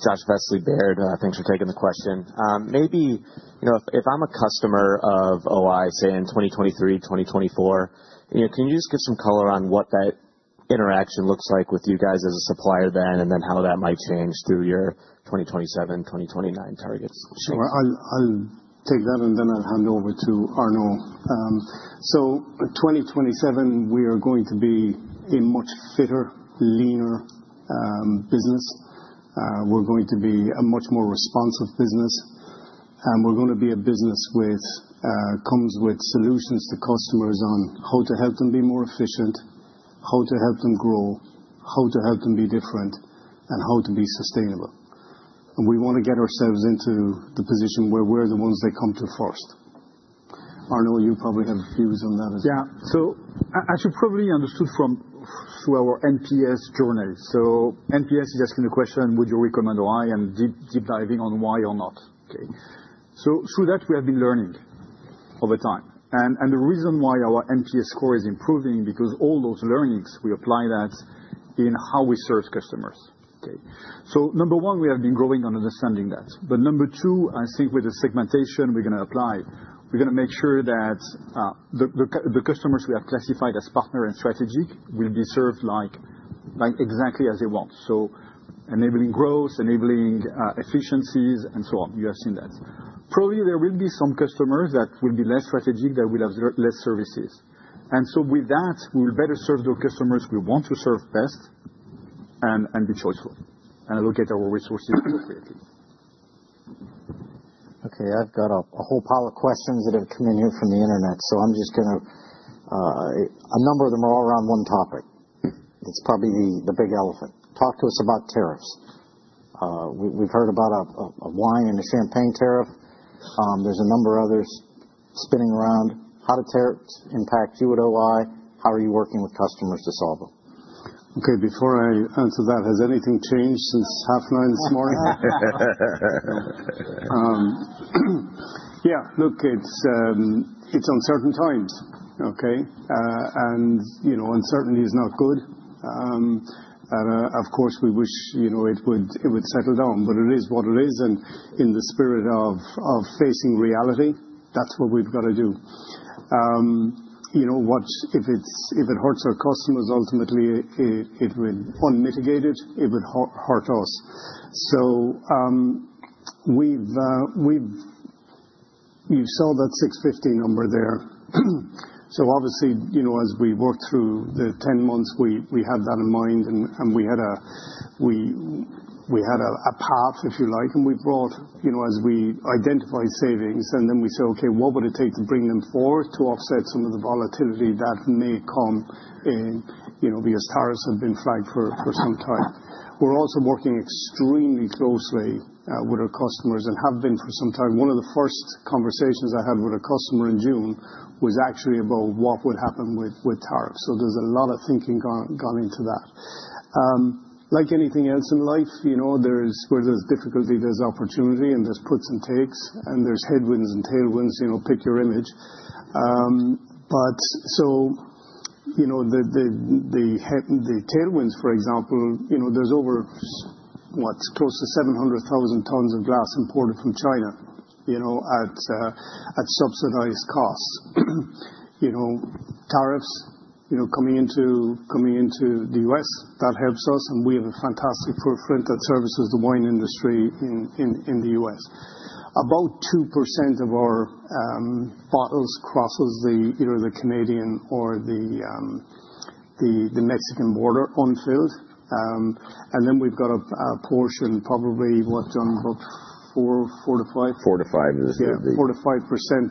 Josh Vesely, Baird, thanks for taking the question. Maybe if I'm a customer of O-I, say in 2023, 2024, can you just give some color on what that interaction looks like with you guys as a supplier then and then how that might change through your 2027, 2029 targets? Sure. I'll take that, and then I'll hand over to Arnaud. In 2027, we are going to be a much fitter, leaner business. We are going to be a much more responsive business. We are going to be a business that comes with solutions to customers on how to help them be more efficient, how to help them grow, how to help them be different, and how to be sustainable. We want to get ourselves into the position where we are the ones that come to first. Arnaud, you probably have views on that as well. Yeah. As you probably understood from our NPS journey, NPS is asking the question, "Would you recommend O-I?" and deep diving on why or not. Through that, we have been learning over time. The reason why our NPS score is improving is because all those learnings, we apply that in how we serve customers. Number one, we have been growing on understanding that. Number two, I think with the segmentation we're going to apply, we're going to make sure that the customers we have classified as partner and strategic will be served exactly as they want. Enabling growth, enabling efficiencies, and so on. You have seen that. Probably there will be some customers that will be less strategic, that will have less services. We will better serve those customers we want to serve best and be choiceful and allocate our resources appropriately. Okay. I've got a whole pile of questions that have come in here from the internet. I'm just going to a number of them are all around one topic. It's probably the big elephant. Talk to us about tariffs. We've heard about a wine and a champagne tariff. There's a number of others spinning around. How do tariffs impact you at O-I? How are you working with customers to solve them? Okay. Before I answer that, has anything changed since half 9 this morning? Yeah. Look, it's uncertain times. Okay? Uncertainty is not good. Of course, we wish it would settle down, but it is what it is. In the spirit of facing reality, that's what we've got to do. If it hurts our customers, ultimately, it would unmitigated, it would hurt us. You saw that 650 number there. Obviously, as we worked through the 10 months, we had that in mind, and we had a path, if you like, and we brought as we identified savings. We said, "Okay, what would it take to bring them forward to offset some of the volatility that may come in?" Tariffs have been flagged for some time. We're also working extremely closely with our customers and have been for some time. One of the first conversations I had with a customer in June was actually about what would happen with tariffs. There is a lot of thinking gone into that. Like anything else in life, where there is difficulty, there is opportunity, and there are puts and takes, and there are headwinds and tailwinds, pick your image. The tailwinds, for example, there is over, what, close to 700,000 tons of glass imported from China at subsidized costs. Tariffs coming into the U.S., that helps us, and we have a fantastic footprint that services the wine industry in the U.S. About 2% of our bottles crosses either the Canadian or the Mexican border unfilled. Then we have a portion, probably what, John, about 4-5%? 4 to 5 is the. Yeah. 4-5%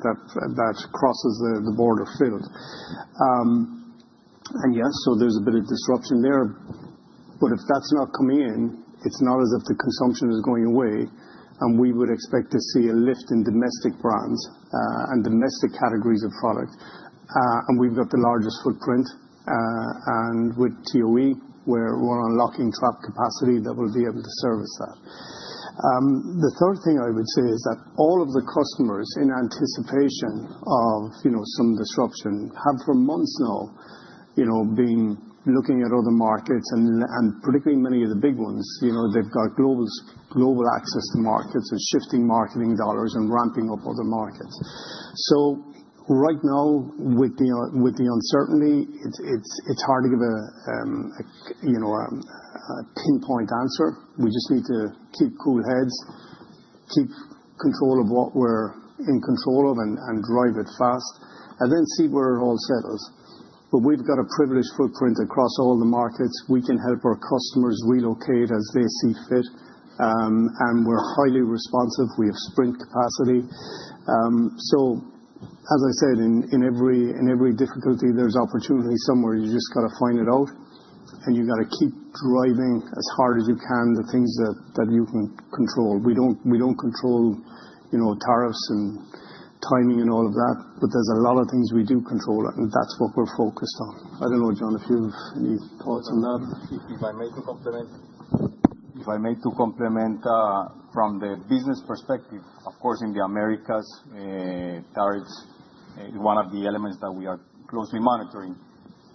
that crosses the border filled. Yes, so there's a bit of disruption there. If that's not coming in, it's not as if the consumption is going away, and we would expect to see a lift in domestic brands and domestic categories of product. We've got the largest footprint. With TOE, we're unlocking trap capacity that will be able to service that. The third thing I would say is that all of the customers, in anticipation of some disruption, have for months now been looking at other markets, and particularly many of the big ones. They've got global access to markets and shifting marketing dollars and ramping up other markets. Right now, with the uncertainty, it's hard to give a pinpoint answer. We just need to keep cool heads, keep control of what we're in control of, and drive it fast, then see where it all settles. We have a privileged footprint across all the markets. We can help our customers relocate as they see fit. We are highly responsive. We have sprint capacity. As I said, in every difficulty, there is opportunity somewhere. You just have to find it out, and you have to keep driving as hard as you can the things that you can control. We do not control tariffs and timing and all of that, but there are a lot of things we do control, and that is what we are focused on. I do not know, John, if you have any thoughts on that. If I may complement, if I may to complement from the business perspective, of course, in the Americas, tariffs is one of the elements that we are closely monitoring.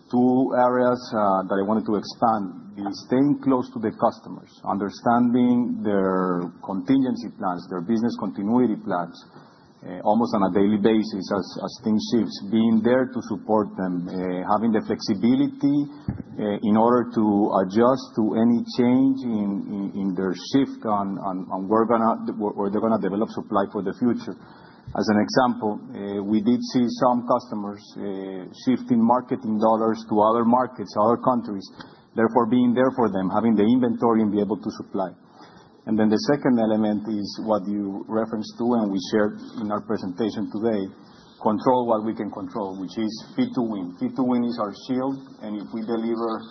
Two areas that I wanted to expand is staying close to the customers, understanding their contingency plans, their business continuity plans almost on a daily basis as things shift, being there to support them, having the flexibility in order to adjust to any change in their shift on where they're going to develop supply for the future. As an example, we did see some customers shifting marketing dollars to other markets, other countries, therefore being there for them, having the inventory and be able to supply. The second element is what you referenced to, and we shared in our presentation today, control what we can control, which is Fit to Win. Fit to Win is our shield. If we deliver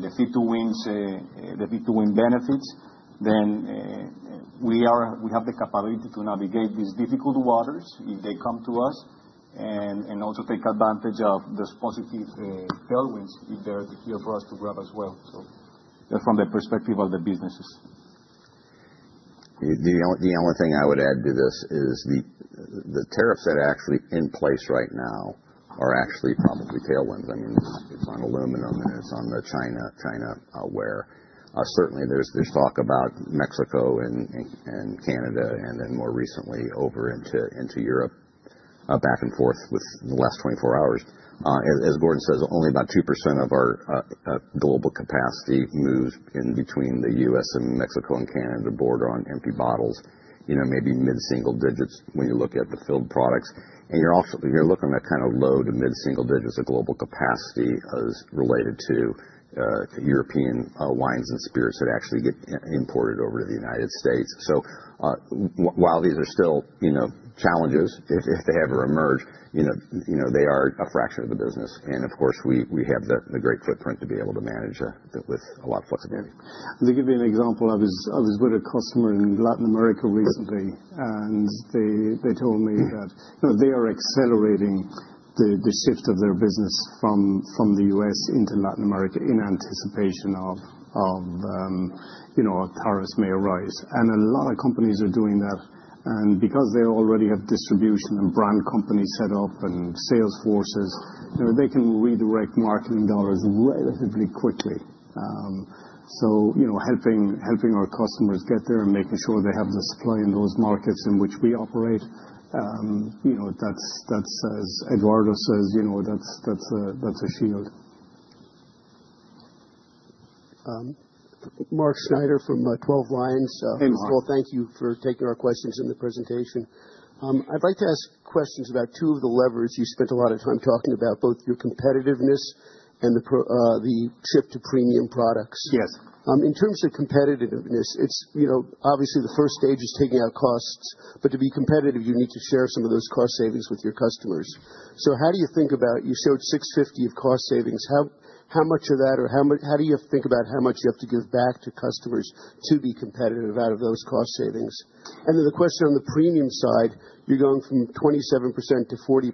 the Fit to Win benefits, then we have the capability to navigate these difficult waters if they come to us and also take advantage of those positive tailwinds if they're here for us to grab as well. That's from the perspective of the businesses. The only thing I would add to this is the tariffs that are actually in place right now are actually probably tailwinds. I mean, it's on aluminum, and it's on the China where. Certainly, there's talk about Mexico and Canada and then more recently over into Europe back and forth within the last 24 hours. As Gordon says, only about 2% of our global capacity moves in between the U.S. and Mexico and Canada border on empty bottles, maybe mid-single digits when you look at the filled products. You are looking at kind of low to mid-single digits of global capacity as related to European wines and spirits that actually get imported over to the United States. While these are still challenges, if they ever emerge, they are a fraction of the business. Of course, we have the great footprint to be able to manage it with a lot of flexibility. I'll give you an example. I was with a customer in Latin America recently, and they told me that they are accelerating the shift of their business from the U.S. into Latin America in anticipation of how tariffs may arise. A lot of companies are doing that. Because they already have distribution and brand companies set up and sales forces, they can redirect marketing dollars relatively quickly. Helping our customers get there and making sure they have the supply in those markets in which we operate, that's, as Eduardo says, that's a shield. Marc Schneider from Twelve Lions. Hey, Marc. Thank you for taking our questions in the presentation. I'd like to ask questions about two of the levers you spent a lot of time talking about, both your competitiveness and the shift to premium products. Yes. In terms of competitiveness, obviously, the first stage is taking out costs. To be competitive, you need to share some of those cost savings with your customers. How do you think about, you showed $650 million of cost savings, how much of that, or how do you think about how much you have to give back to customers to be competitive out of those cost savings? The question on the premium side, you're going from 27% to 40+%.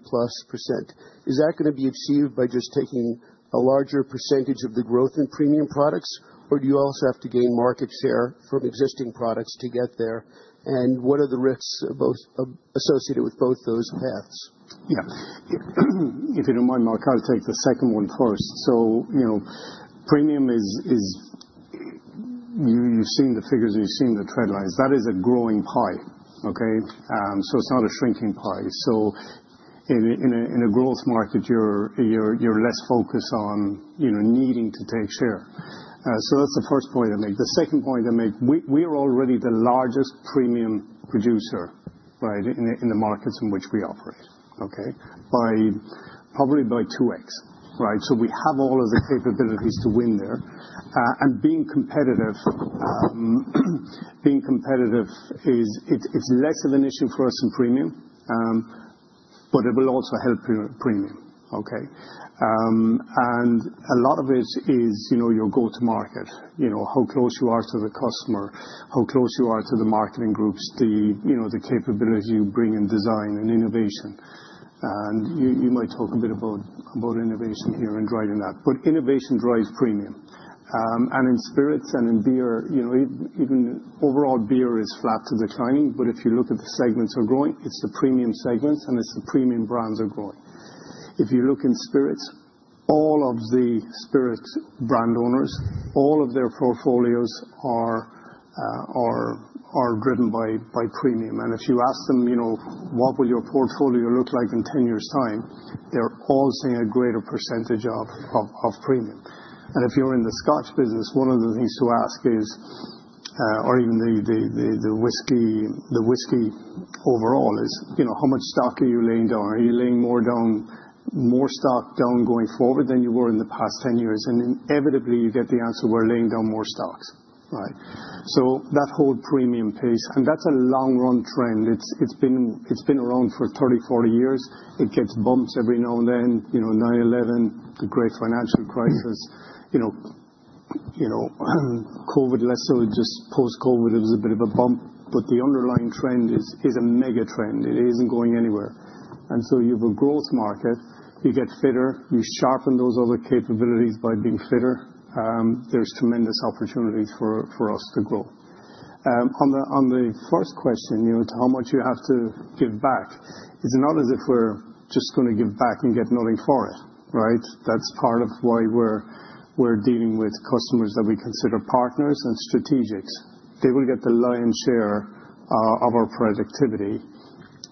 Is that going to be achieved by just taking a larger percentage of the growth in premium products, or do you also have to gain market share from existing products to get there? What are the risks associated with both those paths? Yeah. If you do not mind, Marc, I will take the second one first. Premium is you have seen the figures, and you have seen the trendlines. That is a growing pie. Okay? It is not a shrinking pie. In a growth market, you are less focused on needing to take share. That is the first point I make. The second point I make, we are already the largest premium producer, right, in the markets in which we operate, probably by 2X. Right? We have all of the capabilities to win there. Being competitive is less of an issue for us in premium, but it will also help premium. A lot of it is your go-to-market, how close you are to the customer, how close you are to the marketing groups, the capability you bring in design and innovation. You might talk a bit about innovation here and driving that. Innovation drives premium. In spirits and in beer, even overall beer is flat to declining. If you look at the segments that are growing, it is the premium segments, and it is the premium brands that are growing. If you look in spirits, all of the spirit brand owners, all of their portfolios are driven by premium. If you ask them, "What will your portfolio look like in 10 years' time?" they are all saying a greater percentage of premium. If you are in the scotch business, one of the things to ask is, or even whiskey overall, is how much stock are you laying down? Are you laying more stock down going forward than you were in the past 10 years? Inevitably, you get the answer, "We are laying down more stocks." Right? That whole premium piece, and that's a long-run trend. It's been around for 30, 40 years. It gets bumps every now and then. 9/11, the Great Financial Crisis, COVID less so. Just post-COVID, it was a bit of a bump. The underlying trend is a mega trend. It isn't going anywhere. You have a growth market. You get fitter. You sharpen those other capabilities by being fitter. There's tremendous opportunities for us to grow. On the first question, how much you have to give back, it's not as if we're just going to give back and get nothing for it. Right? That's part of why we're dealing with customers that we consider partners and strategics. They will get the lion's share of our productivity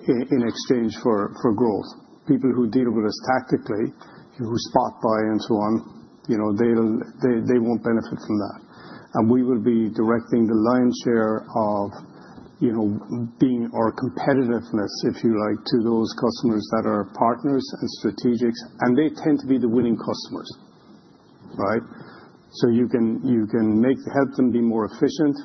in exchange for growth. People who deal with us tactically, who spot buy and so on, they won't benefit from that. We will be directing the lion's share of being our competitiveness, if you like, to those customers that are partners and strategics. They tend to be the winning customers. Right? You can help them be more efficient,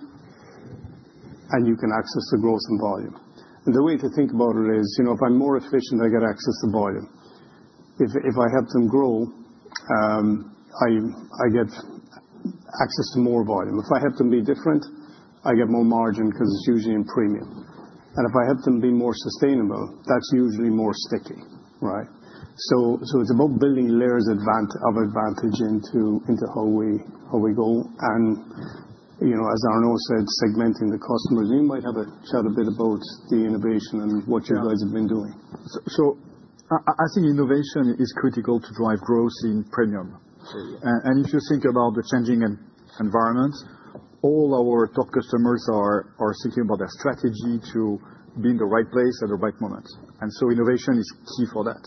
and you can access the growth and volume. The way to think about it is, if I'm more efficient, I get access to volume. If I help them grow, I get access to more volume. If I help them be different, I get more margin because it's usually in premium. If I help them be more sustainable, that's usually more sticky. Right? It's about building layers of advantage into how we go. As Arnaud said, segmenting the customers. You might have a shout a bit about the innovation and what you guys have been doing. I think innovation is critical to drive growth in premium. If you think about the changing environment, all our top customers are thinking about their strategy to be in the right place at the right moment. Innovation is key for that.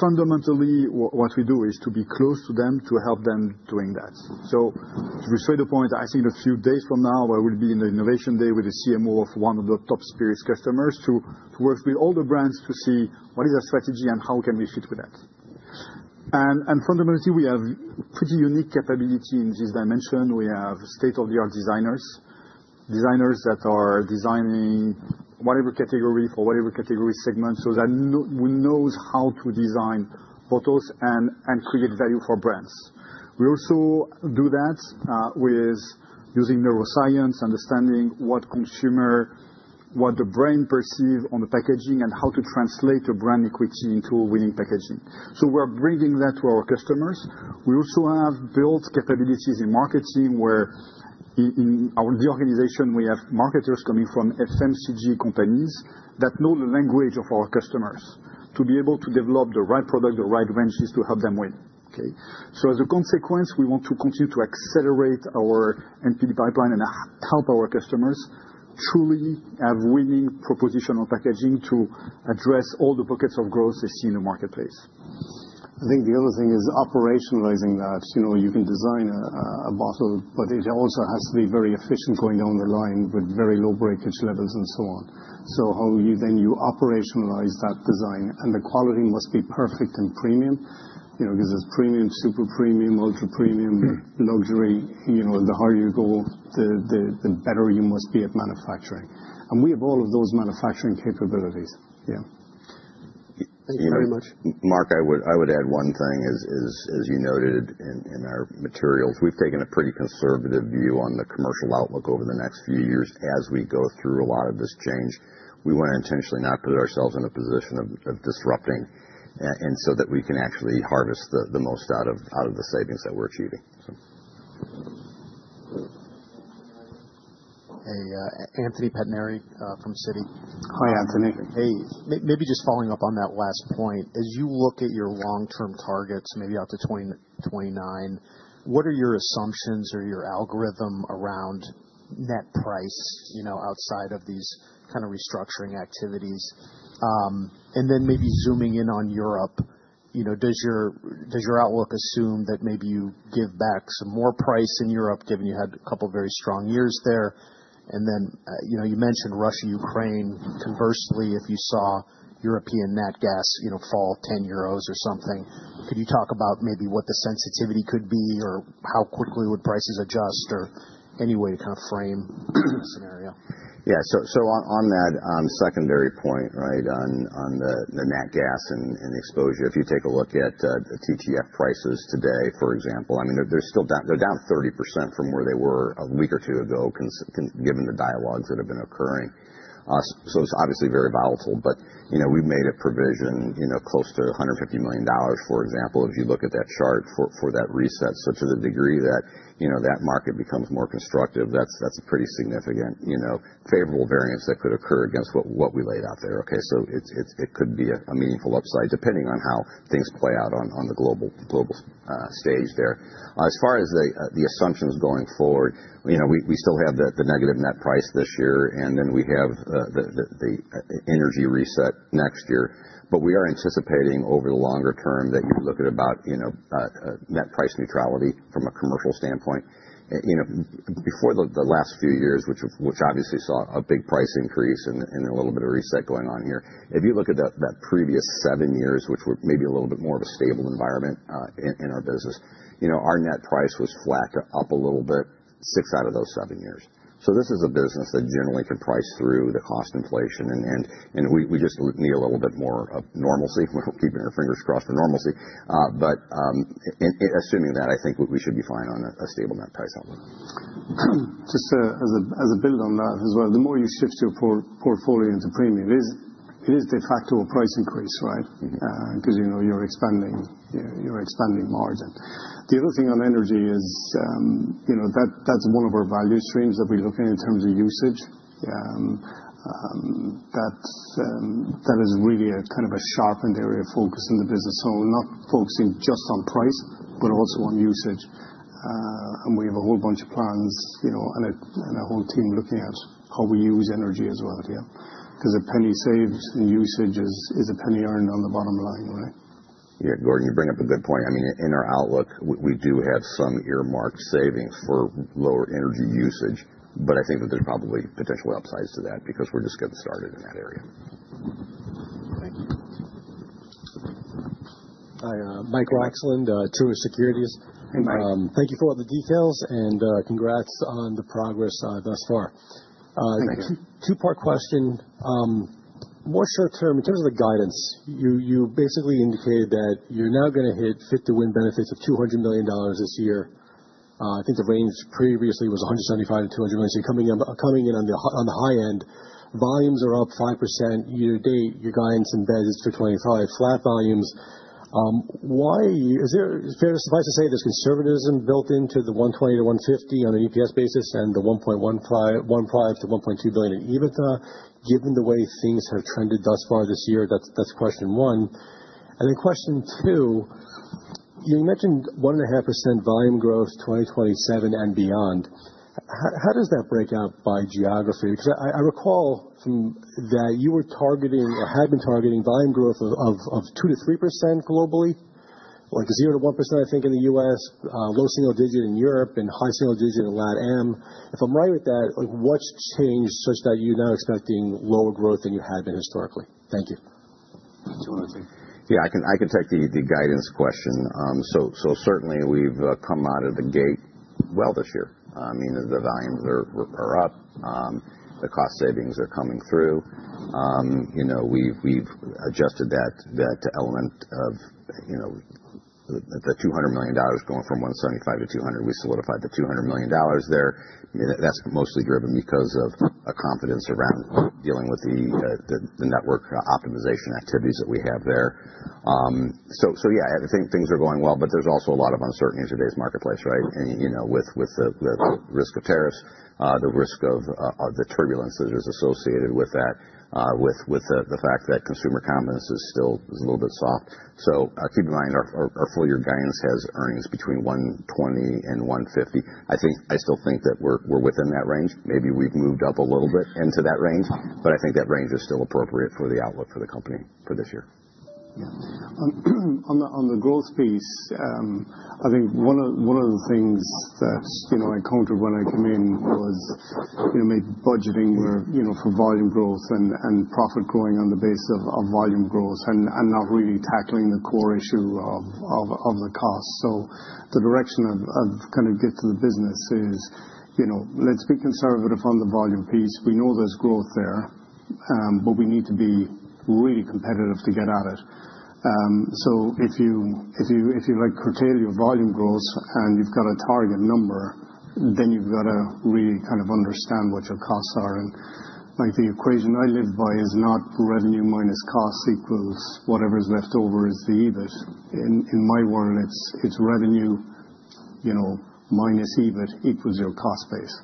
Fundamentally, what we do is to be close to them to help them doing that. To restore the point, I think in a few days from now, there will be an innovation day with a CMO of one of the top spirits customers to work with all the brands to see what is our strategy and how can we fit with that. Fundamentally, we have pretty unique capability in this dimension. We have state-of-the-art designers, designers that are designing for whatever category segment. That one knows how to design bottles and create value for brands. We also do that with using neuroscience, understanding what consumer, what the brain perceives on the packaging, and how to translate a brand equity into winning packaging. We are bringing that to our customers. We also have built capabilities in marketing where in the organization, we have marketers coming from FMCG companies that know the language of our customers to be able to develop the right product, the right ranges to help them win. Okay? As a consequence, we want to continue to accelerate our NPD pipeline and help our customers truly have winning propositions on packaging to address all the buckets of growth they see in the marketplace. I think the other thing is operationalizing that. You can design a bottle, but it also has to be very efficient going down the line with very low breakage levels and so on. How then you operationalize that design. The quality must be perfect and premium because it's premium, super premium, ultra premium, luxury. The higher you go, the better you must be at manufacturing. We have all of those manufacturing capabilities. Yeah. Thank you very much. Marc, I would add one thing. As you noted in our materials, we've taken a pretty conservative view on the commercial outlook over the next few years as we go through a lot of this change. We want to intentionally not put ourselves in a position of disrupting and so that we can actually harvest the most out of the savings that we're achieving. Hey, Anthony Pettinari from Citi. Hi, Anthony. Hey. Maybe just following up on that last point. As you look at your long-term targets, maybe out to 2029, what are your assumptions or your algorithm around net price outside of these kind of restructuring activities? Maybe zooming in on Europe, does your outlook assume that maybe you give back some more price in Europe, given you had a couple of very strong years there? You mentioned Russia, Ukraine. Conversely, if you saw European natural gas fall 10 euros or something, could you talk about maybe what the sensitivity could be or how quickly would prices adjust or any way to kind of frame the scenario? Yeah. On that secondary point, right, on the natural gas and exposure, if you take a look at TTF prices today, for example, I mean, they're down 30% from where they were a week or two ago, given the dialogues that have been occurring. It's obviously very volatile. We've made a provision close to $150 million, for example, if you look at that chart for that reset, such to the degree that that market becomes more constructive, that's a pretty significant favorable variance that could occur against what we laid out there. It could be a meaningful upside depending on how things play out on the global stage there. As far as the assumptions going forward, we still have the negative net price this year, and then we have the energy reset next year. We are anticipating over the longer term that you look at about net price neutrality from a commercial standpoint. Before the last few years, which obviously saw a big price increase and a little bit of reset going on here, if you look at that previous seven years, which were maybe a little bit more of a stable environment in our business, our net price was flat to up a little bit six out of those seven years. This is a business that generally can price through the cost inflation. We just need a little bit more of normalcy. We're keeping our fingers crossed for normalcy. Assuming that, I think we should be fine on a stable net price outlook. Just as a build on that as well, the more you shift your portfolio into premium, it is de facto a price increase, right, because you're expanding margin. The other thing on energy is that's one of our value streams that we're looking at in terms of usage. That is really a kind of a sharpened area of focus in the business. Not focusing just on price, but also on usage. We have a whole bunch of plans and a whole team looking at how we use energy as well here because a penny saved in usage is a penny earned on the bottom line. Right? Yeah. Gordon, you bring up a good point. I mean, in our outlook, we do have some earmarked savings for lower energy usage. I think that there's probably potential upsides to that because we're just getting started in that area. Thank you. Hi. Michael Roxland, Truist Securities. Hey, Mike. Thank you for all the details, and congrats on the progress thus far. Thank you. Two-part question. More short-term, in terms of the guidance, you basically indicated that you're now going to hit Fit to Win benefits of $200 million this year. I think the range previously was $175 million-$200 million, so you're coming in on the high end. Volumes are up 5% year to date. Your guidance embeds for 2025, flat volumes. Is it fair to suffice to say there's conservatism built into the $1.20-$1.50 on an EPS basis and the $1.15 billion-$1.2 billion in EBITDA, given the way things have trended thus far this year? That's question one. Question two, you mentioned 1.5% volume growth 2027 and beyond. How does that break out by geography? Because I recall that you were targeting or had been targeting volume growth of 2-3% globally, like 0-1%, I think, in the U.S., low single digit in Europe, and high single digit in LatAm. If I'm right with that, what's changed such that you're now expecting lower growth than you had been historically? Thank you. Yeah. I can take the guidance question. Certainly, we've come out of the gate well this year. I mean, the volumes are up. The cost savings are coming through. We've adjusted that element of the $200 million going from $175 million to $200 million. We solidified the $200 million there. That's mostly driven because of confidence around dealing with the network optimization activities that we have there. Yeah, I think things are going well, but there's also a lot of uncertainty in today's marketplace, right, with the risk of tariffs, the risk of the turbulence that is associated with that, with the fact that consumer confidence is still a little bit soft. Keep in mind, our full-year guidance has earnings between $120 million and $150 million. I still think that we're within that range. Maybe we've moved up a little bit into that range, but I think that range is still appropriate for the outlook for the company for this year. Yeah. On the growth piece, I think one of the things that I encountered when I came in was maybe budgeting for volume growth and profit growing on the base of volume growth and not really tackling the core issue of the cost. The direction of kind of get to the business is let's be conservative on the volume piece. We know there's growth there, but we need to be really competitive to get at it. If you curtail your volume growth and you've got a target number, then you've got to really kind of understand what your costs are. The equation I live by is not revenue minus cost equals whatever's left over is the EBIT. In my world, it's revenue minus EBIT equals your cost base.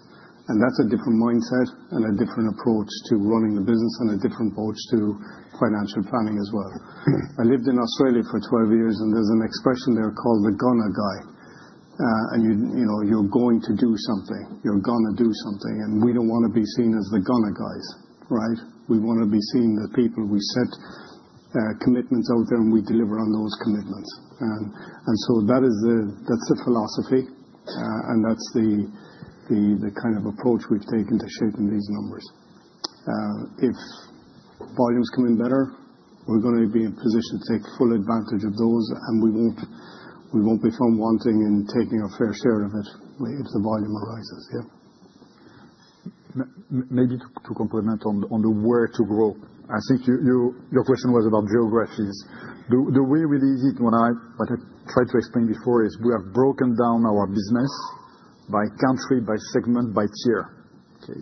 That's a different mindset and a different approach to running the business and a different approach to financial planning as well. I lived in Australia for 12 years, and there's an expression there called the gunna guy. You're going to do something. You're going to do something. We don't want to be seen as the gunna guys, right? We want to be seen as people. We set commitments out there, and we deliver on those commitments. That's the philosophy, and that's the kind of approach we've taken to shaping these numbers. If volumes come in better, we're going to be in a position to take full advantage of those, and we won't be found wanting and taking a fair share of it if the volume arises. Yeah. Maybe to complement on the where to grow, I think your question was about geographies. The way we did it, what I tried to explain before is we have broken down our business by country, by segment, by tier. Okay?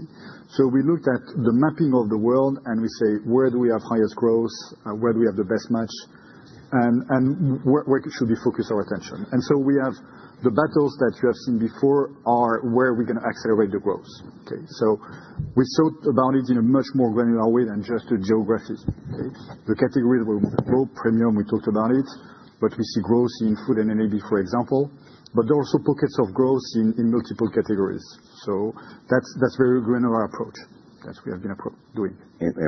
We looked at the mapping of the world, and we say, where do we have highest growth? Where do we have the best match? Where should we focus our attention? The battles that you have seen before are where we're going to accelerate the growth. Okay? We thought about it in a much more granular way than just a geography. Okay? The categories where we want to grow, premium, we talked about it. We see growth in food and LAB, for example. There are also pockets of growth in multiple categories. That is a very granular approach that we have been doing.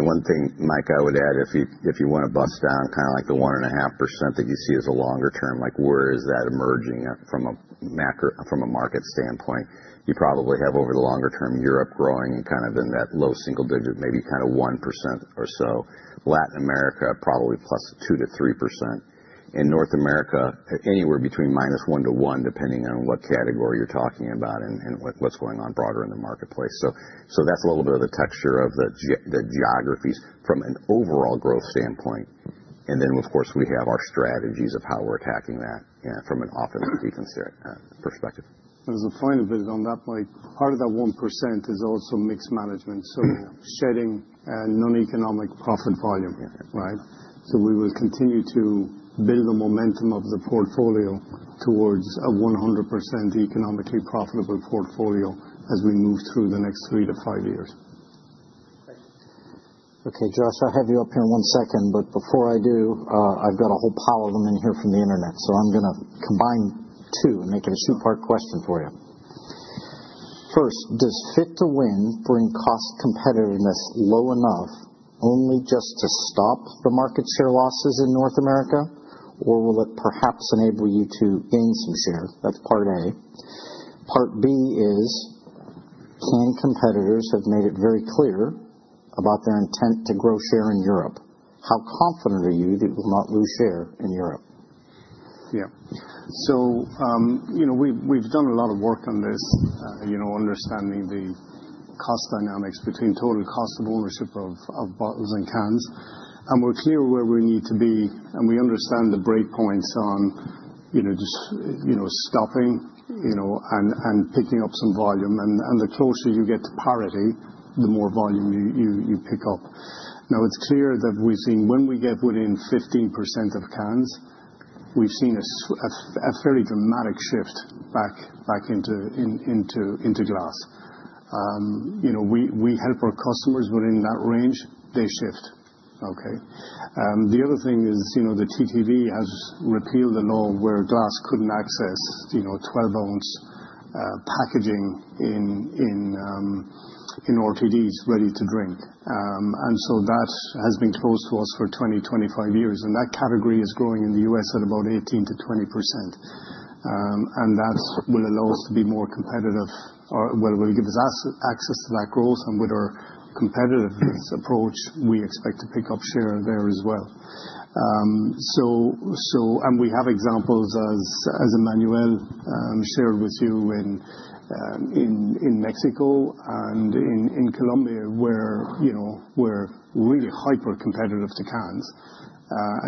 One thing, Mike, I would add, if you want to bust down kind of like the 1.5% that you see as a longer term, where is that emerging from a market standpoint? You probably have over the longer term, Europe growing kind of in that low single digit, maybe kind of 1% or so. Latin America, probably plus 2-3%. In North America, anywhere between minus 1 to 1, depending on what category you're talking about and what's going on broader in the marketplace. That is a little bit of the texture of the geographies from an overall growth standpoint. Of course, we have our strategies of how we're attacking that from an office and consumer perspective. There's a point of it on that, Mike. Part of that 1% is also mix management, so shedding non-economic profit volume, right? We will continue to build the momentum of the portfolio towards a 100% economically profitable portfolio as we move through the next three to five years. Okay. Josh, I have you up here in one second. Before I do, I've got a whole pile of them in here from the internet. I'm going to combine two and make it a two-part question for you. First, does Fit to Win bring cost competitiveness low enough only just to stop the market share losses in North America, or will it perhaps enable you to gain some share? That's part A. Part B is, competitors have made it very clear about their intent to grow share in Europe. How confident are you that you will not lose share in Europe? Yeah. We have done a lot of work on this, understanding the cost dynamics between total cost of ownership of bottles and cans. We are clear where we need to be. We understand the breakpoints on just stopping and picking up some volume. The closer you get to parity, the more volume you pick up. It is clear that we have seen when we get within 15% of cans, we have seen a fairly dramatic shift back into glass. We help our customers within that range. They shift. The other thing is the TTB has repealed the law where glass could not access 12-ounce packaging in RTDs, ready to drink. That has been closed to us for 20-25 years. That category is growing in the U.S. at about 18%-20%. That will allow us to be more competitive. We will give us access to that growth. With our competitiveness approach, we expect to pick up share there as well. We have examples, as Emmanuelle shared with you, in Mexico and in Colombia where we're really hyper-competitive to cans.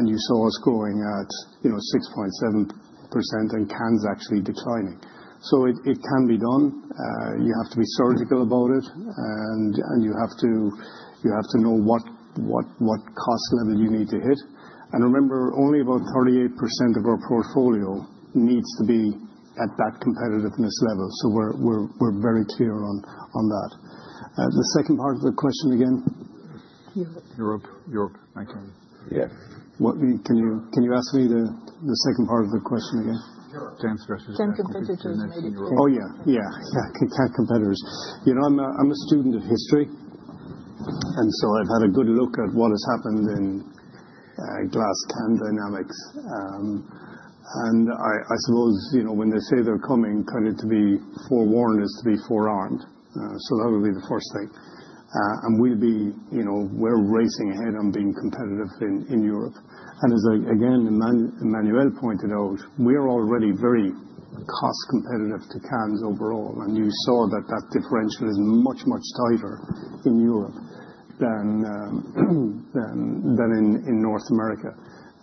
You saw us growing at 6.7% and cans actually declining. It can be done. You have to be surgical about it. You have to know what cost level you need to hit. Remember, only about 38% of our portfolio needs to be at that competitiveness level. We're very clear on that. The second part of the question again? Europe. Europe. Thank you. Yeah. Can you ask me the second part of the question again? Chance competitors. Chance competitors. Oh, yeah. Yeah. Yeah. Chance competitors. I'm a student of history. I have had a good look at what has happened in glass can dynamics. I suppose when they say they're coming, kind of forewarned is to be forearmed. That would be the first thing. We're racing ahead on being competitive in Europe. As Emmanuelle pointed out, we are already very cost competitive to cans overall. You saw that the differential is much, much tighter in Europe than in North America.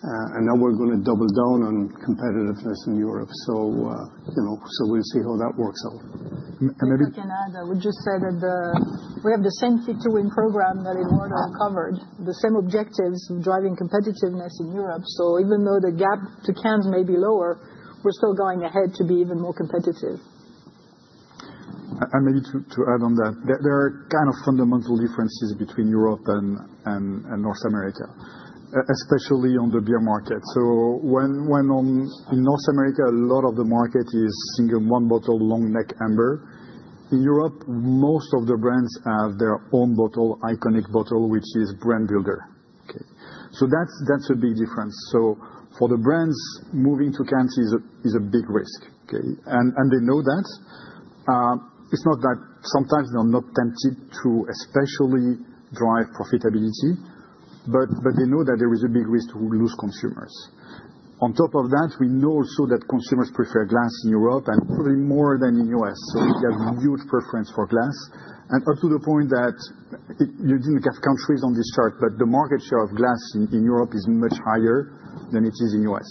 Now we're going to double down on competitiveness in Europe. We'll see how that works out. Maybe. I can add. I would just say that we have the same Fit to Win program that Eduardo covered, the same objectives of driving competitiveness in Europe. Even though the gap to cans may be lower, we're still going ahead to be even more competitive. Maybe to add on that, there are kind of fundamental differences between Europe and North America, especially on the beer market. In North America, a lot of the market is single one-bottle long neck amber. In Europe, most of the brands have their own bottle, iconic bottle, which is brand builder. Okay? That is a big difference. For the brands, moving to cans is a big risk. Okay? They know that. It's not that sometimes they're not tempted to especially drive profitability, but they know that there is a big risk to lose consumers. On top of that, we know also that consumers prefer glass in Europe and probably more than in the U.S. We have a huge preference for glass. Up to the point that you did not have countries on this chart, but the market share of glass in Europe is much higher than it is in the U.S.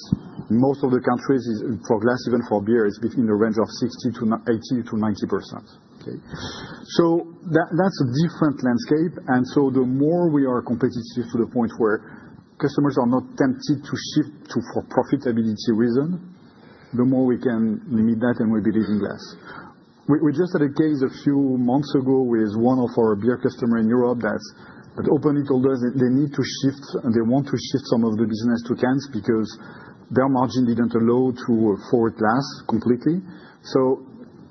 Most of the countries for glass, even for beer, is between the range of 60-80-90%. Okay? That is a different landscape. The more we are competitive to the point where customers are not tempted to shift for profitability reasons, the more we can limit that, and we will be leaving glass. We just had a case a few months ago with one of our beer customers in Europe that openly told us they need to shift, and they want to shift some of the business to cans because their margin did not allow to afford glass completely.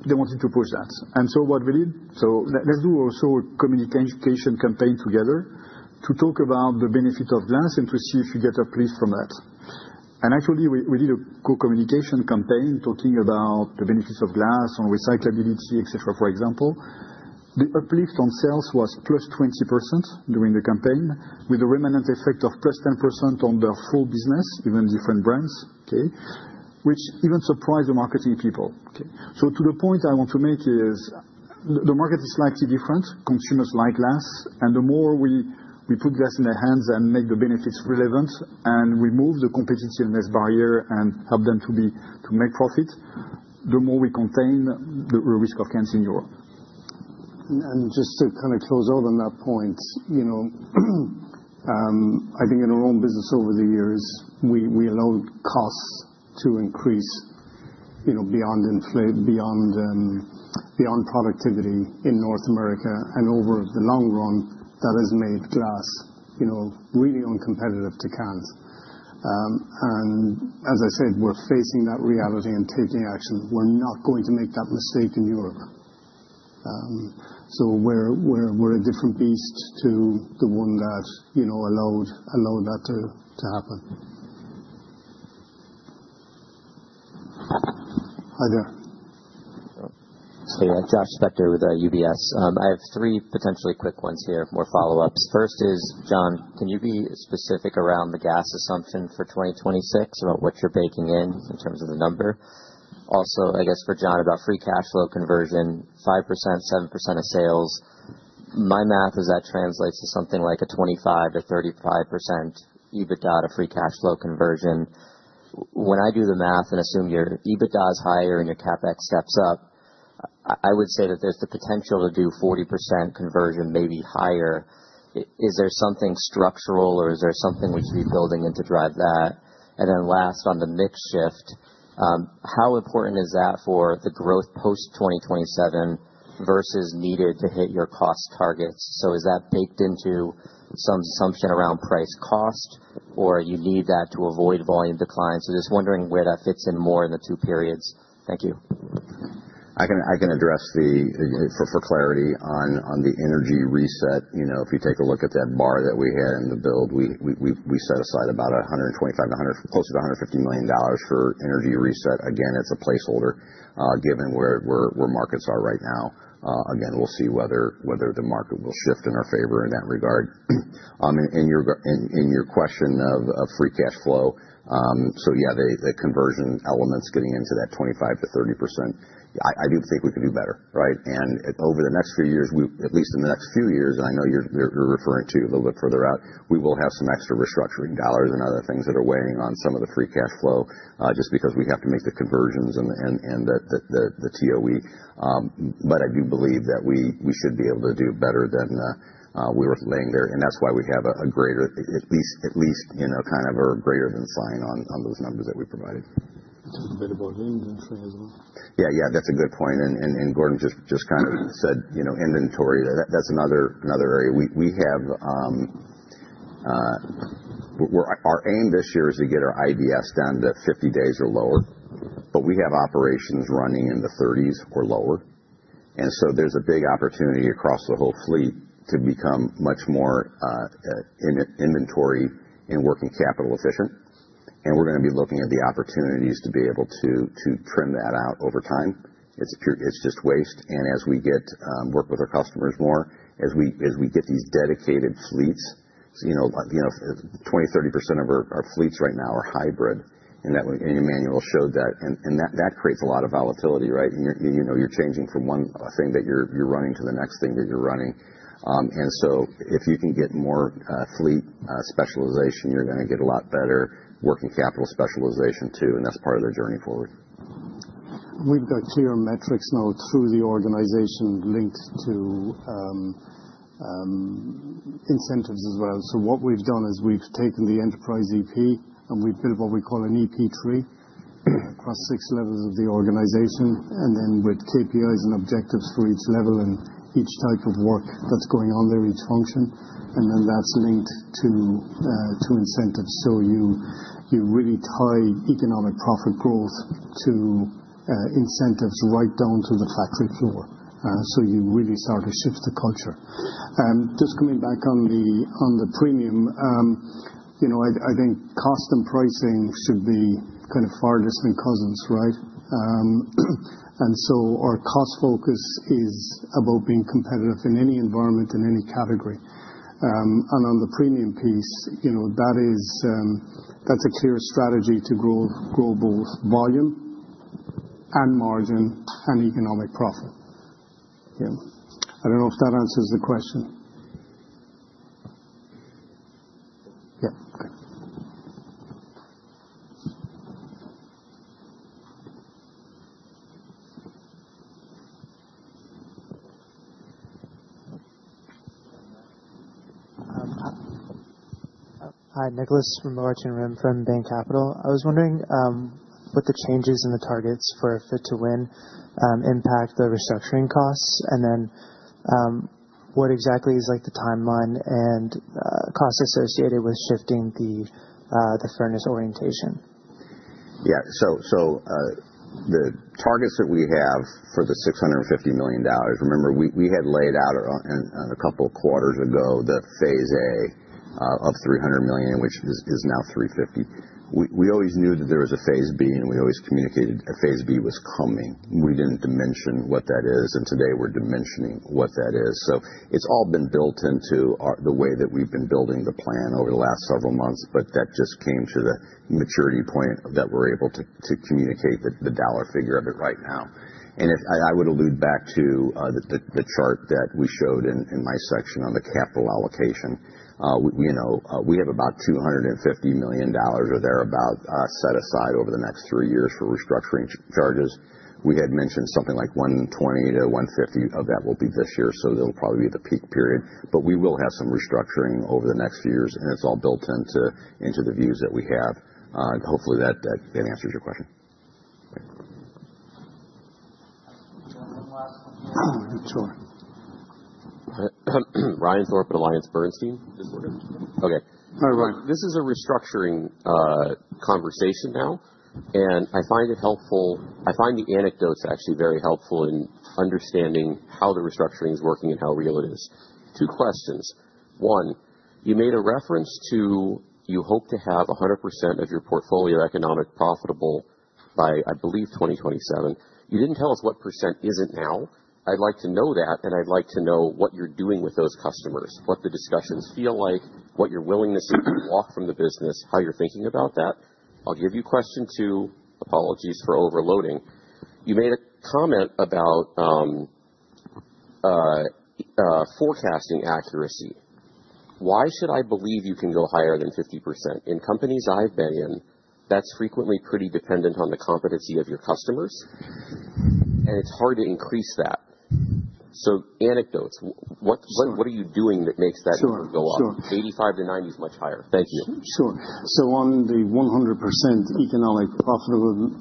They wanted to push that. What we did, we also did a communication campaign together to talk about the benefit of glass and to see if you get uplift from that. Actually, we did a co-communication campaign talking about the benefits of glass on recyclability, for example. The uplift on sales was +20% during the campaign, with a remanent effect of +10% on their full business, even different brands, which even surprised the marketing people. The point I want to make is the market is slightly different. Consumers like glass. The more we put glass in their hands and make the benefits relevant and remove the competitiveness barrier and help them to make profit, the more we contain the risk of cans in Europe. To kind of close out on that point, I think in our own business over the years, we allowed costs to increase beyond productivity in North America. Over the long run, that has made glass really uncompetitive to cans. As I said, we're facing that reality and taking action. We're not going to make that mistake in Europe. We're a different beast to the one that allowed that to happen. Hi there. Hi, Josh Spector with UBS. I have three potentially quick ones here, more follow-ups. First is, John, can you be specific around the gas assumption for 2026 about what you're baking in in terms of the number? Also, I guess for John, about free cash flow conversion, 5%-7% of sales. My math is that translates to something like a 25%-35% EBITDA to free cash flow conversion. When I do the math and assume your EBITDA is higher and your CapEx steps up, I would say that there's the potential to do 40% conversion, maybe higher. Is there something structural, or is there something which you're building in to drive that? Last, on the mix shift, how important is that for the growth post-2027 versus needed to hit your cost targets? Is that baked into some assumption around price cost, or you need that to avoid volume decline? Just wondering where that fits in more in the two periods. Thank you. I can address for clarity on the energy reset. If you take a look at that bar that we had in the build, we set aside about $125 million to close to $150 million for energy reset. Again, it's a placeholder given where markets are right now. Again, we'll see whether the market will shift in our favor in that regard. In your question of free cash flow, yeah, the conversion elements getting into that 25%-30%, I do think we could do better, right? Over the next few years, at least in the next few years, and I know you're referring to a little bit further out, we will have some extra restructuring dollars and other things that are weighing on some of the free cash flow just because we have to make the conversions and the TOE. I do believe that we should be able to do better than we were laying there. That is why we have a greater, at least kind of a greater than sign on those numbers that we provided. It's a bit about inventory as well. Yeah, yeah. That's a good point. Gordon just kind of said inventory. That's another area. Our aim this year is to get our IBS down to 50 days or lower. We have operations running in the 30s or lower. There is a big opportunity across the whole fleet to become much more inventory and working capital efficient. We are going to be looking at the opportunities to be able to trim that out over time. It's just waste. As we work with our customers more, as we get these dedicated fleets, 20%-30% of our fleets right now are hybrid. Emmanuelle showed that. That creates a lot of volatility, right? You're changing from one thing that you're running to the next thing that you're running. If you can get more fleet specialization, you're going to get a lot better working capital specialization too. That's part of their journey forward. We've got clear metrics now through the organization linked to incentives as well. What we've done is we've taken the enterprise EP, and we've built what we call an EP tree across six levels of the organization. Then with KPIs and objectives for each level and each type of work that's going on there, each function. That is linked to incentives. You really tie economic profit growth to incentives right down to the factory floor. You really start to shift the culture. Just coming back on the premium, I think cost and pricing should be kind of farthest and cousins, right? Our cost focus is about being competitive in any environment, in any category. On the premium piece, that's a clear strategy to grow both volume and margin and economic profit. Yeah. I don't know if that answers the question. Yeah. Okay. Hi, Nicholas Mouradian from Bain Capital. I was wondering what the changes in the targets for Fit to Win impact the restructuring costs, and then what exactly is the timeline and cost associated with shifting the furnace orientation? Yeah. The targets that we have for the $650 million, remember, we had laid out a couple of quarters ago the phase A of $300 million, which is now $350 million. We always knew that there was a phase B, and we always communicated a phase B was coming. We did not dimension what that is. Today, we are dimensioning what that is. It has all been built into the way that we have been building the plan over the last several months, but that just came to the maturity point that we are able to communicate the dollar figure of it right now. I would allude back to the chart that we showed in my section on the capital allocation. We have about $250 million or thereabout set aside over the next three years for restructuring charges. We had mentioned something like $120 million-$150 million of that will be this year. There will probably be the peak period. We will have some restructuring over the next few years, and it is all built into the views that we have. Hopefully, that answers your question. One last question. Sure. Ryan Thorpe at AllianceBernstein. This morning? Yep. Okay. All right, Ryan. This is a restructuring conversation now. I find it helpful. I find the anecdotes actually very helpful in understanding how the restructuring is working and how real it is. Two questions. One, you made a reference to you hope to have 100% of your portfolio economic profitable by, I believe, 2027. You did not tell us what percent is not now. I would like to know that, and I would like to know what you are doing with those customers, what the discussions feel like, what your willingness is to walk from the business, how you are thinking about that. I will give you question two. Apologies for overloading. You made a comment about forecasting accuracy. Why should I believe you can go higher than 50%? In companies I have been in, that is frequently pretty dependent on the competency of your customers, and it is hard to increase that. So anecdotes. What are you doing that makes that number go up? Sure. Sure. 85-90% is much higher. Thank you. Sure. On the 100% economic profitability,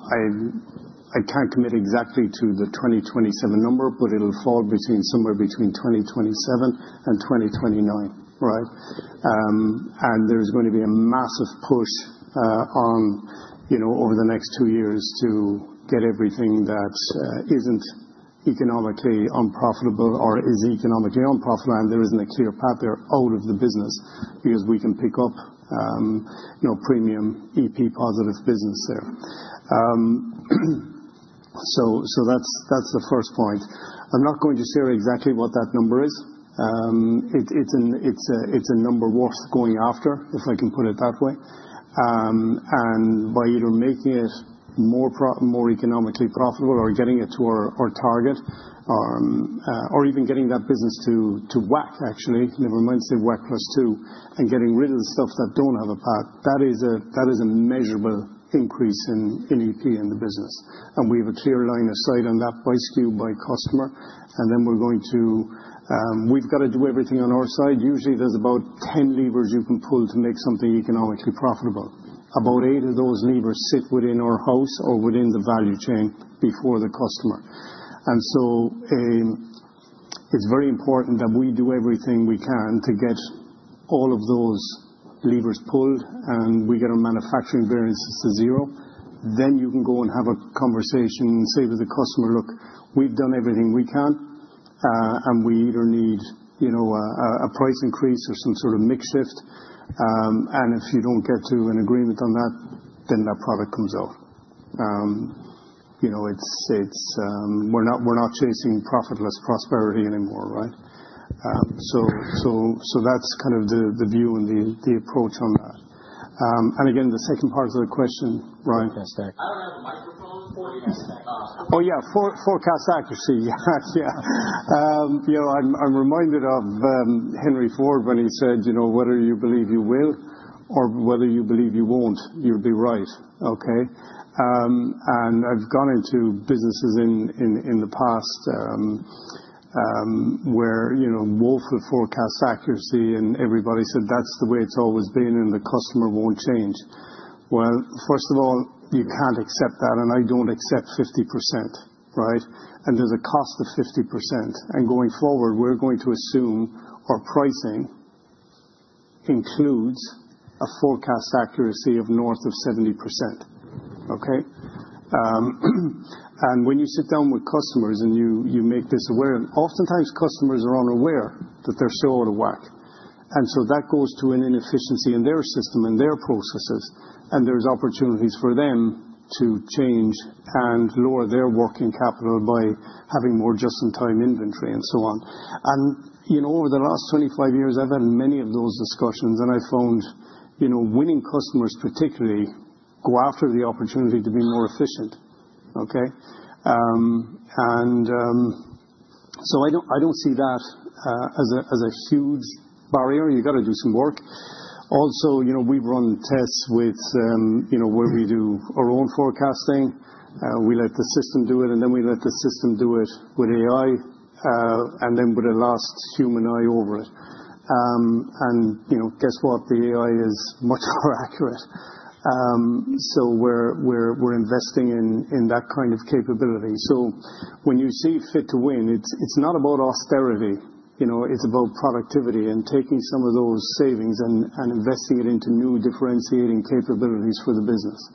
I can't commit exactly to the 2027 number, but it'll fall somewhere between 2027 and 2029, right? There's going to be a massive push over the next two years to get everything that isn't economically unprofitable or is economically unprofitable, and there isn't a clear path there out of the business because we can pick up premium EP-positive business there. That's the first point. I'm not going to share exactly what that number is. It's a number worth going after, if I can put it that way. By either making it more economically profitable or getting it to our target, or even getting that business to WACC, actually, never mind WACC +2%, and getting rid of the stuff that don't have a path, that is a measurable increase in EP in the business. We have a clear line of sight on that by SKU by customer. We have to do everything on our side. Usually, there are about 10 levers you can pull to make something economically profitable. About eight of those levers sit within our house or within the value chain before the customer. It is very important that we do everything we can to get all of those levers pulled, and we get our manufacturing variances to zero. You can go and have a conversation and say to the customer, "Look, we have done everything we can, and we either need a price increase or some sort of mix shift. If you do not get to an agreement on that, then that product comes out." We are not chasing profitless prosperity anymore, right? That is kind of the view and the approach on that. Again, the second part of the question, Ryan? Forecast accuracy. I don't have a microphone. Forecast accuracy. Oh, yeah. Forecast accuracy. Yeah. Yeah. I'm reminded of Henry Ford when he said, "Whatever you believe you will or whether you believe you won't, you'll be right." Okay? I've gone into businesses in the past where we've had forecast accuracy, and everybody said, "That's the way it's always been, and the customer won't change." First of all, you can't accept that. I don't accept 50%, right? There's a cost of 50%. Going forward, we're going to assume our pricing includes a forecast accuracy of north of 70%. Okay? When you sit down with customers and you make this aware, oftentimes, customers are unaware that they're so out of whack. That goes to an inefficiency in their system and their processes. There are opportunities for them to change and lower their working capital by having more just-in-time inventory and so on. Over the last 25 years, I've had many of those discussions. I found winning customers particularly go after the opportunity to be more efficient. Okay? I do not see that as a huge barrier. You got to do some work. Also, we've run tests where we do our own forecasting. We let the system do it, and then we let the system do it with AI, and then with a last human eye over it. Guess what? The AI is much more accurate. We are investing in that kind of capability. When you see Fit to Win, it's not about austerity. It's about productivity and taking some of those savings and investing it into new differentiating capabilities for the business.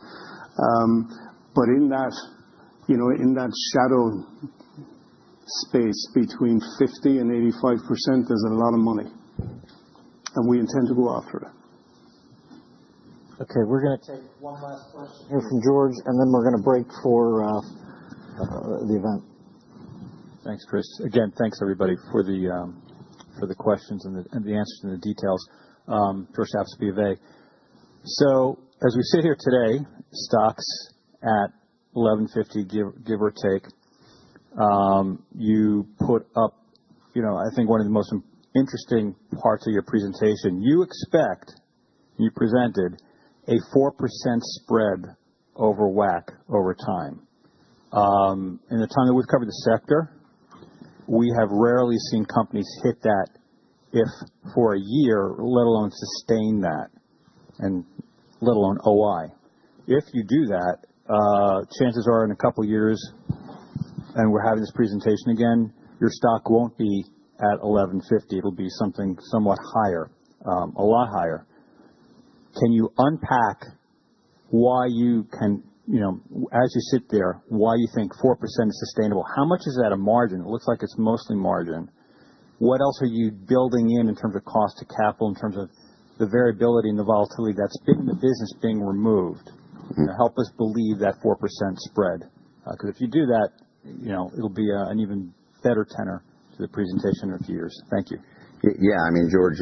In that shadow space between 50% and 85%, there's a lot of money. We intend to go after it. Okay. We're going to take one last question here from George, and then we're going to break for the event. Thanks, Chris. Again, thanks, everybody, for the questions and the answers and the details. First off, speed of A. As we sit here today, stock's at $11.50, give or take. You put up, I think, one of the most interesting parts of your presentation. You expect, you presented a 4% spread over WACC over time. In the time that we've covered the sector, we have rarely seen companies hit that if for a year, let alone sustain that, and let alone O-I. If you do that, chances are in a couple of years, and we're having this presentation again, your stock won't be at $11.50. It'll be something somewhat higher, a lot higher. Can you unpack why you can, as you sit there, why you think 4% is sustainable? How much is that a margin? It looks like it's mostly margin. What else are you building in in terms of cost to capital, in terms of the variability and the volatility that's being the business being removed to help us believe that 4% spread? Because if you do that, it'll be an even better tenor to the presentation in a few years. Thank you. Yeah. I mean, George,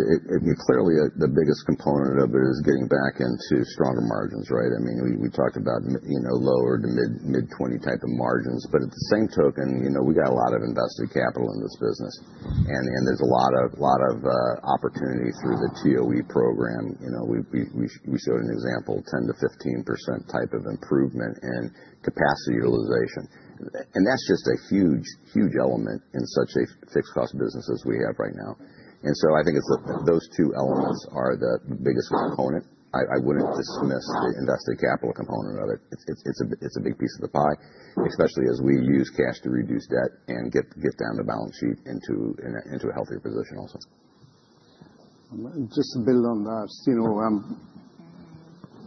clearly, the biggest component of it is getting back into stronger margins, right? I mean, we talked about lower to mid-20% type of margins. At the same token, we got a lot of invested capital in this business. There is a lot of opportunity through the TOE program. We showed an example, 10-15% type of improvement in capacity utilization. That is just a huge, huge element in such a fixed-cost business as we have right now. I think those two elements are the biggest component. I would not dismiss the invested capital component of it. It is a big piece of the pie, especially as we use cash to reduce debt and get down the balance sheet into a healthier position also. Just to build on that,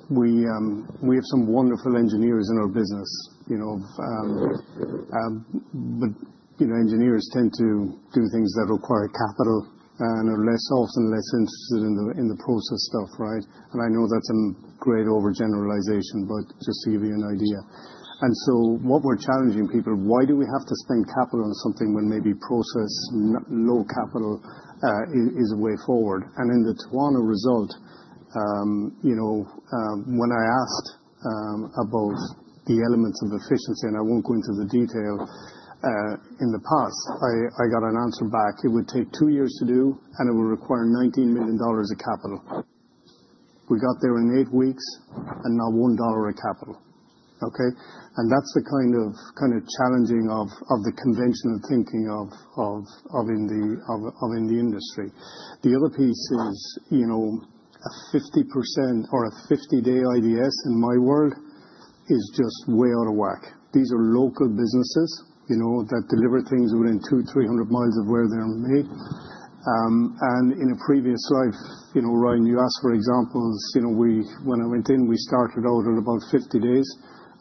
we have some wonderful engineers in our business. Engineers tend to do things that require capital and are less often less interested in the process stuff, right? I know that's a great overgeneralization, but just to give you an idea. What we're challenging people, why do we have to spend capital on something when maybe process, low capital is a way forward? In the Toano result, when I asked about the elements of efficiency, and I won't go into the detail, in the past, I got an answer back. It would take two years to do, and it would require $19 million of capital. We got there in eight weeks, and now $1 of capital. Okay? That's the kind of challenging of the conventional thinking of in the industry. The other piece is a 50% or a 50-day IDS in my world is just way out of whack. These are local businesses that deliver things within 200, 300 mi of where they're made. In a previous life, Ryan, you asked for examples. When I went in, we started out at about 50 days,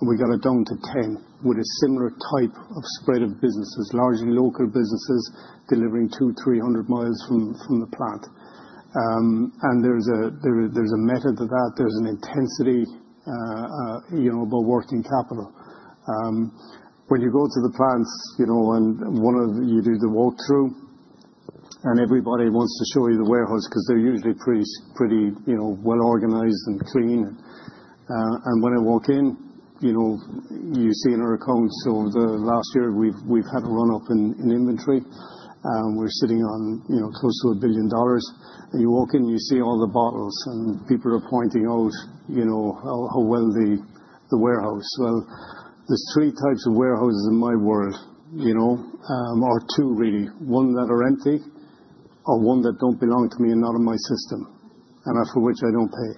and we got it down to 10 with a similar type of spread of businesses, largely local businesses delivering 200, 300 mi from the plant. There's a method to that. There's an intensity about working capital. You go to the plants and you do the walk-through, and everybody wants to show you the warehouse because they're usually pretty well-organized and clean. When I walk in, you see in our accounts over the last year, we've had a run-up in inventory. We're sitting on close to $1 billion. You walk in, you see all the bottles, and people are pointing out how well the warehouse. There are three types of warehouses in my world, or two really, one that are empty or one that do not belong to me and not in my system, and for which I do not pay.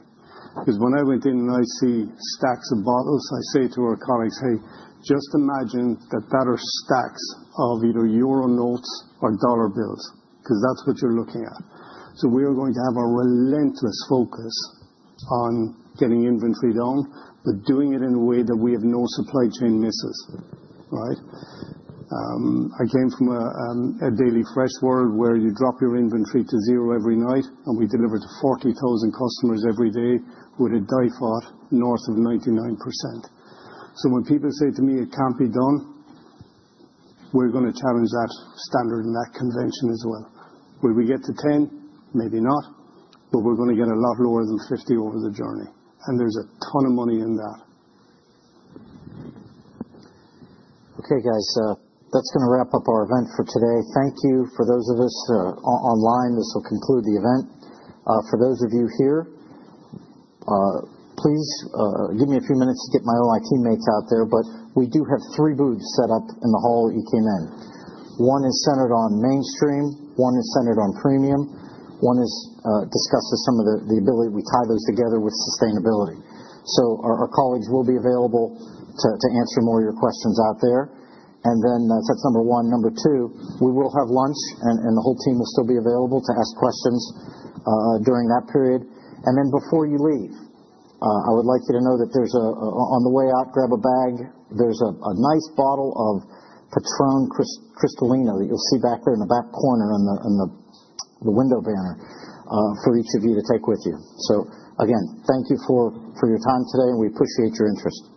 Because when I went in and I see stacks of bottles, I say to our colleagues, "Hey, just imagine that that are stacks of either euro notes or dollar bills because that is what you are looking at." We are going to have a relentless focus on getting inventory down, but doing it in a way that we have no supply chain misses, right? I came from a daily fresh world where you drop your inventory to zero every night, and we deliver to 40,000 customers every day with a DIFOT north of 99%. When people say to me, "It can't be done," we're going to challenge that standard and that convention as well. Will we get to 10? Maybe not, but we're going to get a lot lower than 50 over the journey. There's a ton of money in that. Okay, guys. That's going to wrap up our event for today. Thank you. For those of us online, this will conclude the event. For those of you here, please give me a few minutes to get my O-I teammates out there. We do have three booths set up in the hall at EKN. One is centered on mainstream. One is centered on premium. One discusses some of the ability we tie those together with sustainability. Our colleagues will be available to answer more of your questions out there. That's number one. Number two, we will have lunch, and the whole team will still be available to ask questions during that period. Before you leave, I would like you to know that on the way out, grab a bag. is a nice bottle of Patrón Cristalino that you will see back there in the back corner on the window banner for each of you to take with you. Again, thank you for your time today, and we appreciate your interest.